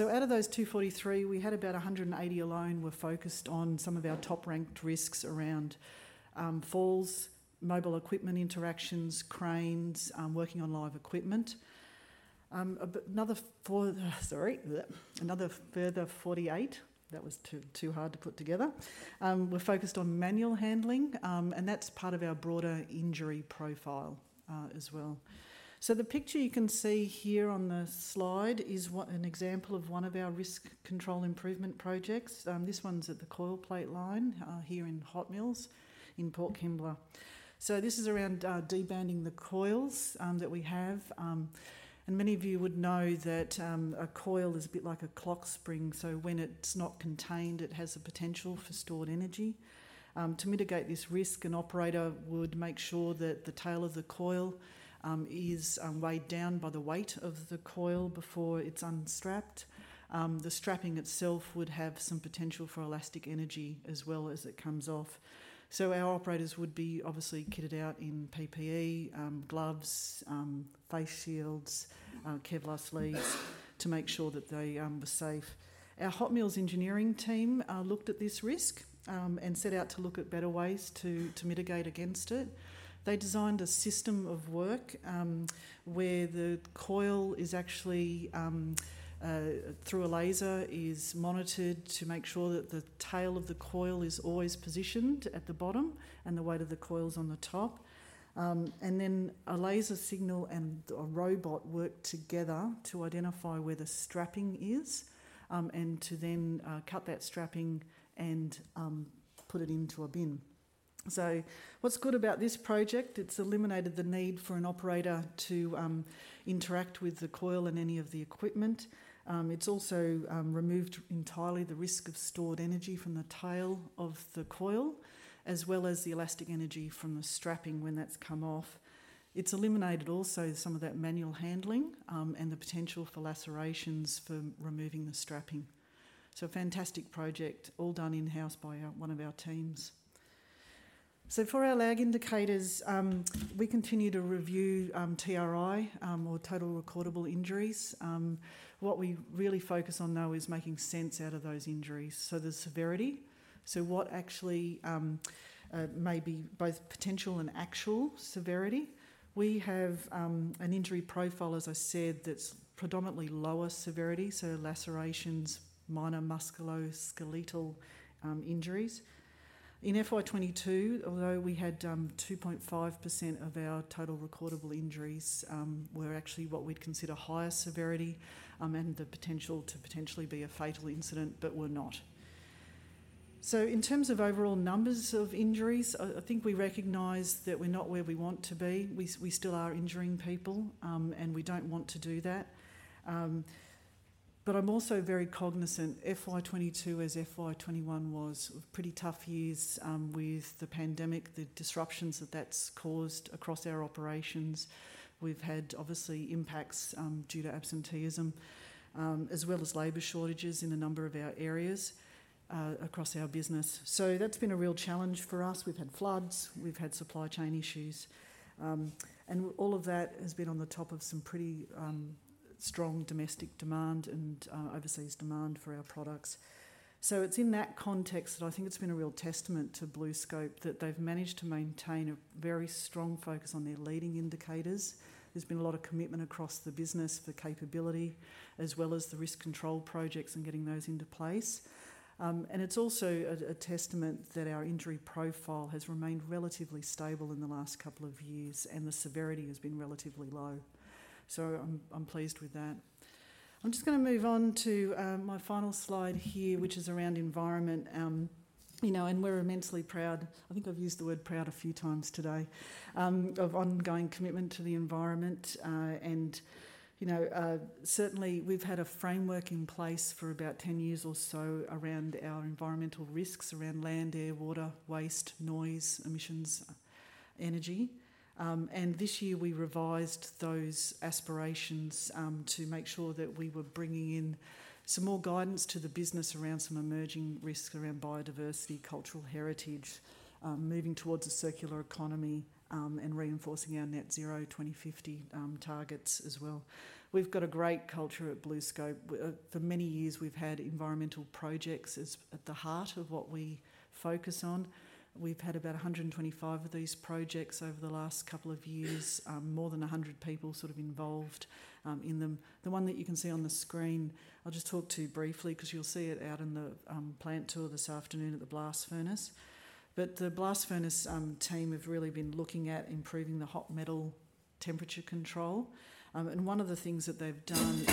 Out of those 243, we had about 180 alone were focused on some of our top ranked risks around falls, mobile equipment interactions, cranes, working on live equipment. Another further 48, that was too hard to put together, were focused on manual handling, and that's part of our broader injury profile, as well. The picture you can see here on the slide is an example of one of our risk control improvement projects. This one's at the coil plate line here in Hot Mills in Port Kembla. This is around de-banding the coils that we have. Many of you would know that a coil is a bit like a clock spring, so when it's not contained, it has the potential for stored energy. To mitigate this risk, an operator would make sure that the tail of the coil is weighed down by the weight of the coil before it's unstrapped. The strapping itself would have some potential for elastic energy as well as it comes off. Our operators would be obviously kitted out in PPE, gloves, face shields, Kevlar sleeves to make sure that they were safe. Our Hot Mills engineering team looked at this risk and set out to look at better ways to mitigate against it. They designed a system of work where the coil is actually, through a laser, monitored to make sure that the tail of the coil is always positioned at the bottom and the weight of the coil's on the top. Then a laser signal and a robot work together to identify where the strapping is and to then cut that strapping and put it into a bin. What's good about this project, it's eliminated the need for an operator to interact with the coil and any of the equipment. It's also removed entirely the risk of stored energy from the tail of the coil, as well as the elastic energy from the strapping when that's come off. It's eliminated also some of that manual handling, and the potential for lacerations from removing the strapping. A fantastic project all done in-house by one of our teams. For our lag indicators, we continue to review TRI, or Total Recordable Injuries. What we really focus on though is making sense out of those injuries. The severity, so what actually may be both potential and actual severity. We have an injury profile, as I said, that's predominantly lower severity, so lacerations, minor musculoskeletal injuries. In FY 2022, although we had 2.5% of our Total Recordable Injuries were actually what we'd consider higher severity, and the potential to potentially be a fatal incident, but were not. In terms of overall numbers of injuries, I think we recognize that we're not where we want to be. We still are injuring people, and we don't want to do that. I'm also very cognizant, FY 2022 as FY 2021 was pretty tough years, with the pandemic, the disruptions that that's caused across our operations. We've had obvious impacts, due to absenteeism, as well as labor shortages in a number of our areas, across our business. That's been a real challenge for us. We've had floods, we've had supply chain issues, and all of that has been on the top of some pretty strong domestic demand and overseas demand for our products. It's in that context that I think it's been a real testament to BlueScope that they've managed to maintain a very strong focus on their leading indicators. There's been a lot of commitment across the business for capability, as well as the risk control projects and getting those into place. It's also a testament that our injury profile has remained relatively stable in the last couple of years, and the severity has been relatively low. I'm pleased with that. I'm just gonna move on to my final slide here, which is around environment. You know, we're immensely proud. I think I've used the word proud a few times today of ongoing commitment to the environment. You know, certainly we've had a framework in place for about 10 years or so around our environmental risks, around land, air, water, waste, noise, emissions, energy. This year we revised those aspirations to make sure that we were bringing in some more guidance to the business around some emerging risks around biodiversity, cultural heritage, moving towards a circular economy, and reinforcing our net zero 2050 targets as well. We've got a great culture at BlueScope. For many years we've had environmental projects as at the heart of what we focus on. We've had about 125 of these projects over the last couple of years, more than 100 people sort of involved in them. The one that you can see on the screen, I'll just talk to briefly 'cause you'll see it out in the plant tour this afternoon at the blast furnace. The blast furnace team have really been looking at improving the hot metal temperature control. One of the things that they've done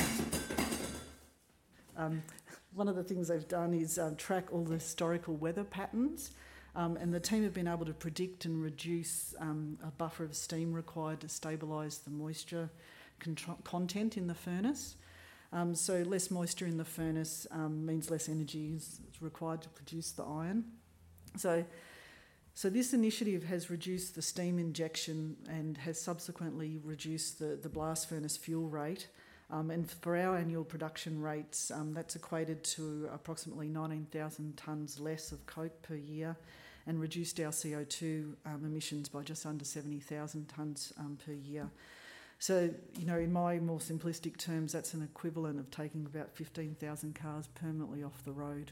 is track all the historical weather patterns. The team have been able to predict and reduce a buffer of steam required to stabilize the moisture content in the furnace. Less moisture in the furnace means less energy is required to produce the iron. This initiative has reduced the steam injection and has subsequently reduced the blast furnace fuel rate. For our annual production rates, that's equated to approximately 19,000 tons less of coke per year and reduced our CO2 emissions by just under 70,000 tons per year. You know, in my more simplistic terms, that's an equivalent of taking about 15,000 cars permanently off the road,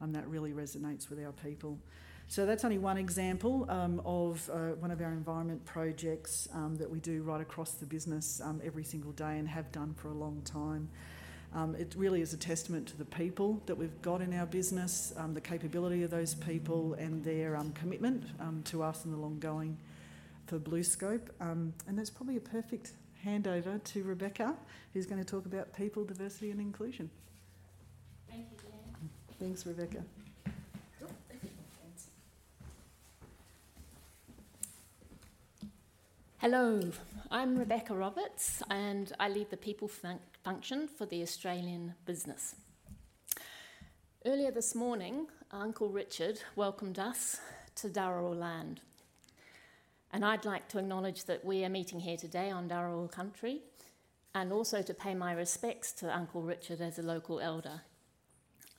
and that really resonates with our people. That's only one example of one of our environmental projects that we do right across the business every single day and have done for a long time. It really is a testament to the people that we've got in our business, the capability of those people and their commitment to us and the long game for BlueScope. That's probably a perfect handover to Rebecca, who's gonna talk about people, diversity and inclusion. Thank you, Deanne. Thanks, Rebecca. Oh, thank you. Thanks. Hello, I'm Rebecca Roberts, and I lead the people function for the Australian business. Earlier this morning, Uncle Richard welcomed us to Dharawal land, and I'd like to acknowledge that we are meeting here today on Dharawal country, and also to pay my respects to Uncle Richard as a local elder.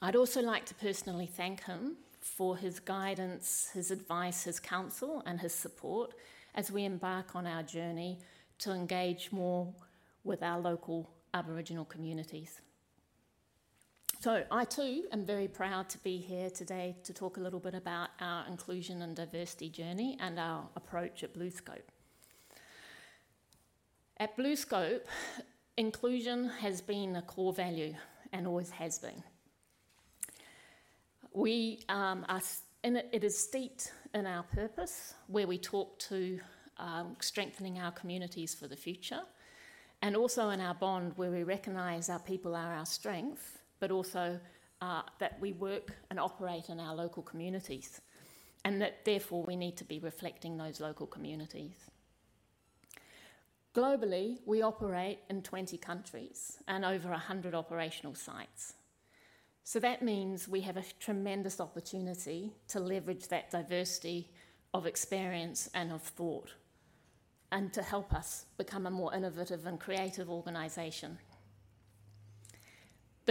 I'd also like to personally thank him for his guidance, his advice, his counsel and his support as we embark on our journey to engage more with our local Aboriginal communities. I too am very proud to be here today to talk a little bit about our inclusion and diversity journey and our approach at BlueScope. At BlueScope, inclusion has been a core value and always has been. We are... It is steeped in our purpose, where we talk about strengthening our communities for the future, and also in our bond where we recognize our people are our strength, but also that we work and operate in our local communities, and that therefore we need to be reflecting those local communities. Globally, we operate in 20 countries and over 100 operational sites. That means we have a tremendous opportunity to leverage that diversity of experience and of thought, and to help us become a more innovative and creative organization.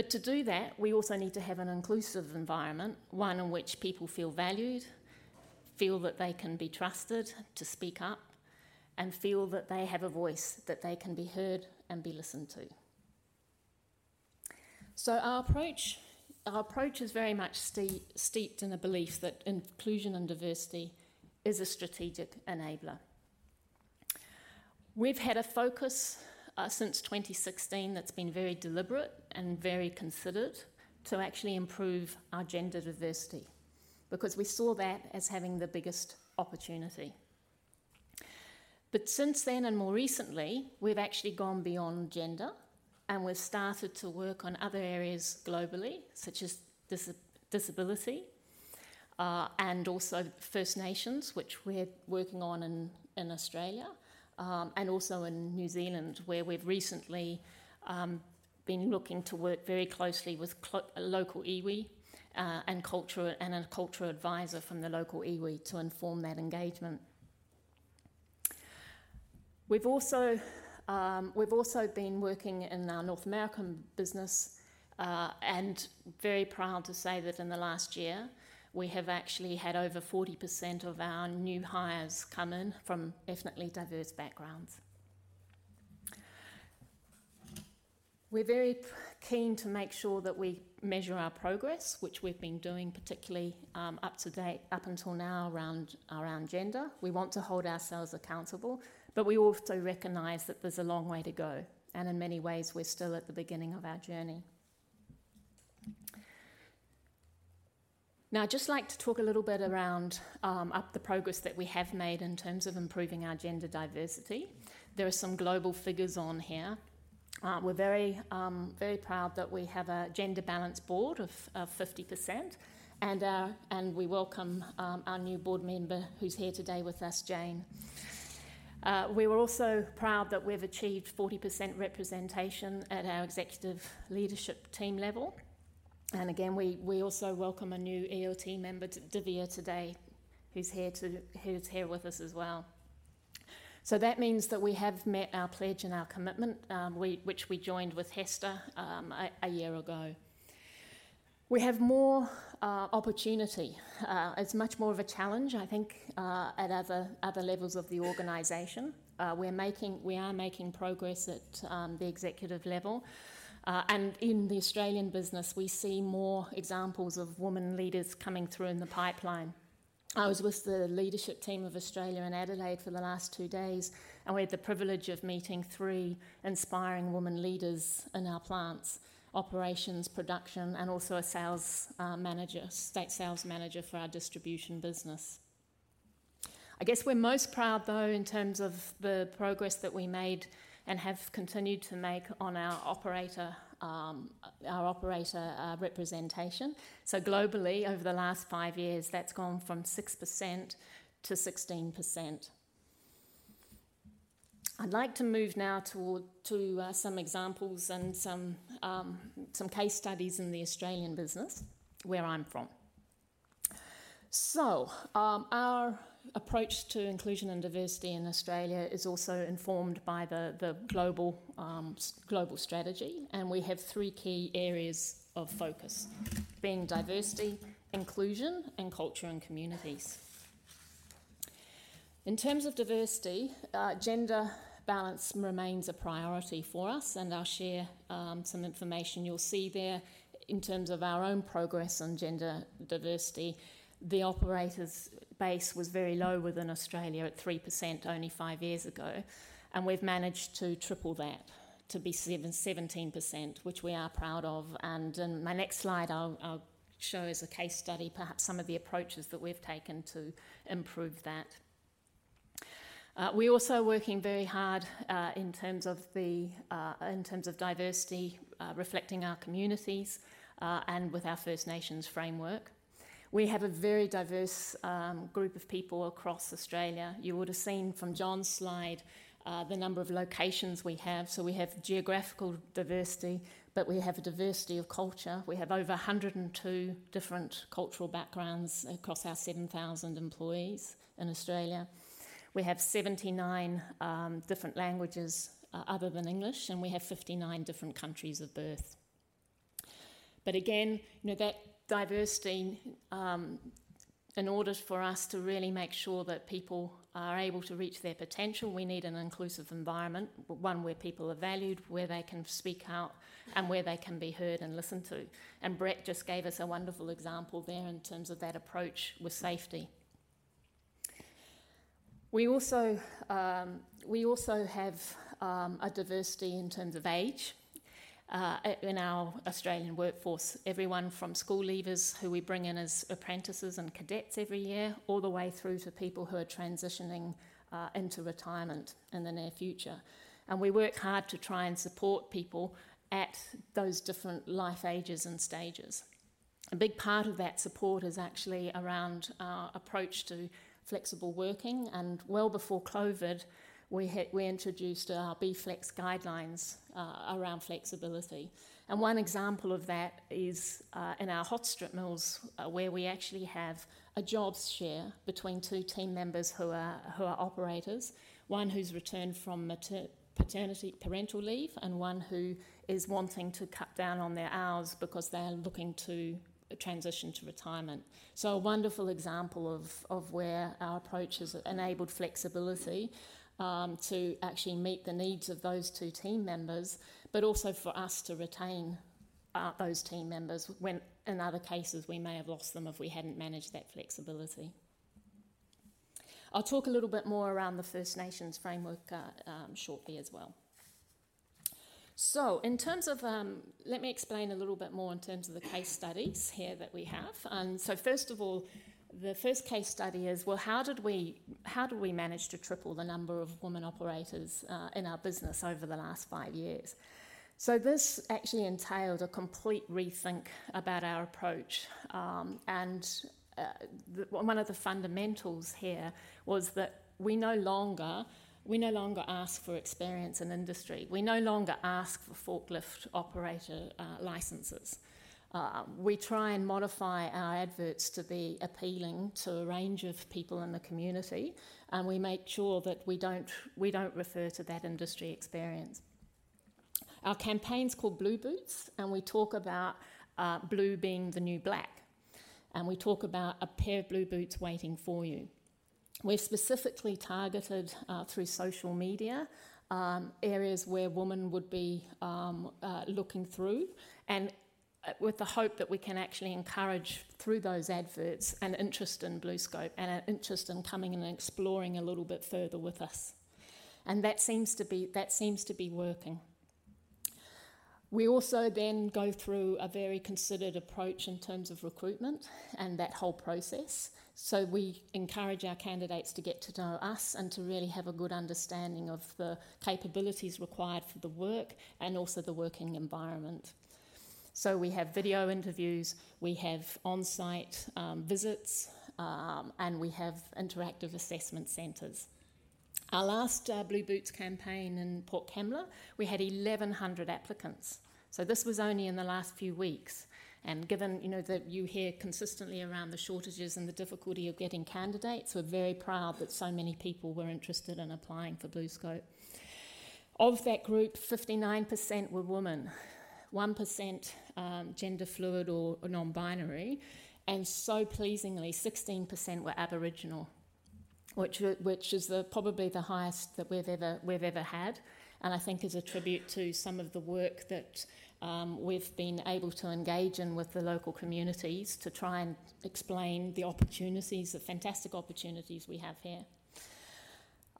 To do that, we also need to have an inclusive environment, one in which people feel valued, feel that they can be trusted to speak up, and feel that they have a voice, that they can be heard and be listened to. Our approach is very much steeped in a belief that inclusion and diversity is a strategic enabler. We've had a focus since 2016 that's been very deliberate and very considered to actually improve our gender diversity, because we saw that as having the biggest opportunity. Since then, and more recently, we've actually gone beyond gender, and we've started to work on other areas globally, such as disability, and also First Nations, which we're working on in Australia, and also in New Zealand, where we've recently been looking to work very closely with local iwi, and a cultural advisor from the local iwi to inform that engagement. We've also been working in our North American business, and very proud to say that in the last year, we have actually had over 40% of our new hires come in from ethnically diverse backgrounds. We're very keen to make sure that we measure our progress, which we've been doing particularly up until now around gender. We want to hold ourselves accountable, but we also recognize that there's a long way to go, and in many ways, we're still at the beginning of our journey. Now, I'd just like to talk a little bit about the progress that we have made in terms of improving our gender diversity. There are some global figures on here. We're very proud that we have a gender balance board of 50% and we welcome our new board member who's here today with us, Jane. We were also proud that we've achieved 40% representation at our executive leadership team level. Again, we also welcome a new ELT member, Divya today, who's here with us as well. That means that we have met our pledge and our commitment, which we joined with HESTA a year ago. We have more opportunity. It's much more of a challenge, I think, at other levels of the organization. We are making progress at the executive level. In the Australian business, we see more examples of women leaders coming through in the pipeline. I was with the leadership team of Australia in Adelaide for the last two days, and we had the privilege of meeting three inspiring women leaders in our plants, operations, production, and also a sales manager, state sales manager for our distribution business. I guess we're most proud though, in terms of the progress that we made and have continued to make on our operator representation. Globally, over the last five years, that's gone from 6% to 16%. I'd like to move now toward some examples and some case studies in the Australian business, where I'm from. Our approach to inclusion and diversity in Australia is also informed by the global strategy, and we have three key areas of focus, being diversity, inclusion, and culture and communities. In terms of diversity, gender balance remains a priority for us, and I'll share some information you'll see there in terms of our own progress on gender diversity. The operators' base was very low within Australia at 3% only five years ago, and we've managed to triple that to 17%, which we are proud of. In my next slide, I'll show as a case study perhaps some of the approaches that we've taken to improve that. We're also working very hard in terms of diversity reflecting our communities and with our First Nations framework. We have a very diverse group of people across Australia. You would have seen from John's slide the number of locations we have. We have geographical diversity, but we have a diversity of culture. We have over 102 different cultural backgrounds across our 7,000 employees in Australia. We have 79 different languages other than English, and we have 59 different countries of birth. Again, you know, that diversity in order for us to really make sure that people are able to reach their potential, we need an inclusive environment. One where people are valued, where they can speak out, and where they can be heard and listened to. Brett just gave us a wonderful example there in terms of that approach with safety. We also have a diversity in terms of age in our Australian workforce. Everyone from school leavers who we bring in as apprentices and cadets every year, all the way through to people who are transitioning into retirement in the near future. We work hard to try and support people at those different life ages and stages. A big part of that support is actually around our approach to flexible working, and well before COVID, we introduced our B-Flex guidelines around flexibility. One example of that is in our Hot Strip mills, where we actually have a job share between two team members who are operators. One who's returned from parental leave, and one who is wanting to cut down on their hours because they are looking to transition to retirement. A wonderful example of where our approach has enabled flexibility to actually meet the needs of those two team members, but also for us to retain those team members when in other cases we may have lost them if we hadn't managed that flexibility. I'll talk a little bit more around the First Nations framework shortly as well. In terms of, let me explain a little bit more in terms of the case studies here that we have. First of all, the first case study is, well, how did we manage to triple the number of women operators in our business over the last five years? This actually entailed a complete rethink about our approach. One of the fundamentals here was that we no longer ask for experience in industry. We no longer ask for forklift operator licenses. We try and modify our adverts to be appealing to a range of people in the community, and we make sure that we don't refer to that industry experience. Our campaign's called Blue Boots, and we talk about blue being the new black, and we talk about a pair of blue boots waiting for you. We specifically targeted through social media areas where women would be looking through, and with the hope that we can actually encourage, through those adverts, an interest in BlueScope and an interest in coming and exploring a little bit further with us. That seems to be working. We also then go through a very considered approach in terms of recruitment and that whole process. We encourage our candidates to get to know us and to really have a good understanding of the capabilities required for the work and also the working environment. We have video interviews, we have on-site visits, and we have interactive assessment centers. Our last Blue Boots campaign in Port Kembla, we had 1,100 applicants. This was only in the last few weeks. Given, you know, that you hear consistently around the shortages and the difficulty of getting candidates, we're very proud that so many people were interested in applying for BlueScope. Of that group, 59% were women, 1% gender fluid or non-binary, and so pleasingly, 16% were Aboriginal, which is the, probably the highest that we've ever had, and I think is a tribute to some of the work that we've been able to engage in with the local communities to try and explain the opportunities, the fantastic opportunities we have here.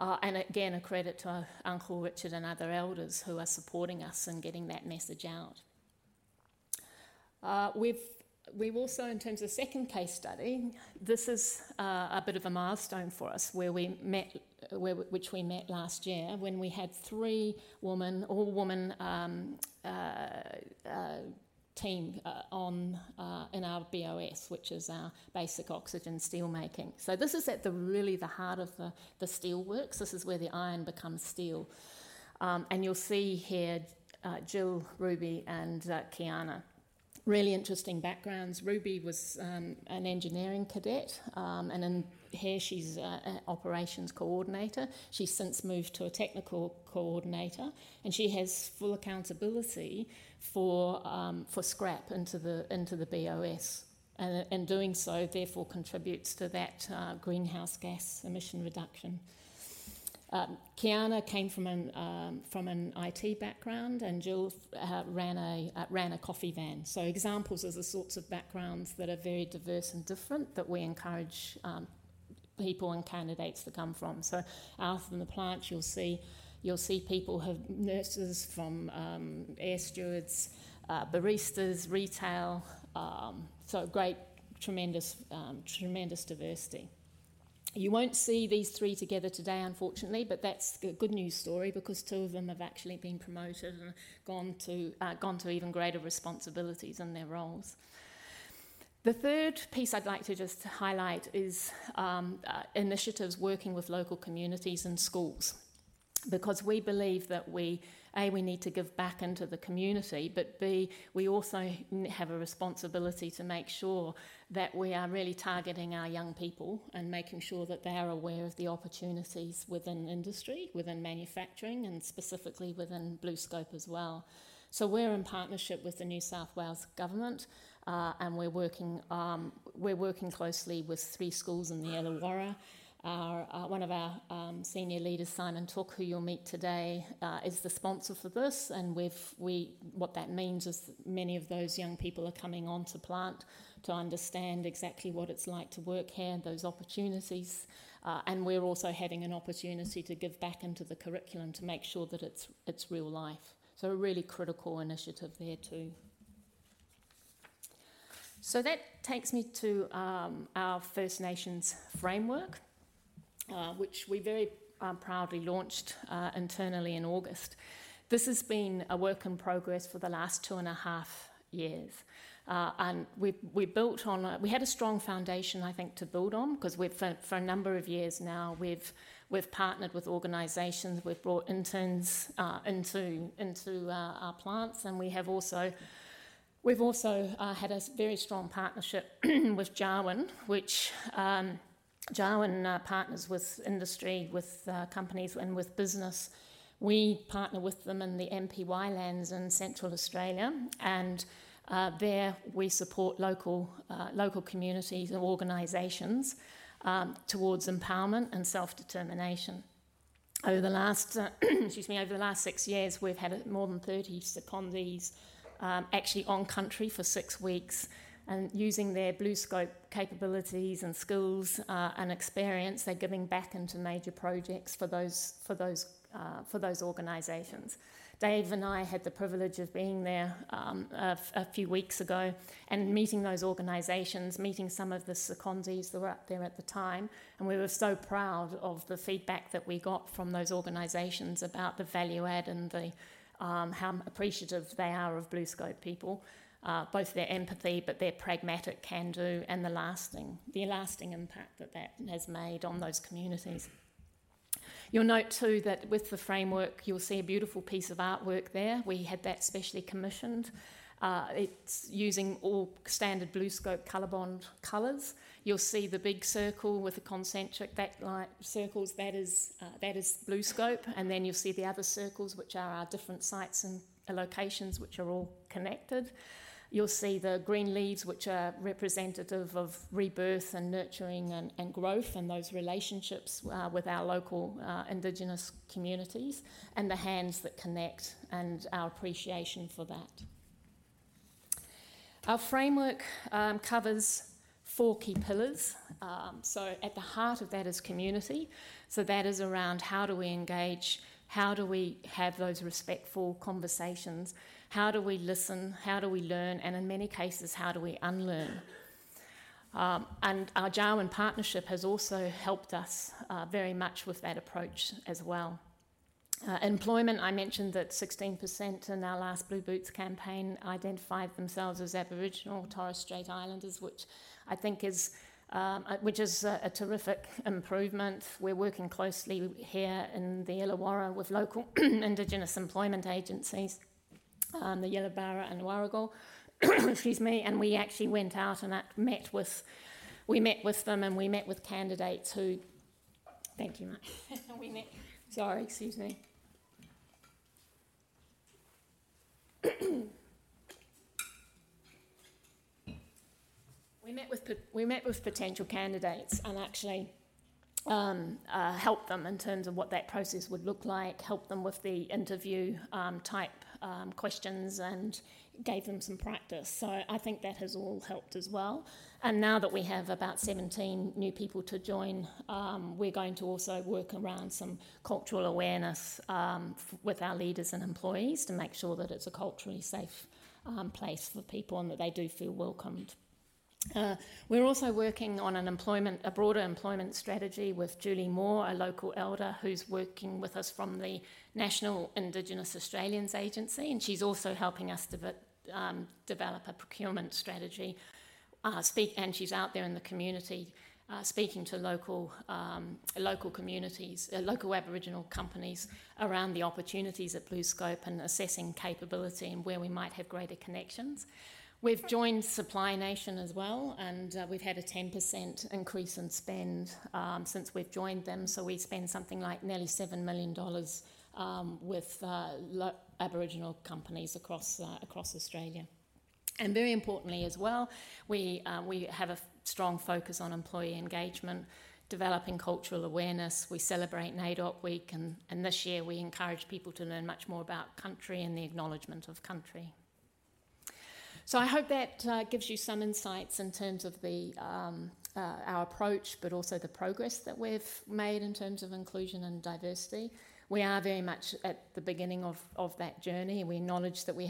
Again, a credit to Uncle Richard Davis and other elders who are supporting us in getting that message out. We've also, in terms of second case study, this is a bit of a milestone for us, which we met last year, when we had three women, all-women team in our BOS, which is our basic oxygen steel making. This is at the heart of the steelworks. This is where the iron becomes steel. You'll see here, Jill, Ruby, and Kiana. Really interesting backgrounds. Ruby was an engineering cadet, and in here she's an operations coordinator. She's since moved to a technical coordinator, and she has full accountability for scrap into the BOS. Doing so therefore contributes to that greenhouse gas emission reduction. Kiana came from an IT background, and Jill ran a coffee van. Examples of the sorts of backgrounds that are very diverse and different that we encourage people and candidates to come from. Out from the plant, you'll see people who nurses, former air stewards, baristas, retail, so great, tremendous diversity. You won't see these three together today, unfortunately, but that's a good news story because two of them have actually been promoted and gone to even greater responsibilities in their roles. The third piece I'd like to just highlight is initiatives working with local communities and schools. Because we believe that we, A, we need to give back into the community, but B, we also have a responsibility to make sure that we are really targeting our young people and making sure that they are aware of the opportunities within industry, within manufacturing, and specifically within BlueScope as well. We're in partnership with the New South Wales Government, and we're working closely with three schools in the Illawarra. One of our senior leaders, Simon Took, who you'll meet today, is the sponsor for this. What that means is many of those young people are coming on to plant to understand exactly what it's like to work here and those opportunities. We're also having an opportunity to give back into the curriculum to make sure that it's real life. A really critical initiative there too. That takes me to our First Nations framework, which we very proudly launched internally in August. This has been a work in progress for the last two and a half years. We had a strong foundation, I think, to build on, 'cause we've for a number of years now, we've partnered with organizations. We've brought interns into our plants, and we have also had a very strong partnership with Jawun, which Jawun partners with industry, with companies, and with business. We partner with them in the NPY Lands in Central Australia, and there we support local communities and organizations towards empowerment and self-determination. Over the last 6 years, we've had more than 30 secondees, actually on country for 6 weeks, and using their BlueScope capabilities and skills, and experience, they're giving back into major projects for those organizations. Dave and I had the privilege of being there, a few weeks ago and meeting those organizations, meeting some of the secondees that were up there at the time, and we were so proud of the feedback that we got from those organizations about the value add and the, how appreciative they are of BlueScope people. Both their empathy, but their pragmatic can-do and the lasting impact that that has made on those communities. You'll note too that with the framework, you'll see a beautiful piece of artwork there. We had that specially commissioned. It's using all standard BlueScope COLORBOND colors. You'll see the big circle with the concentric backline circles. That is BlueScope. Then you'll see the other circles, which are our different sites and locations, which are all connected. You'll see the green leaves, which are representative of rebirth and nurturing and growth and those relationships with our local Indigenous communities, and the hands that connect and our appreciation for that. Our framework covers four key pillars. At the heart of that is community. That is around how do we engage? How do we have those respectful conversations? How do we listen? How do we learn? And in many cases, how do we unlearn? Our Jawun partnership has also helped us very much with that approach as well. Employment, I mentioned that 16% in our last Blue Boots campaign identified themselves as Aboriginal or Torres Strait Islanders, which I think is a terrific improvement. We're working closely here in the Illawarra with local indigenous employment agencies, the Yilabara and Warrigal, excuse me, and we actually went out and met with them, and we met with potential candidates and actually helped them in terms of what that process would look like, helped them with the interview type questions and gave them some practice. I think that has all helped as well. Now that we have about 17 new people to join, we're going to also work around some cultural awareness with our leaders and employees to make sure that it's a culturally safe place for people and that they do feel welcomed. We're also working on a broader employment strategy with Julie Moore, a local elder who's working with us from the National Indigenous Australians Agency, and she's also helping us develop a procurement strategy, and she's out there in the community, speaking to local communities, local Aboriginal companies around the opportunities at BlueScope and assessing capability and where we might have greater connections. We've joined Supply Nation as well, and we've had a 10% increase in spend since we've joined them. We spend something like nearly 7 million dollars with Aboriginal companies across Australia. Very importantly as well, we have a strong focus on employee engagement, developing cultural awareness. We celebrate NAIDOC Week, and this year we encourage people to learn much more about country and the acknowledgement of country. I hope that gives you some insights in terms of our approach, but also the progress that we've made in terms of inclusion and diversity. We are very much at the beginning of that journey, and we acknowledge that we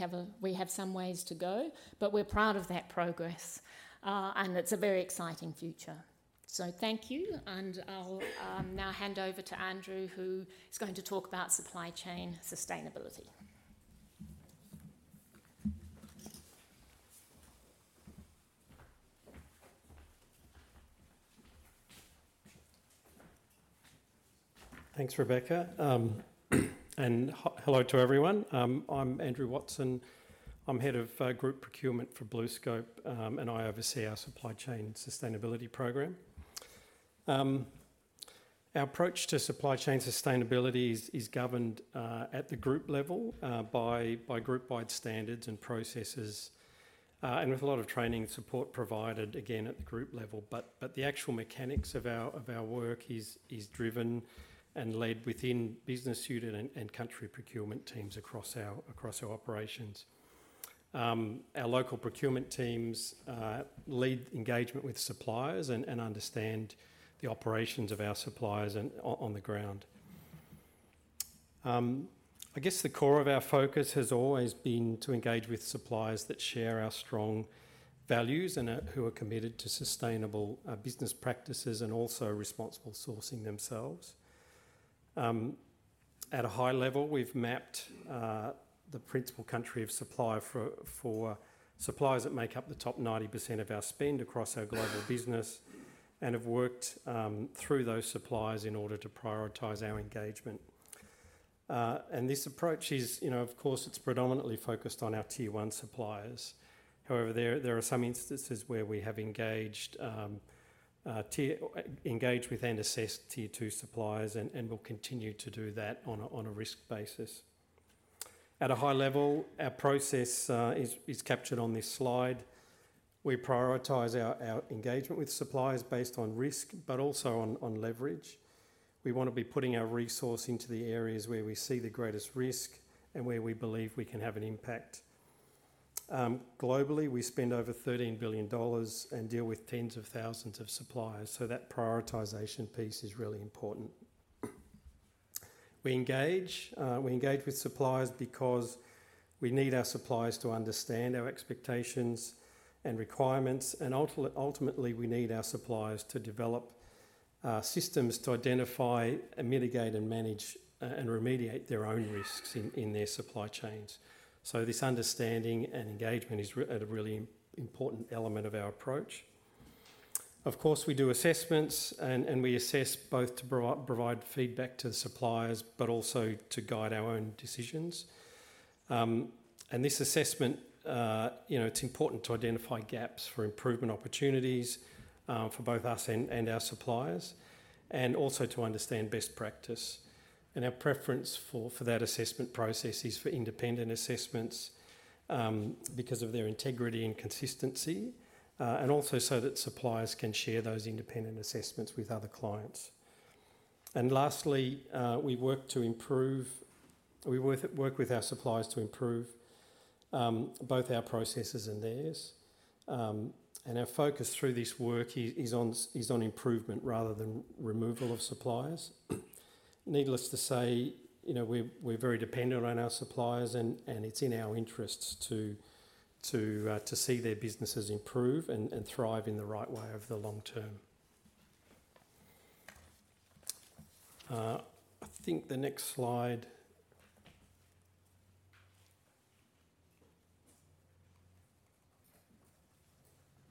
have some ways to go, but we're proud of that progress, and it's a very exciting future. Thank you, and I'll now hand over to Andrew, who is going to talk about supply chain sustainability. Thanks, Rebecca. Hello to everyone. I'm Andrew Watson. I'm Head of Group Procurement for BlueScope, and I oversee our supply chain sustainability program. Our approach to supply chain sustainability is governed at the group level by group-wide standards and processes, and with a lot of training and support provided again at the group level. The actual mechanics of our work is driven and led within business unit and country procurement teams across our operations. Our local procurement teams lead engagement with suppliers and understand the operations of our suppliers on the ground. I guess the core of our focus has always been to engage with suppliers that share our strong values and who are committed to sustainable business practices and also responsible sourcing themselves. At a high level, we've mapped the principal country of supply for suppliers that make up the top 90% of our spend across our global business and have worked through those suppliers in order to prioritize our engagement. This approach is, you know, of course, it's predominantly focused on our tier one suppliers. However, there are some instances where we have engaged with and assessed tier two suppliers and will continue to do that on a risk basis. At a high level, our process is captured on this slide. We prioritize our engagement with suppliers based on risk, but also on leverage. We wanna be putting our resource into the areas where we see the greatest risk and where we believe we can have an impact. Globally, we spend over 13 billion dollars and deal with tens of thousands of suppliers, so that prioritization piece is really important. We engage with suppliers because we need our suppliers to understand our expectations and requirements, and ultimately, we need our suppliers to develop systems to identify and mitigate and manage and remediate their own risks in their supply chains. This understanding and engagement is a really important element of our approach. Of course, we do assessments and we assess both to provide feedback to the suppliers, but also to guide our own decisions. You know, this assessment, it's important to identify gaps for improvement opportunities for both us and our suppliers, and also to understand best practice. Our preference for that assessment process is for independent assessments, because of their integrity and consistency, and also so that suppliers can share those independent assessments with other clients. Lastly, we work with our suppliers to improve both our processes and theirs. Our focus through this work is on improvement rather than removal of suppliers. Needless to say, you know, we're very dependent on our suppliers and it's in our interests to see their businesses improve and thrive in the right way over the long term. I think the next slide.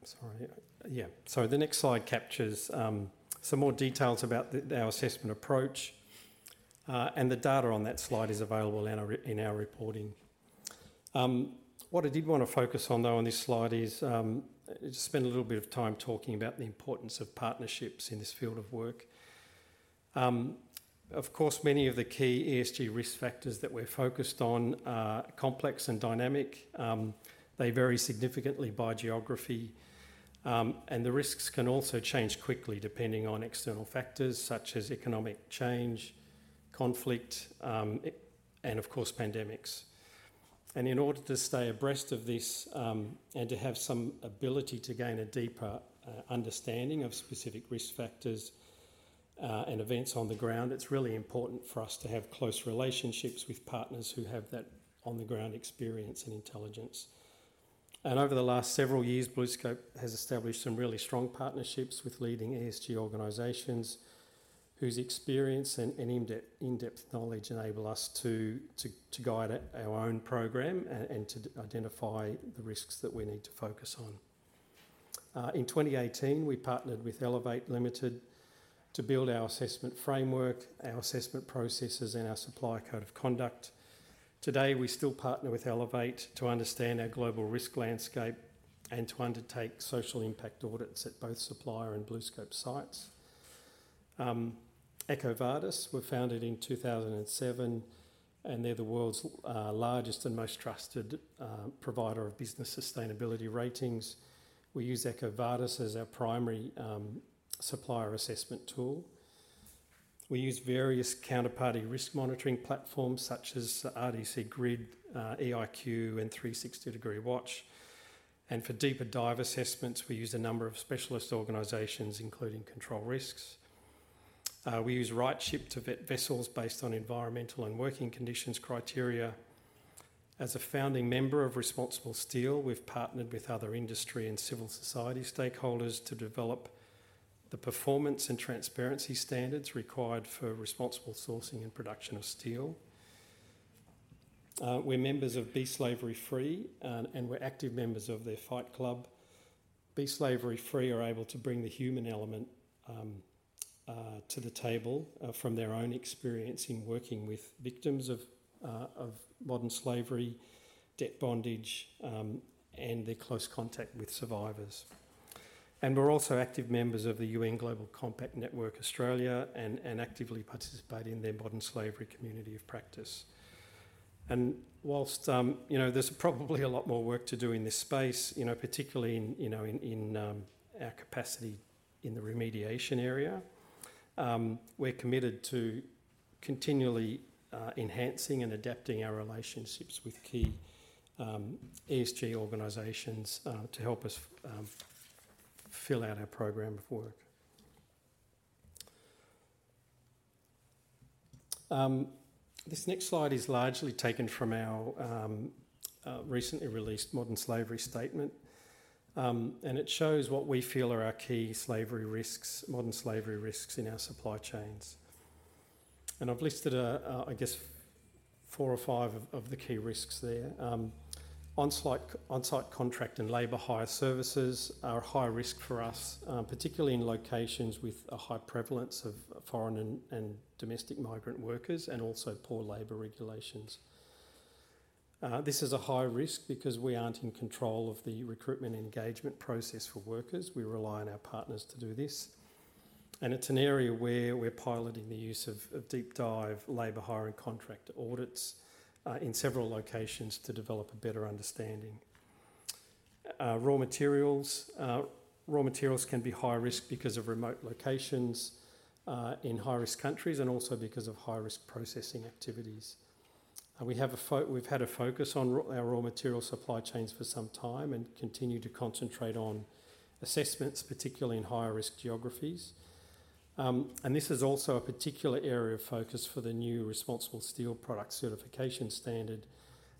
Sorry. Yeah. The next slide captures some more details about our assessment approach, and the data on that slide is available in our reporting. What I did wanna focus on though on this slide is, just spend a little bit of time talking about the importance of partnerships in this field of work. Of course, many of the key ESG risk factors that we're focused on are complex and dynamic. They vary significantly by geography, and the risks can also change quickly depending on external factors such as economic change, conflict, and of course, pandemics. In order to stay abreast of this, and to have some ability to gain a deeper understanding of specific risk factors and events on the ground. It's really important for us to have close relationships with partners who have that on-the-ground experience and intelligence. Over the last several years, BlueScope has established some really strong partnerships with leading ESG organizations whose experience and in-depth knowledge enable us to guide our own program and to identify the risks that we need to focus on. In 2018, we partnered with ELEVATE Limited to build our assessment framework, our assessment processes, and our supplier code of conduct. Today, we still partner with ELEVATE to understand our global risk landscape and to undertake social impact audits at both supplier and BlueScope sites. EcoVadis were founded in 2007, and they're the world's largest and most trusted provider of business sustainability ratings. We use EcoVadis as our primary supplier assessment tool. We use various counterparty risk monitoring platforms such as RDC GRID, EiQ, and 360° Watch. For deeper dive assessments, we use a number of specialist organizations, including Control Risks. We use RightShip to vet vessels based on environmental and working conditions criteria. As a founding member of ResponsibleSteel, we've partnered with other industry and civil society stakeholders to develop the performance and transparency standards required for responsible sourcing and production of steel. We're members of Be Slavery Free, and we're active members of their Fight Club. Be Slavery Free are able to bring the human element to the table from their own experience in working with victims of modern slavery, debt bondage, and their close contact with survivors. We're also active members of the UN Global Compact Network Australia and actively participate in their modern slavery community of practice. While, you know, there's probably a lot more work to do in this space, you know, particularly in our capacity in the remediation area, we're committed to continually enhancing and adapting our relationships with key ESG organizations to help us fill out our program of work. This next slide is largely taken from our recently released modern slavery statement. It shows what we feel are our key slavery risks, modern slavery risks in our supply chains. I've listed, I guess four or five of the key risks there. On-site contract and labor hire services are high risk for us, particularly in locations with a high prevalence of foreign and domestic migrant workers and also poor labor regulations. This is a high risk because we aren't in control of the recruitment engagement process for workers. We rely on our partners to do this. It's an area where we're piloting the use of deep dive labor hiring contractor audits in several locations to develop a better understanding. Raw materials can be high risk because of remote locations in high-risk countries and also because of high-risk processing activities. We have a focus on our raw material supply chains for some time and continue to concentrate on assessments, particularly in higher risk geographies. This is also a particular area of focus for the new ResponsibleSteel product certification standard,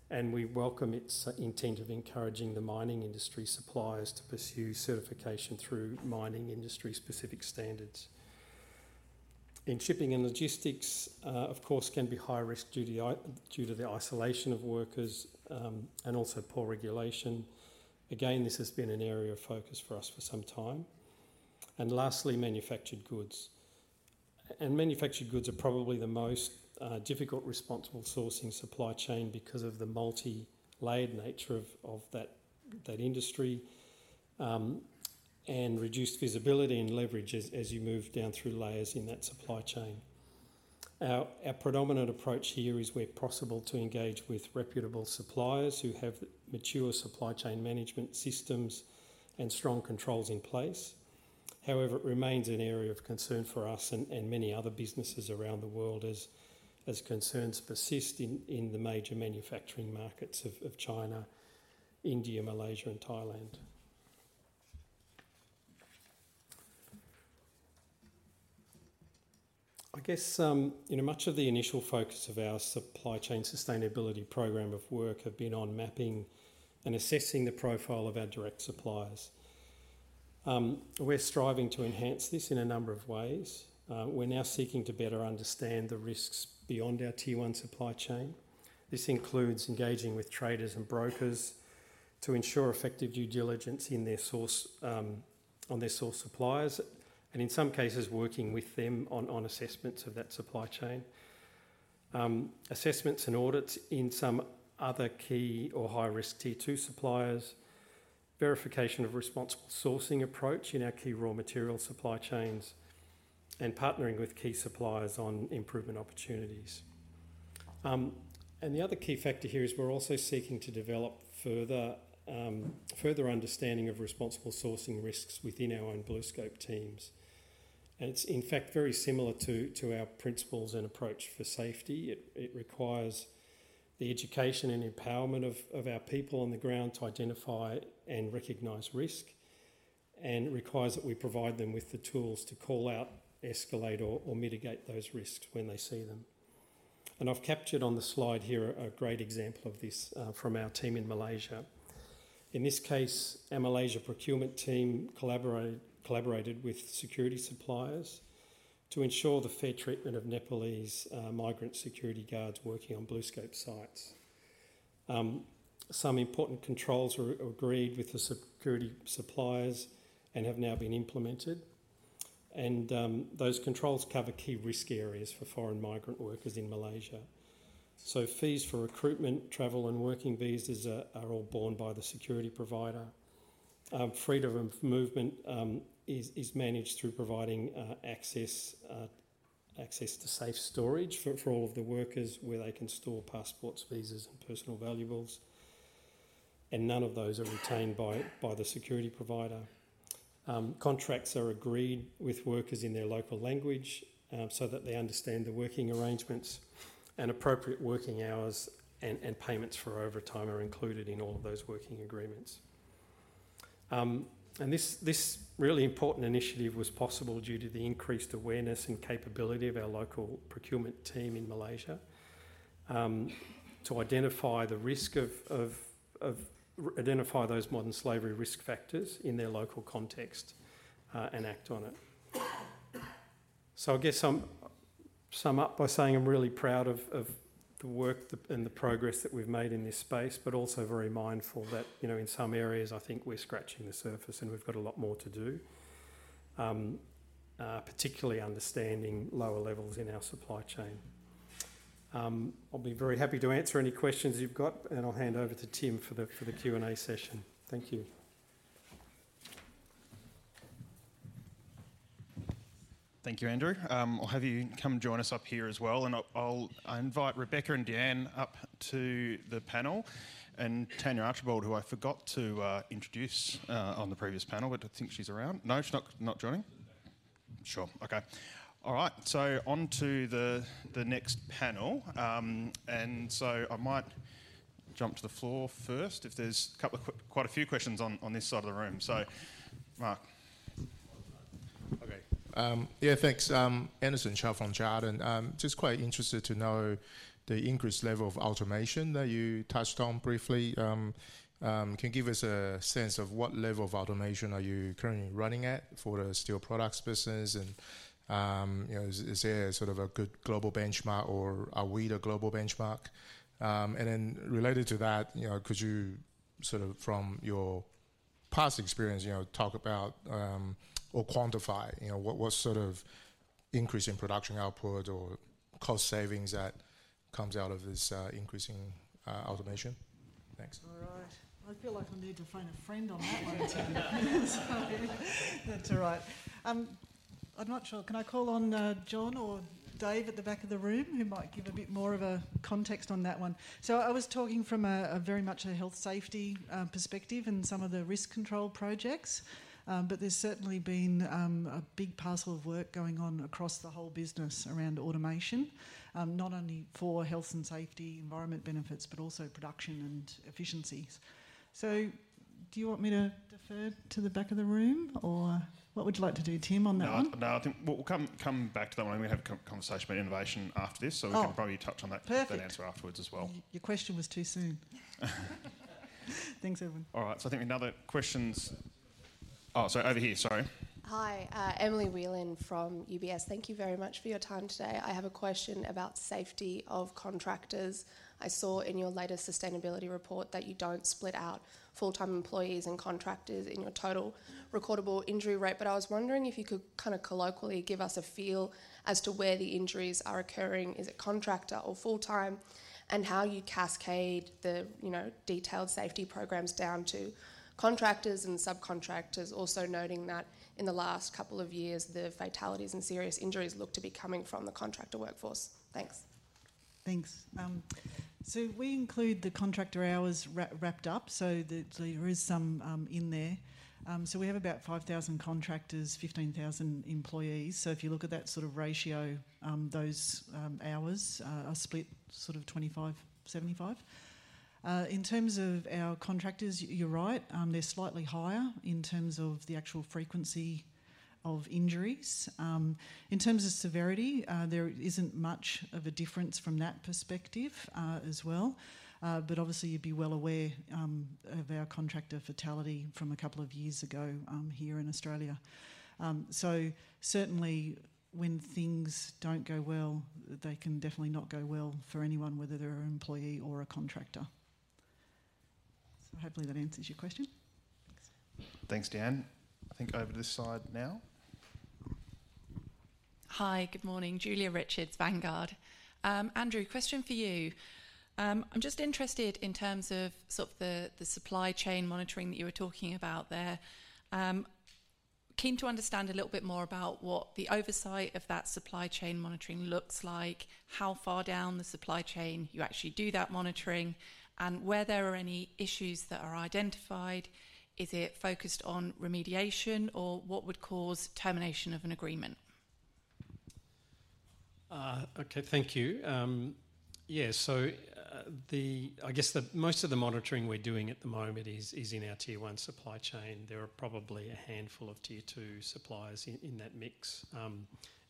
and we welcome its intent of encouraging the mining industry suppliers to pursue certification through mining industry specific standards. In shipping and logistics, of course, can be high risk due to the isolation of workers, and also poor regulation. Again, this has been an area of focus for us for some time. Lastly, manufactured goods. Manufactured goods are probably the most difficult responsible sourcing supply chain because of the multilayered nature of that industry, and reduced visibility and leverage as you move down through layers in that supply chain. Our predominant approach here is where possible to engage with reputable suppliers who have mature supply chain management systems and strong controls in place. However, it remains an area of concern for us and many other businesses around the world as concerns persist in the major manufacturing markets of China, India, Malaysia, and Thailand. I guess, you know, much of the initial focus of our supply chain sustainability program of work have been on mapping and assessing the profile of our direct suppliers. We're striving to enhance this in a number of ways. We're now seeking to better understand the risks beyond our tier one supply chain. This includes engaging with traders and brokers to ensure effective due diligence on their source suppliers, and in some cases, working with them on assessments of that supply chain, assessments and audits in some other key or high-risk tier two suppliers, verification of responsible sourcing approach in our key raw material supply chains, and partnering with key suppliers on improvement opportunities. The other key factor here is we're also seeking to develop further understanding of responsible sourcing risks within our own BlueScope teams. It's, in fact, very similar to our principles and approach for safety. It requires The education and empowerment of our people on the ground to identify and recognize risk, and it requires that we provide them with the tools to call out, escalate, or mitigate those risks when they see them. I've captured on the slide here a great example of this from our team in Malaysia. In this case, our Malaysia procurement team collaborated with security suppliers to ensure the fair treatment of Nepalese migrant security guards working on BlueScope sites. Some important controls were agreed with the security suppliers and have now been implemented and those controls cover key risk areas for foreign migrant workers in Malaysia. Fees for recruitment, travel, and working visas are all borne by the security provider. Freedom of movement is managed through providing access to safe storage for all of the workers where they can store passports, visas, and personal valuables, and none of those are retained by the security provider. Contracts are agreed with workers in their local language, so that they understand the working arrangements and appropriate working hours and payments for overtime are included in all of those working agreements. This really important initiative was possible due to the increased awareness and capability of our local procurement team in Malaysia to identify those modern slavery risk factors in their local context and act on it. I guess I'll sum up by saying I'm really proud of the work and the progress that we've made in this space, but also very mindful that, you know, in some areas I think we're scratching the surface and we've got a lot more to do. Particularly understanding lower levels in our supply chain. I'll be very happy to answer any questions you've got, and I'll hand over to Tim for the Q&A session. Thank you. Thank you, Andrew. I'll have you come join us up here as well, and I'll invite Rebecca and Deanne up to the panel and Tania Archibald, who I forgot to introduce on the previous panel, but I think she's around. No, she's not joining? Sure. Okay. All right. On to the next panel. I might jump to the floor first if there's a couple of quite a few questions on this side of the room. Mark. Okay. Yeah, thanks. Anderson Chow from Jarden. Just quite interested to know the increased level of automation that you touched on briefly. Can you give us a sense of what level of automation are you currently running at for the steel products business and, you know, is there sort of a good global benchmark or are we the global benchmark? And then related to that, you know, could you sort of from your past experience, you know, talk about or quantify, you know, what sort of increase in production output or cost savings that comes out of this increasing automation? Thanks. All right. I feel like I need to phone a friend on that one, Tim. Sorry. That's all right. I'm not sure. Can I call on John or Dave at the back of the room who might give a bit more of a context on that one? I was talking from a very much health and safety perspective in some of the risk control projects. There's certainly been a big parcel of work going on across the whole business around automation, not only for health and safety, environment benefits, but also production and efficiencies. Do you want me to defer to the back of the room or what would you like to do, Tim, on that one? No, I think we'll come back to that one when we have a conversation about innovation after this. Oh. We can probably touch on that. Perfect that answer afterwards as well. Your question was too soon. Thanks, everyone. All right. Oh, sorry, over here. Sorry. Hi. Emily Whelan from UBS. Thank you very much for your time today. I have a question about safety of contractors. I saw in your latest sustainability report that you don't split out full-time employees and contractors in your total recordable injury rate, but I was wondering if you could kind of colloquially give us a feel as to where the injuries are occurring. Is it contractor or full-time, and how you cascade the, you know, detailed safety programs down to contractors and subcontractors? Also noting that in the last couple of years, the fatalities and serious injuries look to be coming from the contractor workforce. Thanks. Thanks. We include the contractor hours wrapped up, so the, there is some in there. We have about 5,000 contractors, 15,000 employees. If you look at that sort of ratio, those hours are split sort of 25/75. In terms of our contractors, you're right. They're slightly higher in terms of the actual frequency of injuries. In terms of severity, there isn't much of a difference from that perspective, as well. But obviously you'd be well aware of our contractor fatality from a couple of years ago, here in Australia. Certainly when things don't go well, they can definitely not go well for anyone, whether they're an employee or a contractor. Hopefully that answers your question. Thanks. Thanks, Deanne. I think over this side now. Hi. Good morning. Julia Richards, Vanguard. Andrew, question for you. I'm just interested in terms of sort of the supply chain monitoring that you were talking about there. Keen to understand a little bit more about what the oversight of that supply chain monitoring looks like, how far down the supply chain you actually do that monitoring, and where there are any issues that are identified, is it focused on remediation or what would cause termination of an agreement? Okay. Thank you. Yeah, so the most of the monitoring we're doing at the moment is in our tier one supply chain. There are probably a handful of tier two suppliers in that mix,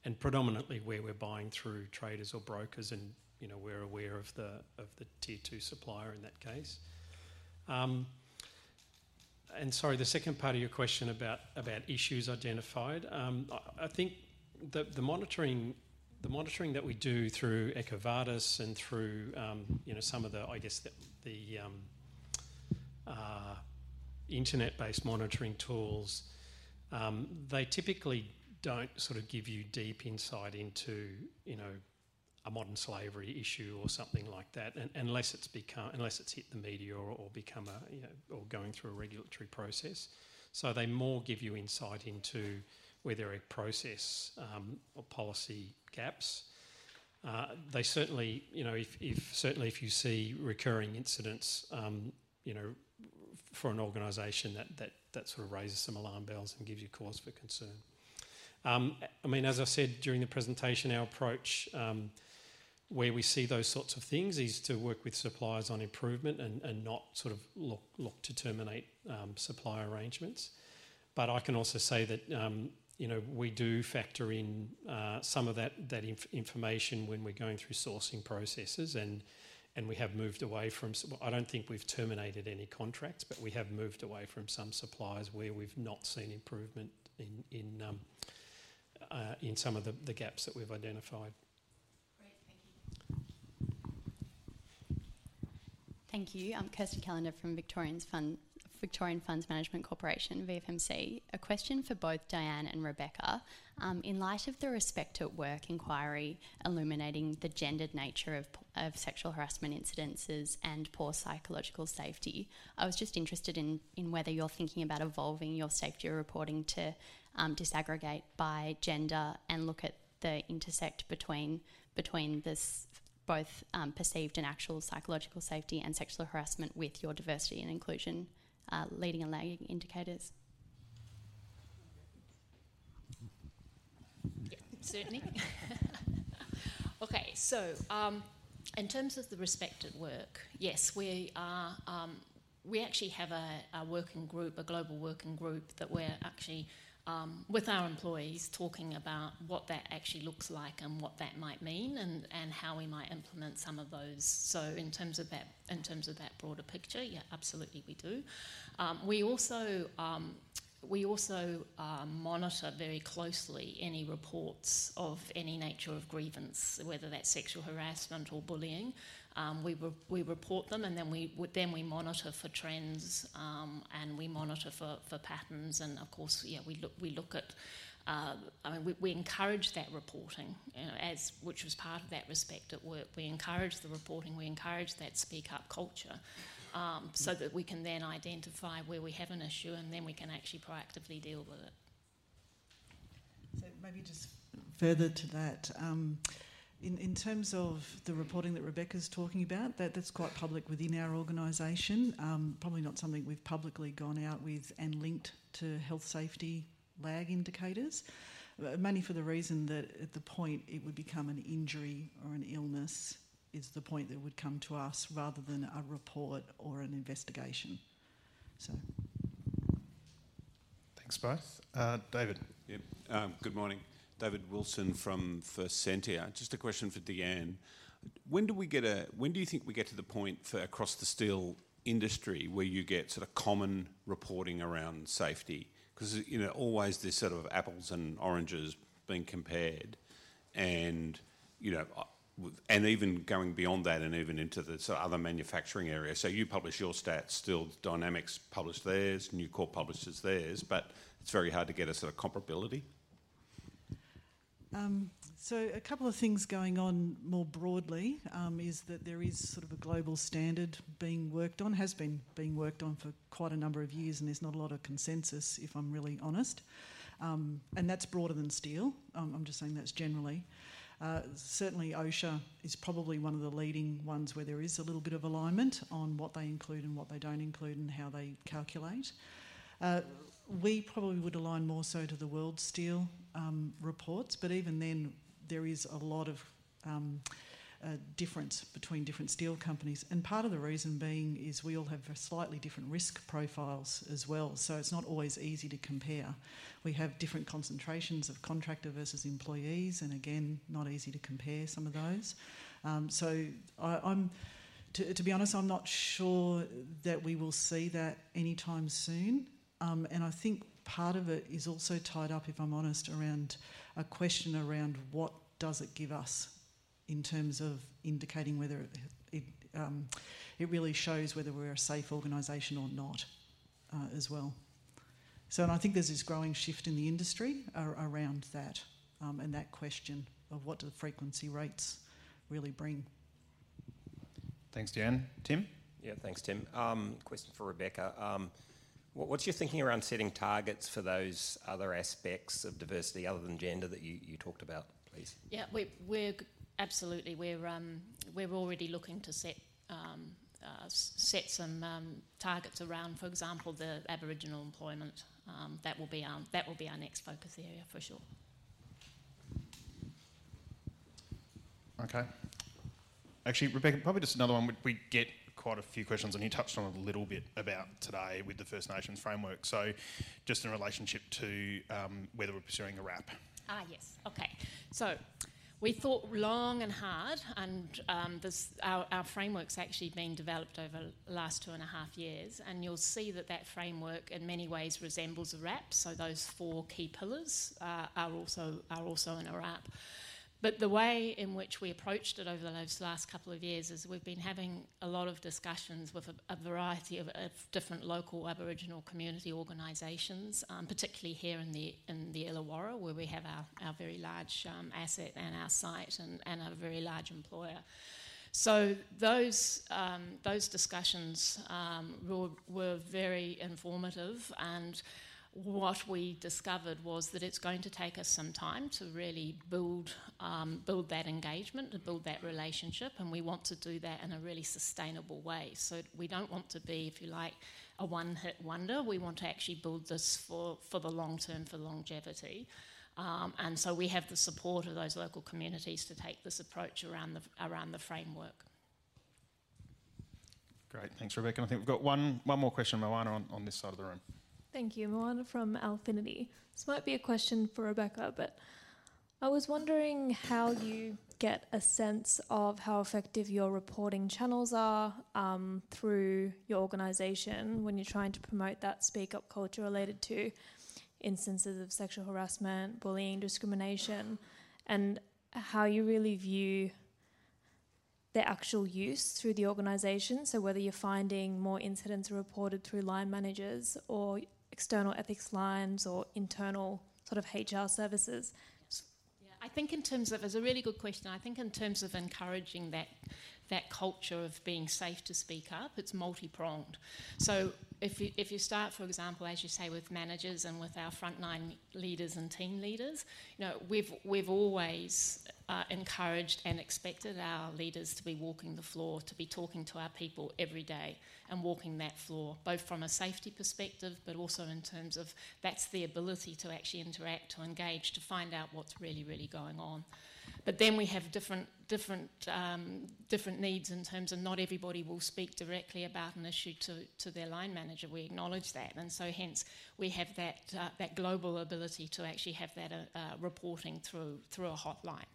and predominantly where we're buying through traders or brokers and, you know, we're aware of the tier two supplier in that case. Sorry, the second part of your question about issues identified, I think the monitoring that we do through EcoVadis and through, you know, some of the, I guess the internet-based monitoring tools, they typically don't sort of give you deep insight into, you know, a modern slavery issue or something like that unless it's become. Unless it's hit the media or become a, you know, or going through a regulatory process. They merely give you insight into where there are process or policy gaps. They certainly, you know, if you see recurring incidents, you know, for an organization that sort of raises some alarm bells and gives you cause for concern. I mean, as I said during the presentation, our approach where we see those sorts of things is to work with suppliers on improvement and not sort of look to terminate supplier arrangements. I can also say that, you know, we do factor in some of that information when we're going through sourcing processes and we have moved away from. Well, I don't think we've terminated any contracts, but we have moved away from some suppliers where we've not seen improvement in some of the gaps that we've identified. Thank you. I'm Kirsten Callander from Victorian Funds Management Corporation, VFMC. A question for both Deanne and Rebecca. In light of the Respect@Work inquiry illuminating the gendered nature of sexual harassment incidents and poor psychological safety, I was just interested in whether you're thinking about evolving your safety reporting to disaggregate by gender and look at the intersection between this both perceived and actual psychological safety and sexual harassment with your diversity and inclusion leading and lagging indicators. Yeah, certainly. Okay. In terms of the Respect@Work, yes, we are, we actually have a working group, a global working group that we're actually with our employees talking about what that actually looks like and what that might mean and how we might implement some of those. In terms of that broader picture, yeah, absolutely we do. We also monitor very closely any reports of any nature of grievance, whether that's sexual harassment or bullying. We report them, and then we monitor for trends, and we monitor for patterns and of course, yeah, we look at. I mean, we encourage that reporting, you know, as which was part of that Respect@Work. We encourage the reporting. We encourage that speak up culture so that we can then identify where we have an issue, and then we can actually proactively deal with it. Maybe just further to that, in terms of the reporting that Rebecca's talking about, that's quite public within our organization, probably not something we've publicly gone out with and linked to health and safety lagging indicators. Mainly for the reason that at the point it would become an injury or an illness is the point that it would come to us rather than a report or an investigation. Thanks, both. David. Good morning. David Wilson from First Sentier. Just a question for Deanne. When do you think we get to the point for across the steel industry where you get sort of common reporting around safety? 'Cause, you know, always this sort of apples and oranges being compared and, you know, and even going beyond that and even into the sort of other manufacturing areas. You publish your stats, Steel Dynamics publish theirs, Nucor publishes theirs, but it's very hard to get a sort of comparability. A couple of things going on more broadly is that there is sort of a global standard being worked on for quite a number of years, and there's not a lot of consensus, if I'm really honest. That's broader than steel. I'm just saying that's generally. Certainly OSHA is probably one of the leading ones where there is a little bit of alignment on what they include and what they don't include and how they calculate. We probably would align more so to the worldsteel reports, but even then, there is a lot of difference between different steel companies. Part of the reason being is we all have slightly different risk profiles as well, so it's not always easy to compare. We have different concentrations of contractor versus employees, and again, not easy to compare some of those. To be honest, I'm not sure that we will see that anytime soon. I think part of it is also tied up, if I'm honest, around a question around what does it give us in terms of indicating whether it really shows whether we're a safe organization or not, as well. I think there's this growing shift in the industry around that, and that question of what do the frequency rates really bring. Thanks, Diane. Tim? Yeah. Thanks, Tim. Question for Rebecca. What's your thinking around setting targets for those other aspects of diversity other than gender that you talked about, please? Yeah. Absolutely, we're already looking to set some targets around, for example, the Aboriginal employment, that will be our next focus area for sure. Okay. Actually, Rebecca, probably just another one. We get quite a few questions, and you touched on it a little bit about today with the First Nations framework. Just in relationship to whether we're pursuing a RAP. We thought long and hard, and this, our framework's actually been developed over the last two and a half years. You'll see that framework in many ways resembles a RAP, so those four key pillars are also in our RAP. The way in which we approached it over those last couple of years is we've been having a lot of discussions with a variety of different local Aboriginal community organizations, particularly here in the Illawarra, where we have our very large asset and our site and a very large employer. Those discussions were very informative, and what we discovered was that it's going to take us some time to really build that engagement and build that relationship, and we want to do that in a really sustainable way. We don't want to be, if you like, a one-hit wonder. We want to actually build this for the long term, for longevity. We have the support of those local communities to take this approach around the framework. Great. Thanks, Rebecca. I think we've got one more question. Moana on this side of the room. Thank you. Moana from Alphinity. This might be a question for Rebecca, but I was wondering how you get a sense of how effective your reporting channels are through your organization when you're trying to promote that speak up culture related to instances of sexual harassment, bullying, discrimination, and how you really view the actual use through the organization. Whether you're finding more incidents are reported through line managers or external ethics lines or internal sort of HR services? Yeah. That's a really good question. I think in terms of encouraging that culture of being safe to speak up, it's multi-pronged. If you start, for example, as you say, with managers and with our front line leaders and team leaders, you know, we've always encouraged and expected our leaders to be walking the floor, to be talking to our people every day and walking that floor, both from a safety perspective, but also in terms of that's their ability to actually interact, to engage, to find out what's really going on. We have different needs in terms of not everybody will speak directly about an issue to their line manager. We acknowledge that. Hence, we have that global ability to actually have that reporting through a hotline.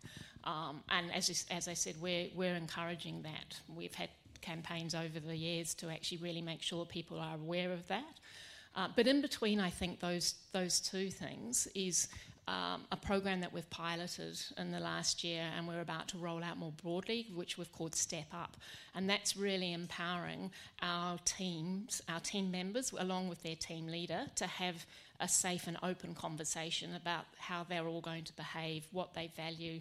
As I said, we're encouraging that. We've had campaigns over the years to actually really make sure people are aware of that. In between, I think those two things is a program that we've piloted in the last year and we're about to roll out more broadly, which we've called Step Up, and that's really empowering our teams, our team members, along with their team leader, to have a safe and open conversation about how they're all going to behave, what they value,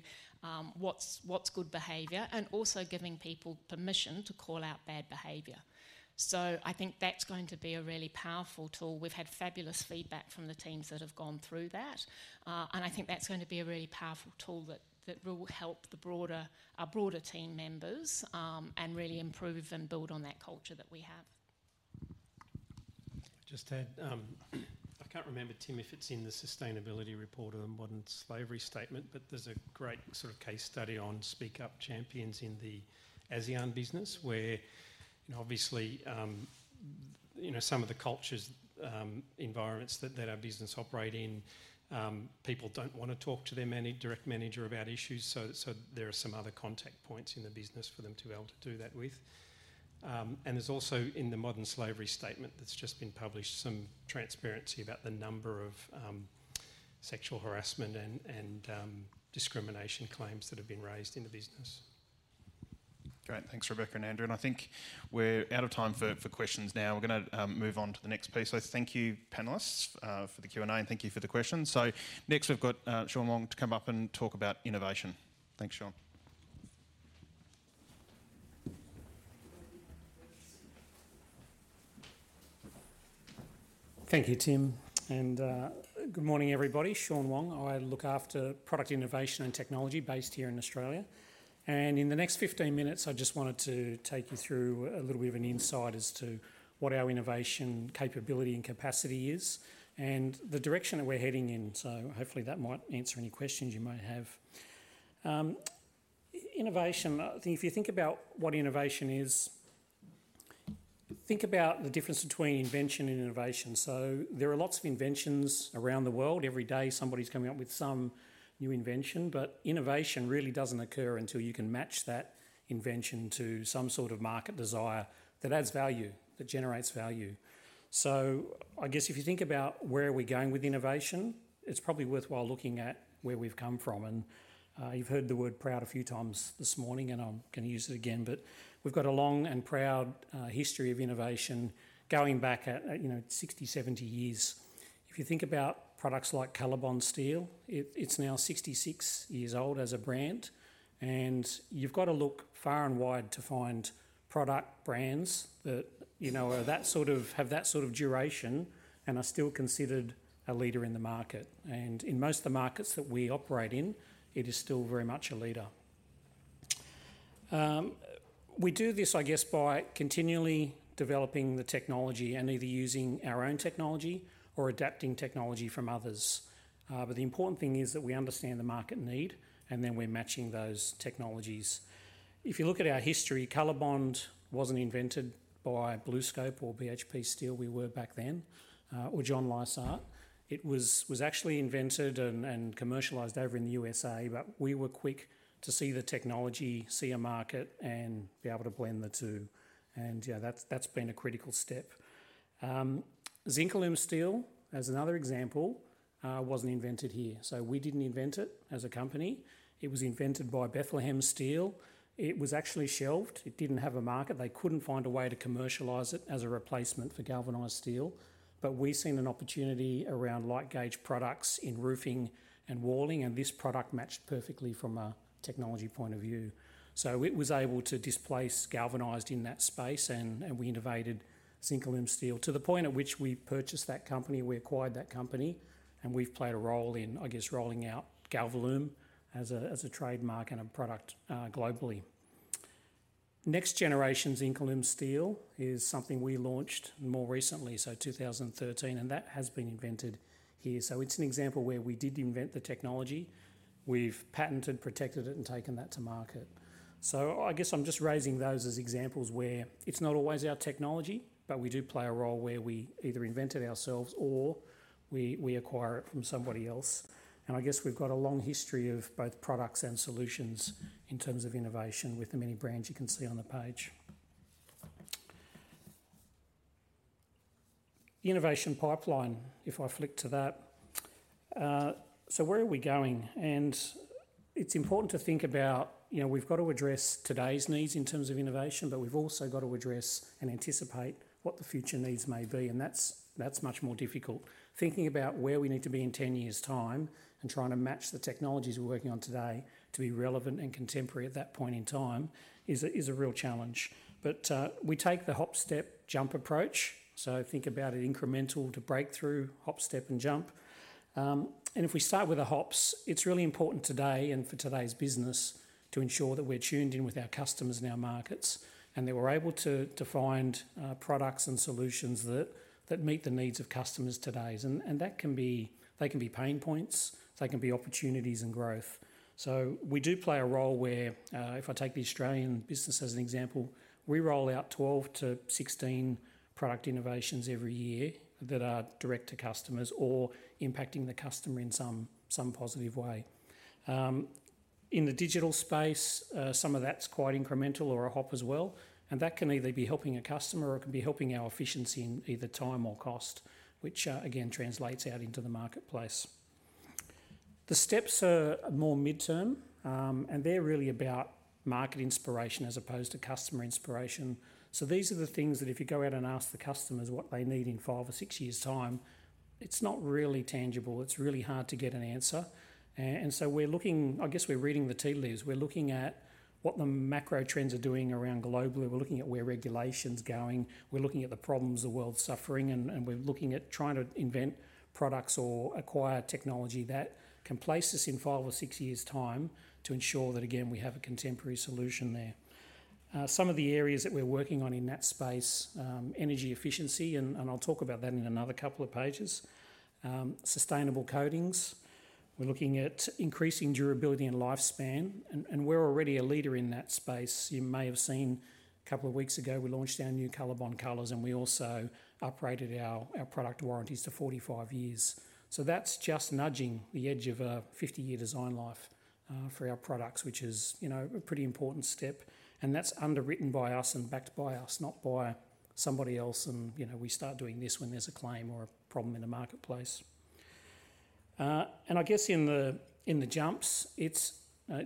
what's good behavior, and also giving people permission to call out bad behavior. I think that's going to be a really powerful tool. We've had fabulous feedback from the teams that have gone through that, and I think that's going to be a really powerful tool that will help our broader team members and really improve and build on that culture that we have. Just to add, I can't remember, Tim, if it's in the sustainability report or the modern slavery statement, but there's a great sort of case study on speak up champions in the ASEAN business where, you know, obviously, you know, some of the cultures' environments that that our business operate in, people don't wanna talk to their direct manager about issues, so there are some other contact points in the business for them to be able to do that with. And there's also in the modern slavery statement that's just been published some transparency about the number of sexual harassment and discrimination claims that have been raised in the business. Great. Thanks, Rebecca and Andrew. I think we're out of time for questions now. We're gonna move on to the next piece. Thank you, panelists, for the Q&A, and thank you for the questions. Next, we've got Sean Wong to come up and talk about innovation. Thanks, Sean. Thank you, Tim, and good morning, everybody. Sean Wong. I look after product innovation and technology based here in Australia. In the next 15 minutes, I just wanted to take you through a little bit of an insight as to what our innovation capability and capacity is and the direction that we're heading in. Hopefully that might answer any questions you may have. Innovation, I think if you think about what innovation is, think about the difference between invention and innovation. There are lots of inventions around the world. Every day, somebody's coming up with some new invention, but innovation really doesn't occur until you can match that invention to some sort of market desire that adds value, that generates value. I guess if you think about where are we going with innovation, it's probably worthwhile looking at where we've come from. You've heard the word proud a few times this morning, and I'm gonna use it again, but we've got a long and proud history of innovation going back, you know, 60, 70 years. If you think about products like COLORBOND steel, it's now 66 years old as a brand, and you've got to look far and wide to find product brands that, you know, are that sort of duration and are still considered a leader in the market. In most of the markets that we operate in, it is still very much a leader. We do this, I guess, by continually developing the technology and either using our own technology or adapting technology from others. The important thing is that we understand the market need, and then we're matching those technologies. If you look at our history, COLORBOND wasn't invented by BlueScope or BHP Steel, we were back then, or John Lysaght. It was actually invented and commercialized over in the USA, but we were quick to see the technology, see a market, and be able to blend the two. Yeah, that's been a critical step. ZINCALUME steel, as another example, wasn't invented here. We didn't invent it as a company. It was invented by Bethlehem Steel. It was actually shelved. It didn't have a market. They couldn't find a way to commercialize it as a replacement for galvanized steel. We seen an opportunity around light gauge products in roofing and walling, and this product matched perfectly from a technology point of view. It was able to displace galvanized in that space, and we innovated ZINCALUME steel to the point at which we purchased that company, we acquired that company, and we've played a role in, I guess, rolling out GALVALUME as a trademark and a product globally. Next generation ZINCALUME steel is something we launched more recently, 2013, and that has been invented here. It's an example where we did invent the technology. We've patented, protected it, and taken that to market. I guess I'm just raising those as examples where it's not always our technology, but we do play a role where we either invent it ourselves or we acquire it from somebody else. I guess we've got a long history of both products and solutions in terms of innovation with the many brands you can see on the page. The innovation pipeline, if I flick to that. Where are we going? It's important to think about, you know, we've got to address today's needs in terms of innovation, but we've also got to address and anticipate what the future needs may be, and that's much more difficult. Thinking about where we need to be in 10 years' time and trying to match the technologies we're working on today to be relevant and contemporary at that point in time is a real challenge. We take the hop, step, jump approach, so think about it incremental to breakthrough, hop, step and jump. If we start with the hops, it's really important today and for today's business to ensure that we're tuned in with our customers and our markets, and that we're able to to find products and solutions that meet the needs of customers today. That can be pain points, they can be opportunities and growth. We do play a role where, if I take the Australian business as an example, we roll out 12-16 product innovations every year that are direct to customers or impacting the customer in some positive way. In the digital space, some of that's quite incremental or an op as well, and that can either be helping a customer or it can be helping our efficiency in either time or cost, which again translates out into the marketplace. The steps are more midterm, and they're really about market inspiration as opposed to customer inspiration. These are the things that if you go out and ask the customers what they need in 5 or 6 years' time, it's not really tangible. It's really hard to get an answer. We're looking. I guess we're reading the tea leaves. We're looking at what the macro trends are doing around the globe. We're looking at where regulation's going. We're looking at the problems the world's suffering, and we're looking at trying to invent products or acquire technology that can place us in 5 or 6 years' time to ensure that again, we have a contemporary solution there. Some of the areas that we're working on in that space, energy efficiency, and I'll talk about that in another couple of pages. Sustainable coatings. We're looking at increasing durability and lifespan, and we're already a leader in that space. You may have seen a couple of weeks ago, we launched our new COLORBOND colors, and we also uprated our product warranties to 45 years. That's just nudging the edge of a 50-year design life for our products, which is, you know, a pretty important step. That's underwritten by us and backed by us, not by somebody else, you know, we start doing this when there's a claim or a problem in the marketplace. I guess in the jumps, it's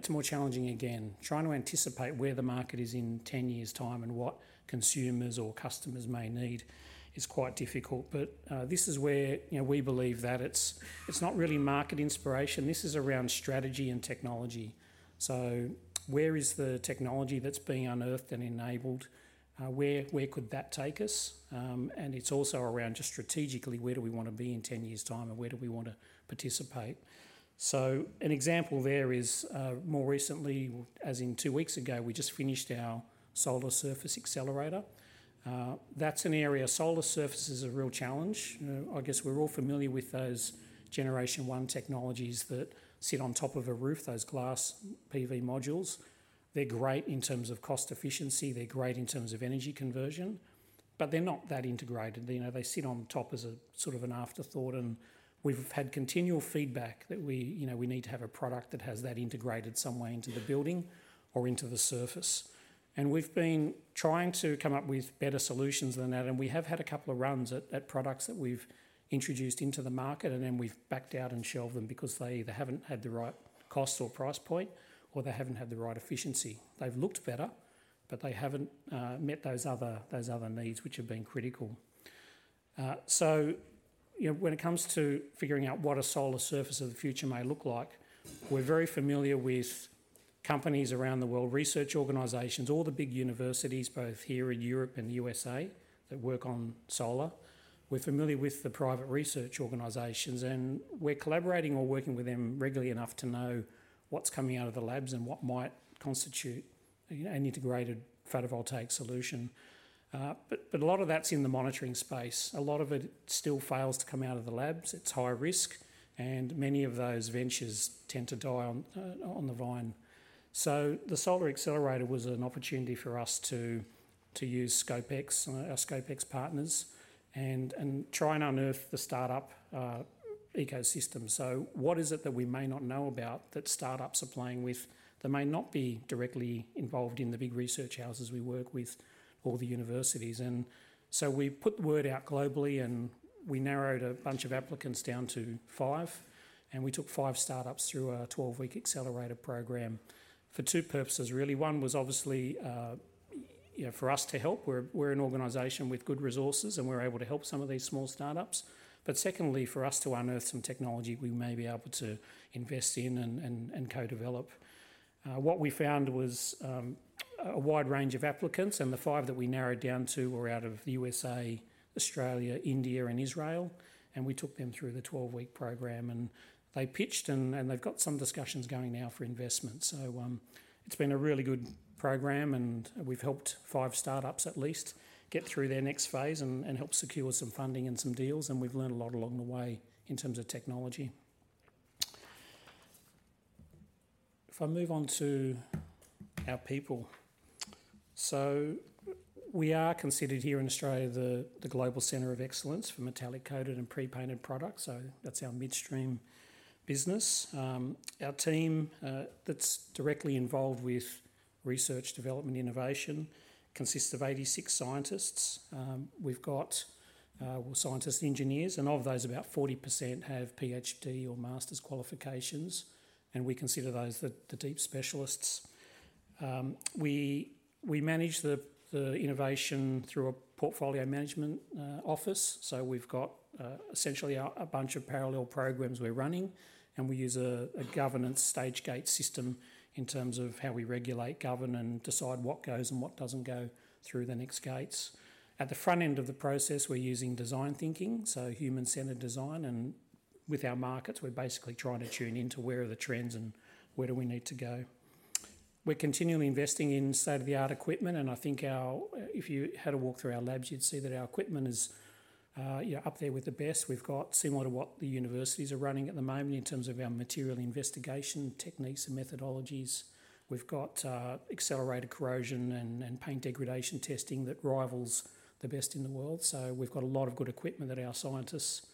more challenging again. Trying to anticipate where the market is in 10 years' time and what consumers or customers may need is quite difficult. This is where, you know, we believe that it's not really market inspiration. This is around strategy and technology. Where is the technology that's being unearthed and enabled? Where could that take us? It's also around just strategically, where do we wanna be in 10 years' time, and where do we wanna participate? An example there is, more recently, as in two weeks ago, we just finished our solar surface accelerator. That's an area. Solar surface is a real challenge. I guess we're all familiar with those generation one technologies that sit on top of a roof, those glass PV modules. They're great in terms of cost efficiency, they're great in terms of energy conversion, but they're not that integrated. You know, they sit on top as a sort of an afterthought, and we've had continual feedback that we, you know, we need to have a product that has that integrated some way into the building or into the surface. We've been trying to come up with better solutions than that, and we have had a couple of runs at products that we've introduced into the market, and then we've backed out and shelved them because they either haven't had the right cost or price point, or they haven't had the right efficiency. They've looked better, but they haven't met those other needs which have been critical. You know, when it comes to figuring out what a solar surface of the future may look like, we're very familiar with companies around the world, research organizations, all the big universities, both here in Europe and the USA, that work on solar. We're familiar with the private research organizations, and we're collaborating or working with them regularly enough to know what's coming out of the labs and what might constitute an integrated photovoltaic solution. A lot of that's in the monitoring space. A lot of it still fails to come out of the labs. It's high risk, and many of those ventures tend to die on the vine. The Solar Accelerator was an opportunity for us to use BlueScopeX, our BlueScopeX partners, and try and unearth the startup ecosystem. What is it that we may not know about that startups are playing with that may not be directly involved in the big research houses we work with or the universities? We put the word out globally, and we narrowed a bunch of applicants down to five, and we took five startups through our 12-week accelerator program for two purposes, really. One was obviously, you know, for us to help. We're an organization with good resources, and we're able to help some of these small startups. Secondly, for us to unearth some technology we may be able to invest in and co-develop. What we found was a wide range of applicants, and the five that we narrowed down to were out of the USA, Australia, India, and Israel, and we took them through the 12-week program, and they pitched and they've got some discussions going now for investment. It's been a really good program, and we've helped five startups at least get through their next phase and help secure some funding and some deals, and we've learned a lot along the way in terms of technology. If I move on to our people. We are considered here in Australia the global center of excellence for metallic coated and pre-painted products, so that's our midstream business. Our team that's directly involved with research development innovation consists of 86 scientists. We've got scientist engineers, and of those, about 40% have PhD or Master's qualifications, and we consider those the deep specialists. We manage the innovation through a portfolio management office. So we've got essentially a bunch of parallel programs we're running, and we use a governance stage gate system in terms of how we regulate, govern, and decide what goes and what doesn't go through the next gates. At the front end of the process, we're using design thinking, so human-centered design. With our markets, we're basically trying to tune into where are the trends and where do we need to go. We're continually investing in state-of-the-art equipment, and I think if you had a walk through our labs, you'd see that our equipment is, you know, up there with the best. We've got similar to what the universities are running at the moment in terms of our material investigation techniques and methodologies. We've got accelerated corrosion and paint degradation testing that rivals the best in the world. We've got a lot of good equipment that our scientists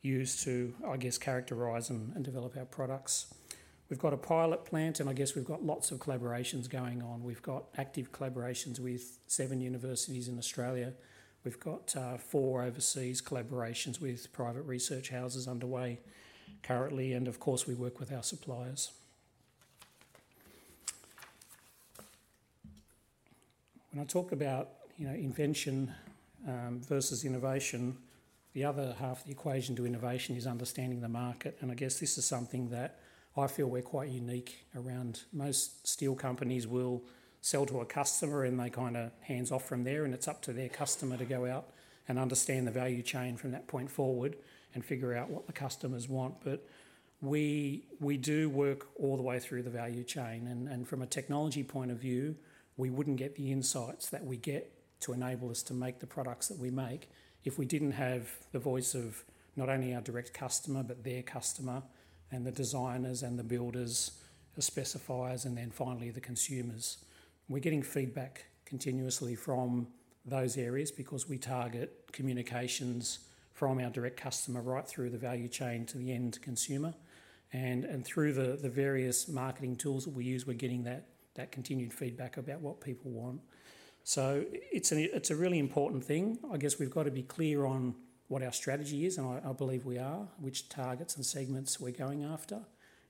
use to, I guess, characterize and develop our products. We've got a pilot plant, and I guess we've got lots of collaborations going on. We've got active collaborations with seven universities in Australia. We've got four overseas collaborations with private research houses underway currently, and of course, we work with our suppliers. When I talk about, you know, invention versus innovation, the other half of the equation to innovation is understanding the market, and I guess this is something that I feel we're quite unique around. Most steel companies will sell to a customer, and they kinda hands off from there, and it's up to their customer to go out and understand the value chain from that point forward and figure out what the customers want. We do work all the way through the value chain. From a technology point of view, we wouldn't get the insights that we get to enable us to make the products that we make if we didn't have the voice of not only our direct customer, but their customer, and the designers and the builders, the specifiers, and then finally the consumers. We're getting feedback continuously from those areas because we target communications from our direct customer right through the value chain to the end consumer. Through the various marketing tools that we use, we're getting that continued feedback about what people want. It's a really important thing. I guess we've got to be clear on what our strategy is, and I believe we are, which targets and segments we're going after,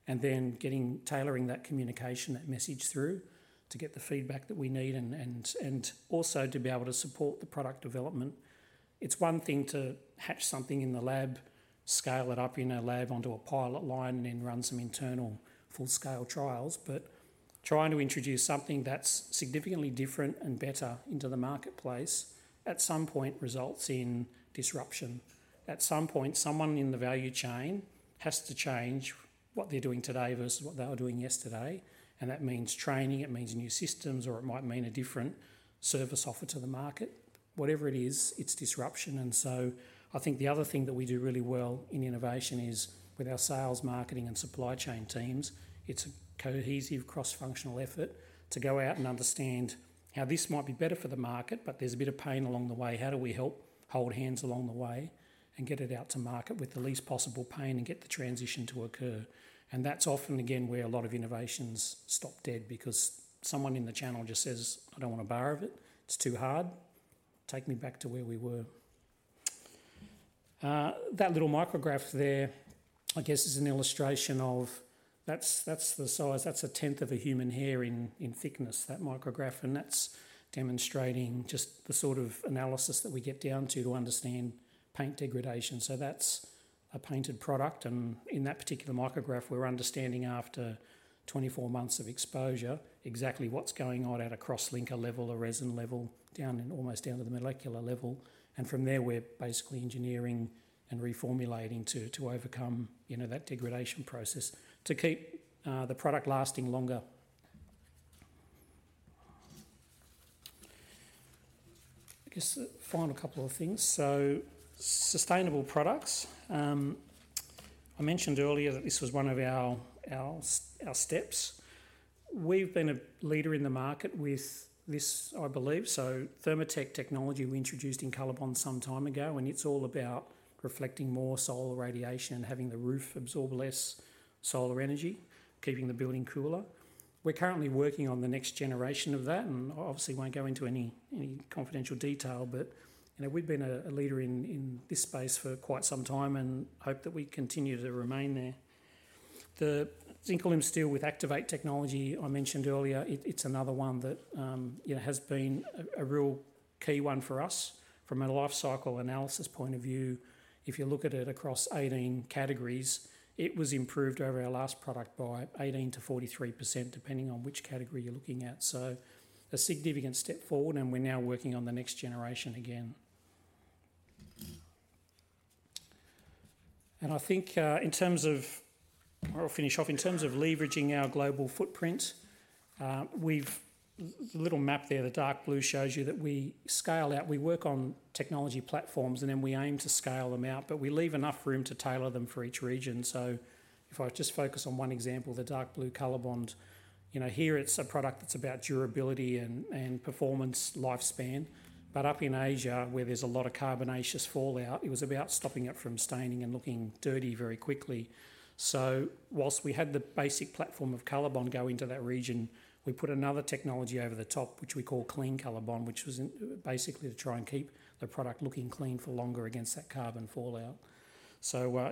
and then getting, tailoring that communication, that message through to get the feedback that we need and also to be able to support the product development. It's one thing to hatch something in the lab, scale it up in a lab onto a pilot line, and then run some internal full-scale trials. Trying to introduce something that's significantly different and better into the marketplace at some point results in disruption. At some point, someone in the value chain has to change what they're doing today versus what they were doing yesterday, and that means training, it means new systems, or it might mean a different service offer to the market. Whatever it is, it's disruption. I think the other thing that we do really well in innovation is with our sales, marketing, and supply chain teams, it's a cohesive cross-functional effort to go out and understand how this might be better for the market, but there's a bit of pain along the way. How do we help hold hands along the way and get it out to market with the least possible pain and get the transition to occur? That's often, again, where a lot of innovations stop dead because someone in the channel just says, "I don't want a bar of it. It's too hard. Take me back to where we were. That little micrograph there, I guess, is an illustration of that. That's the size. That's a tenth of a human hair in thickness, that micrograph, and that's demonstrating just the sort of analysis that we get down to to understand paint degradation. That's a painted product, and in that particular micrograph, we're understanding after 24 months of exposure exactly what's going on at a crosslinker level, a resin level, down in, almost down to the molecular level. From there, we're basically engineering and reformulating to overcome, you know, that degradation process to keep the product lasting longer. I guess the final couple of things. Sustainable products. I mentioned earlier that this was one of our steps. We've been a leader in the market with this, I believe. Thermatech technology we introduced in COLORBOND some time ago, and it's all about reflecting more solar radiation and having the roof absorb less solar energy, keeping the building cooler. We're currently working on the next generation of that, and obviously won't go into any confidential detail. But, you know, we've been a leader in this space for quite some time and hope that we continue to remain there. The ZINCALUME steel with Activate technology I mentioned earlier, it's another one that, you know, has been a real key one for us. From a life cycle analysis point of view, if you look at it across 18 categories, it was improved over our last product by 18%-43%, depending on which category you're looking at. A significant step forward, and we're now working on the next generation again. In terms of leveraging our global footprint, the little map there, the dark blue shows you that we scale out. We work on technology platforms, and then we aim to scale them out, but we leave enough room to tailor them for each region. So if I just focus on one example, the dark blue COLORBOND. You know, here it's a product that's about durability and performance lifespan. But up in Asia, where there's a lot of carbonaceous fallout, it was about stopping it from staining and looking dirty very quickly. So while we had the basic platform of COLORBOND go into that region, we put another technology over the top, which we call Clean COLORBOND, basically to try and keep the product looking clean for longer against that carbon fallout.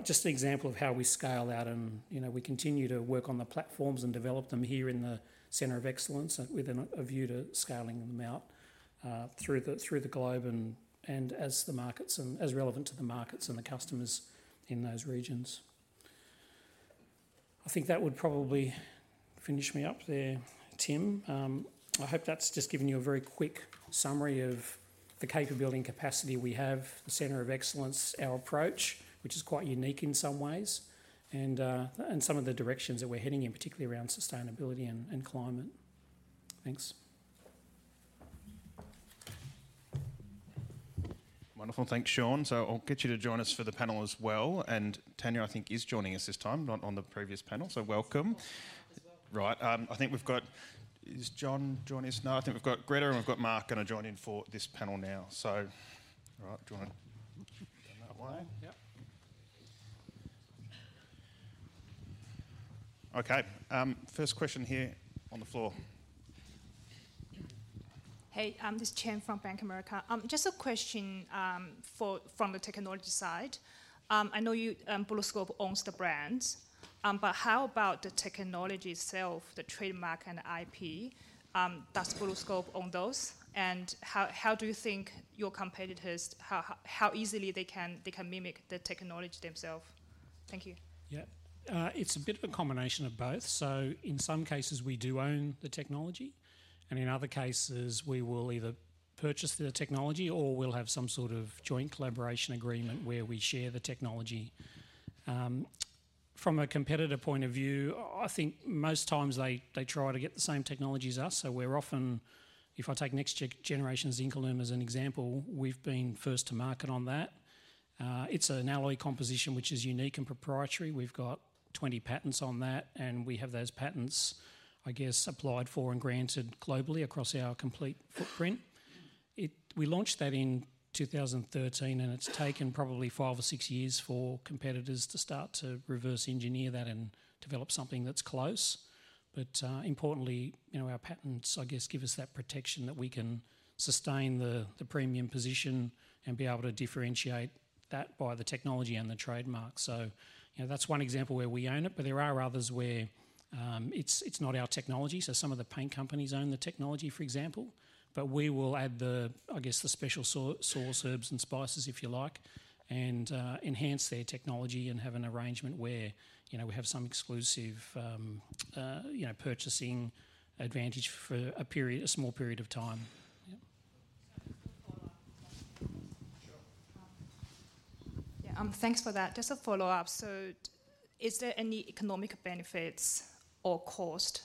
Just an example of how we scale out and, you know, we continue to work on the platforms and develop them here in the Center of Excellence with a view to scaling them out through the globe and as relevant to the markets and the customers in those regions. I think that would probably finish me up there, Tim. I hope that's just given you a very quick summary of the capability and capacity we have, the Center of Excellence, our approach, which is quite unique in some ways, and some of the directions that we're heading in, particularly around sustainability and climate. Thanks. Wonderful. Thanks, Sean. I'll get you to join us for the panel as well. Tania, I think, is joining us this time, not on the previous panel. Welcome. Right. Is John joining us? No, I think we've got Gretta and we've got Mark gonna join in for this panel now. All right, do you wanna go that way? Yep. Okay. First question here on the floor. Hey, I'm Chen from Bank of America. Just a question, from the technology side. I know you, BlueScope owns the brands, but how about the technology itself, the trademark and IP, does BlueScope own those? How do you think your competitors, how easily they can mimic the technology themselves? Thank you. Yeah. It's a bit of a combination of both. In some cases, we do own the technology, and in other cases, we will either purchase the technology or we'll have some sort of joint collaboration agreement where we share the technology. From a competitor point of view, I think most times they try to get the same technology as us. We're often, if I take next-generation ZINCALUME as an example, we've been first to market on that. It's an alloy composition which is unique and proprietary. We've got 20 patents on that, and we have those patents, I guess, applied for and granted globally across our complete footprint. We launched that in 2013, and it's taken probably five or six years for competitors to start to reverse engineer that and develop something that's close. Importantly, you know, our patents, I guess, give us that protection that we can sustain the premium position and be able to differentiate that by the technology and the trademark. So, you know, that's one example where we own it, but there are others where it's not our technology. Some of the paint companies own the technology, for example, but we will add the, I guess, the special sauce, herbs, and spices, if you like, and enhance their technology and have an arrangement where, you know, we have some exclusive purchasing advantage for a period, a small period of time. Yeah. Thanks for that. Just a follow-up. Is there any economic benefits or cost,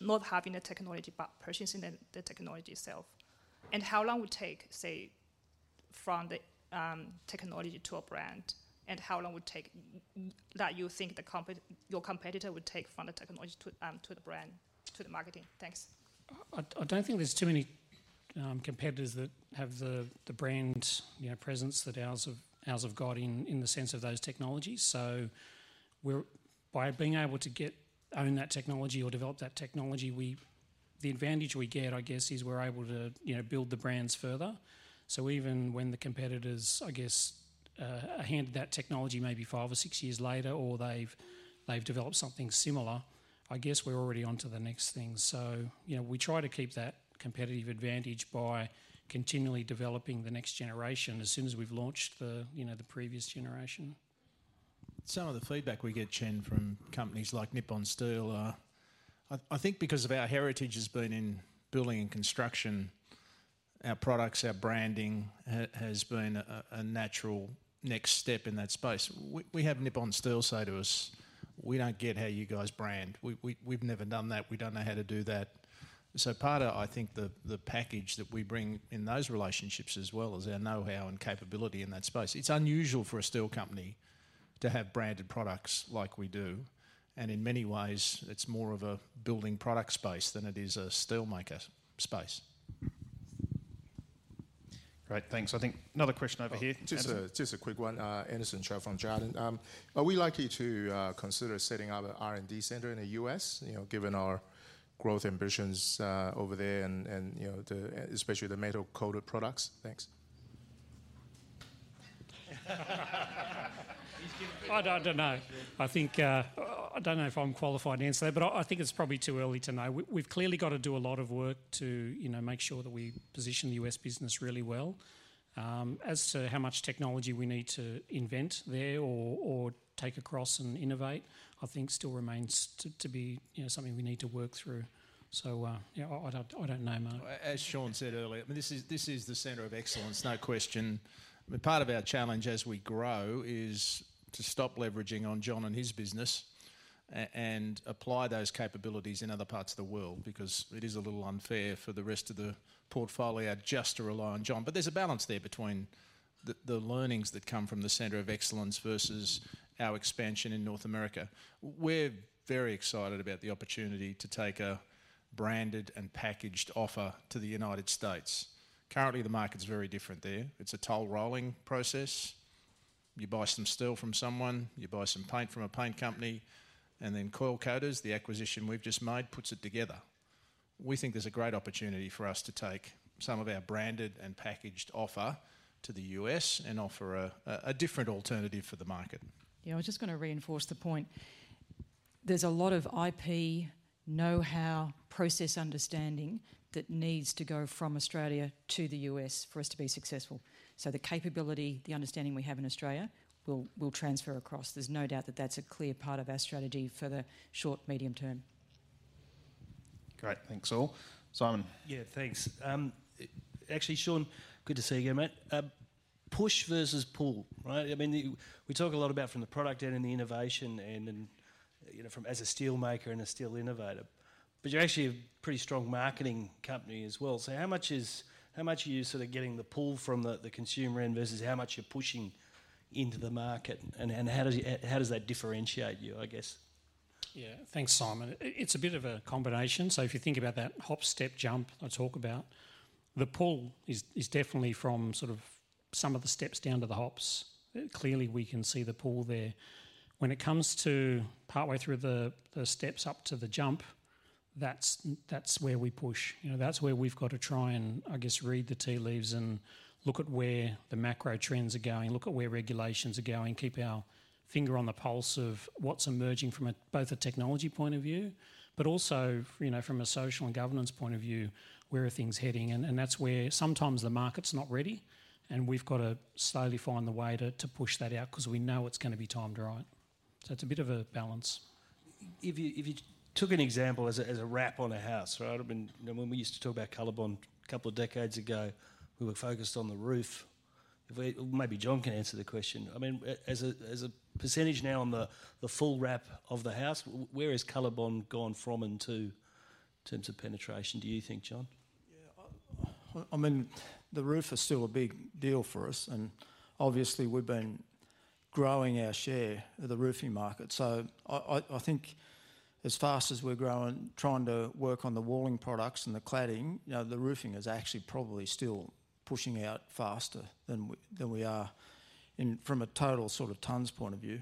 not having the technology, but purchasing the technology itself? How long would take, say, from the technology to a brand, and how long would take that you think your competitor would take from the technology to the brand, to the marketing? Thanks. I don't think there's too many competitors that have the brand, you know, presence that ours have got in the sense of those technologies. By being able to get or own that technology or develop that technology, the advantage we get, I guess, is we're able to, you know, build the brands further. Even when the competitors, I guess, are handed that technology maybe five or six years later, or they've developed something similar, I guess we're already onto the next thing. You know, we try to keep that competitive advantage by continually developing the next generation as soon as we've launched the, you know, the previous generation. Some of the feedback we get, Chen, from companies like Nippon Steel. I think because of our heritage has been in building and construction, our products, our branding has been a natural next step in that space. We have Nippon Steel say to us. We don't get how you guys brand. We've never done that. We don't know how to do that. Part of, I think, the package that we bring in those relationships as well is our know-how and capability in that space. It's unusual for a steel company to have branded products like we do, and in many ways it's more of a building product space than it is a steel maker space. Great. Thanks. I think another question over here. Just a quick one. Anderson Chiu from Jarden. Are we likely to consider setting up an R&D center in the U.S., you know, given our growth ambitions over there and you know, especially the metal coated products? Thanks. I don't know. I think I don't know if I'm qualified to answer that, but I think it's probably too early to know. We've clearly got to do a lot of work to, you know, make sure that we position the U.S. business really well. As to how much technology we need to invent there or take across and innovate, I think still remains to be, you know, something we need to work through. Yeah, I don't know, Martin. As Sean said earlier, I mean, this is the center of excellence, no question. Part of our challenge as we grow is to stop leveraging on John and his business and apply those capabilities in other parts of the world, because it is a little unfair for the rest of the portfolio just to rely on John. There's a balance there between the learnings that come from the center of excellence versus our expansion in North America. We're very excited about the opportunity to take a branded and packaged offer to the United States. Currently, the market's very different there. It's a toll rolling process. You buy some steel from someone, you buy some paint from a paint company, and then Coil Coaters, the acquisition we've just made, puts it together. We think there's a great opportunity for us to take some of our branded and packaged offer to the U.S. and offer a different alternative for the market. Yeah, I was just gonna reinforce the point. There's a lot of IP, know-how, process understanding that needs to go from Australia to the U.S. for us to be successful. The capability, the understanding we have in Australia will transfer across. There's no doubt that that's a clear part of our strategy for the short, medium term. Great. Thanks, all. Simon. Yeah, thanks. Actually, Sean, good to see you again, mate. Push versus pull, right? I mean, we talk a lot about from the product end and the innovation and, you know, from, as a steel maker and a steel innovator. But you're actually a pretty strong marketing company as well. How much are you sort of getting the pull from the consumer end versus how much you're pushing into the market and how does that differentiate you, I guess? Yeah. Thanks, Simon. It's a bit of a combination. If you think about that hop, step, jump I talk about, the pull is definitely from sort of some of the steps down to the hops. Clearly, we can see the pull there. When it comes to partway through the steps up to the jump, that's where we push. You know, that's where we've got to try and, I guess, read the tea leaves and look at where the macro trends are going, look at where regulations are going, keep our finger on the pulse of what's emerging from a, both a technology point of view, but also, you know, from a social and governance point of view, where are things heading? That's where sometimes the market's not ready, and we've got to slowly find the way to push that out 'cause we know it's gonna be timed right. It's a bit of a balance. If you took an example as a wrap on a house, right? I mean, you know, when we used to talk about COLORBOND a couple of decades ago, we were focused on the roof. Maybe John can answer the question. I mean, as a percentage now on the full wrap of the house, where has COLORBOND gone from and to in terms of penetration, do you think, John? Yeah. I mean, the roof is still a big deal for us, and obviously we've been growing our share of the roofing market. I think as fast as we're growing, trying to work on the walling products and the cladding, you know, the roofing is actually probably still pushing out faster than we are in, from a total sort of tons point of view.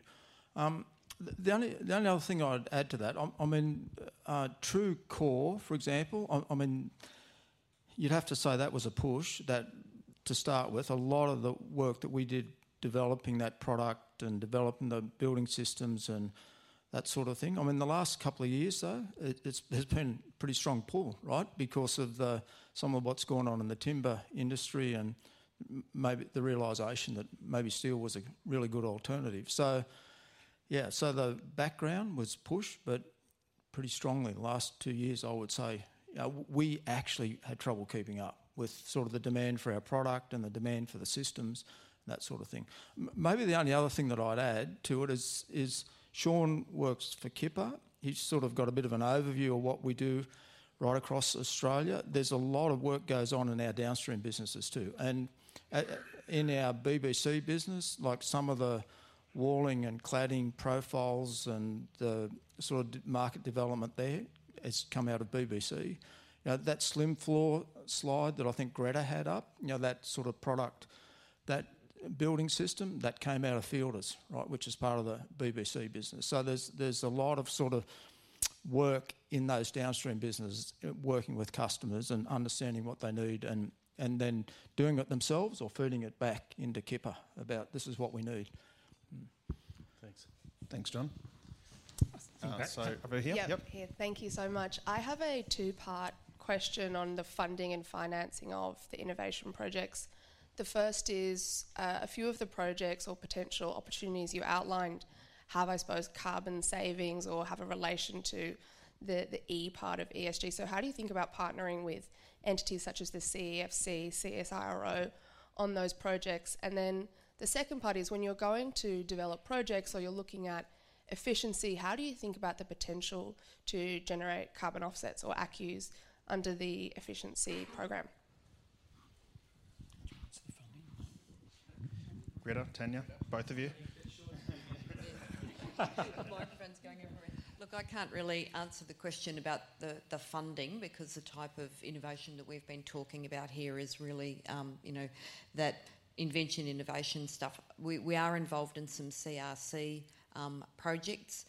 The only other thing I'd add to that, I mean, TRUECORE, for example, I mean, you'd have to say that was a push that to start with. A lot of the work that we did developing that product and developing the building systems and that sort of thing. I mean, the last couple of years, though, it has been pretty strong pull, right? Because of some of what's gone on in the timber industry and maybe the realization that maybe steel was a really good alternative. Yeah. The background was push, but pretty strongly the last two years, I would say, we actually had trouble keeping up with sort of the demand for our product and the demand for the systems and that sort of thing. Maybe the only other thing that I'd add to it is Sean works for Kippa. He's sort of got a bit of an overview of what we do right across Australia. There's a lot of work goes on in our downstream businesses, too. In our BBC business, like some of the walling and cladding profiles and the sort of market development there, it's come out of BBC. You know, that slim floor slide that I think Gretta had up, you know, that sort of product, that building system, that came out of Fielders, right? Which is part of the BBC business. There's a lot of sort of work in those downstream businesses, working with customers and understanding what they need and then doing it themselves or feeding it back into Kippa about this is what we need. Thanks. Thanks, John. I- Over here. Yep. Thank you so much. I have a two-part question on the funding and financing of the innovation projects. The first is, a few of the projects or potential opportunities you outlined have, I suppose, carbon savings or have a relation to the E part of ESG. How do you think about partnering with entities such as the CEFC, CSIRO on those projects? And then- The second part is when you're going to develop projects or you're looking at efficiency, how do you think about the potential to generate carbon offsets or ACCUs under the efficiency program? Gretta, Tania, both of you. A couple of my friends going in from here. Look, I can't really answer the question about the funding because the type of innovation that we've been talking about here is really, you know, that invention innovation stuff. We are involved in some CRC projects,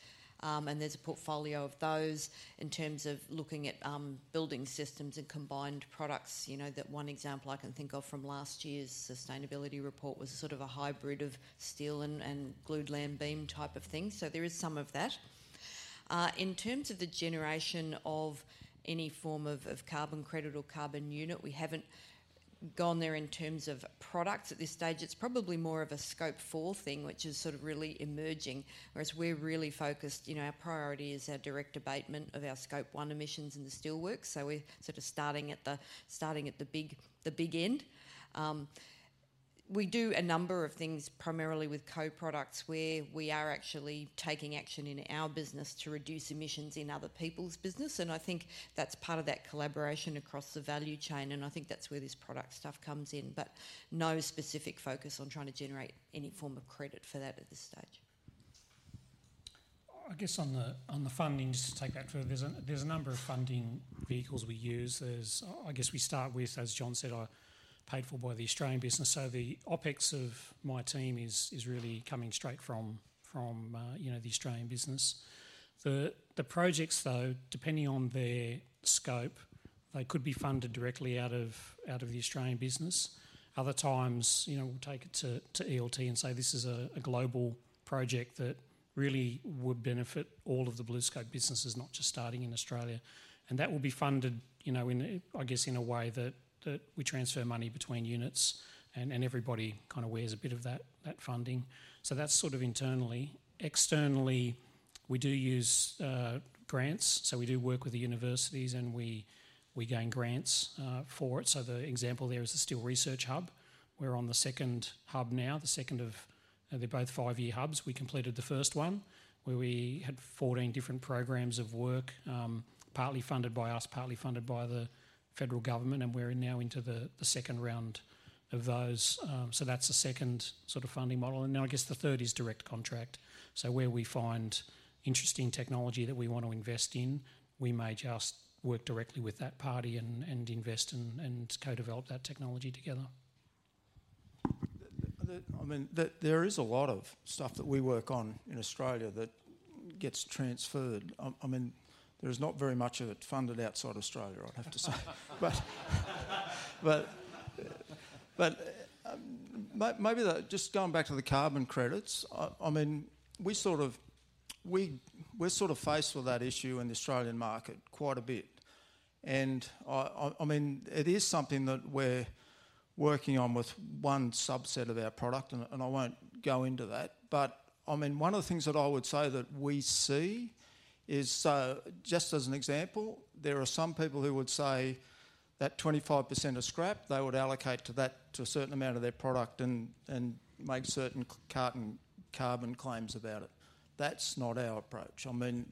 and there's a portfolio of those in terms of looking at building systems and combined products. You know, that one example I can think of from last year's sustainability report was sort of a hybrid of steel and glulam beam type of thing. There is some of that. In terms of the generation of any form of carbon credit or carbon unit, we haven't gone there in terms of products. At this stage, it's probably more of a Scope 4 thing, which is sort of really emerging. We're really focused, you know, our priority is our direct abatement of our Scope 1 emissions in the steelworks, so we're sort of starting at the big end. We do a number of things primarily with co-products, where we are actually taking action in our business to reduce emissions in other people's business, and I think that's part of that collaboration across the value chain, and I think that's where this product stuff comes in. No specific focus on trying to generate any form of credit for that at this stage. I guess on the funding, just to take that further, there's a number of funding vehicles we use. I guess we start with, as John said, are paid for by the Australian business. The OpEx of my team is really coming straight from, you know, the Australian business. The projects though, depending on their scope, they could be funded directly out of the Australian business. Other times, you know, we'll take it to ELT and say, "This is a global project that really would benefit all of the BlueScope businesses, not just starting in Australia." That will be funded, you know, in a way that we transfer money between units and everybody kind of wears a bit of that funding. That's sort of internally. Externally, we do use grants. We do work with the universities and we gain grants for it. The example there is the Steel Research Hub. We're on the second hub now, the second of; they're both five-year hubs. We completed the first one, where we had 14 different programs of work, partly funded by us, partly funded by the federal government, and we're now into the second round of those. That's the second sort of funding model. Then I guess the third is direct contract. Where we find interesting technology that we want to invest in, we may just work directly with that party and invest and co-develop that technology together. I mean, there is a lot of stuff that we work on in Australia that gets transferred. I mean, there is not very much of it funded outside Australia, I have to say. Just going back to the carbon credits, I mean, we sort of, we're sort of faced with that issue in the Australian market quite a bit. I mean, it is something that we're working on with one subset of our product, and I won't go into that. I mean, one of the things that I would say that we see is, just as an example, there are some people who would say that 25% of scrap, they would allocate to that, to a certain amount of their product and make certain carbon claims about it. That's not our approach. I mean,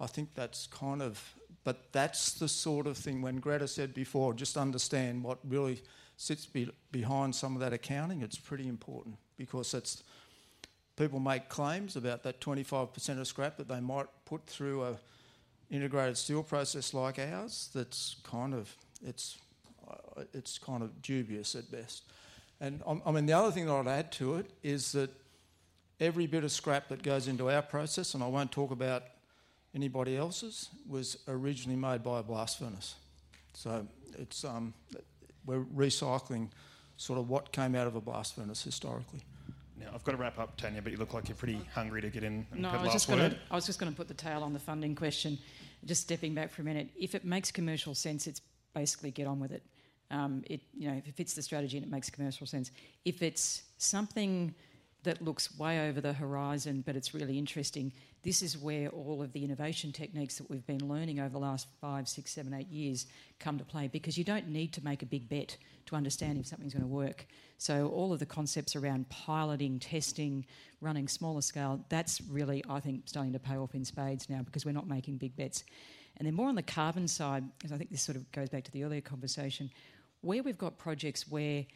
I think that's kind of the sort of thing when Gretta said before, just understand what really sits behind some of that accounting. It's pretty important because that's. People make claims about that 25% of scrap that they might put through an integrated steel process like ours, that's kind of dubious at best. I mean, the other thing that I'd add to it is that every bit of scrap that goes into our process, and I won't talk about anybody else's, was originally made by a blast furnace. We're recycling sort of what came out of a blast furnace historically. Now, I've got to wrap up, Tania, but you look like you're pretty hungry to get in and have the last word. No, I was just gonna put the tail on the funding question. Just stepping back for a minute. If it makes commercial sense, it's basically get on with it. You know, if it fits the strategy and it makes commercial sense. If it's something that looks way over the horizon but it's really interesting, this is where all of the innovation techniques that we've been learning over the last five, six, seven, eight years come to play because you don't need to make a big bet to understand if something's gonna work. All of the concepts around piloting, testing, running smaller scale, that's really, I think, starting to pay off in spades now because we're not making big bets. More on the carbon side, 'cause I think this sort of goes back to the earlier conversation, where we've got projects where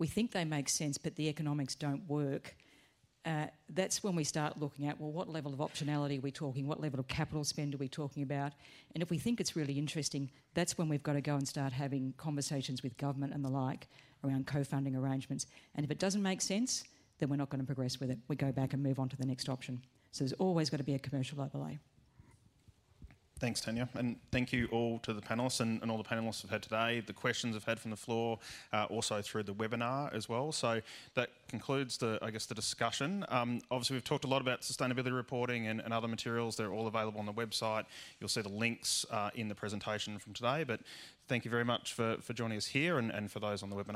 we think they make sense but the economics don't work, that's when we start looking at, well, what level of optionality are we talking? What level of capital spend are we talking about? If we think it's really interesting, that's when we've got to go and start having conversations with government and the like around co-funding arrangements. If it doesn't make sense, then we're not gonna progress with it. We go back and move on to the next option. There's always got to be a commercial overlay. Thanks, Tania, and thank you all to the panelists, and all the panelists we've had today, the questions we've had from the floor, also through the webinar as well. That concludes the discussion, I guess. Obviously we've talked a lot about sustainability reporting and other materials. They're all available on the website. You'll see the links in the presentation from today. Thank you very much for joining us here and for those on the webinar.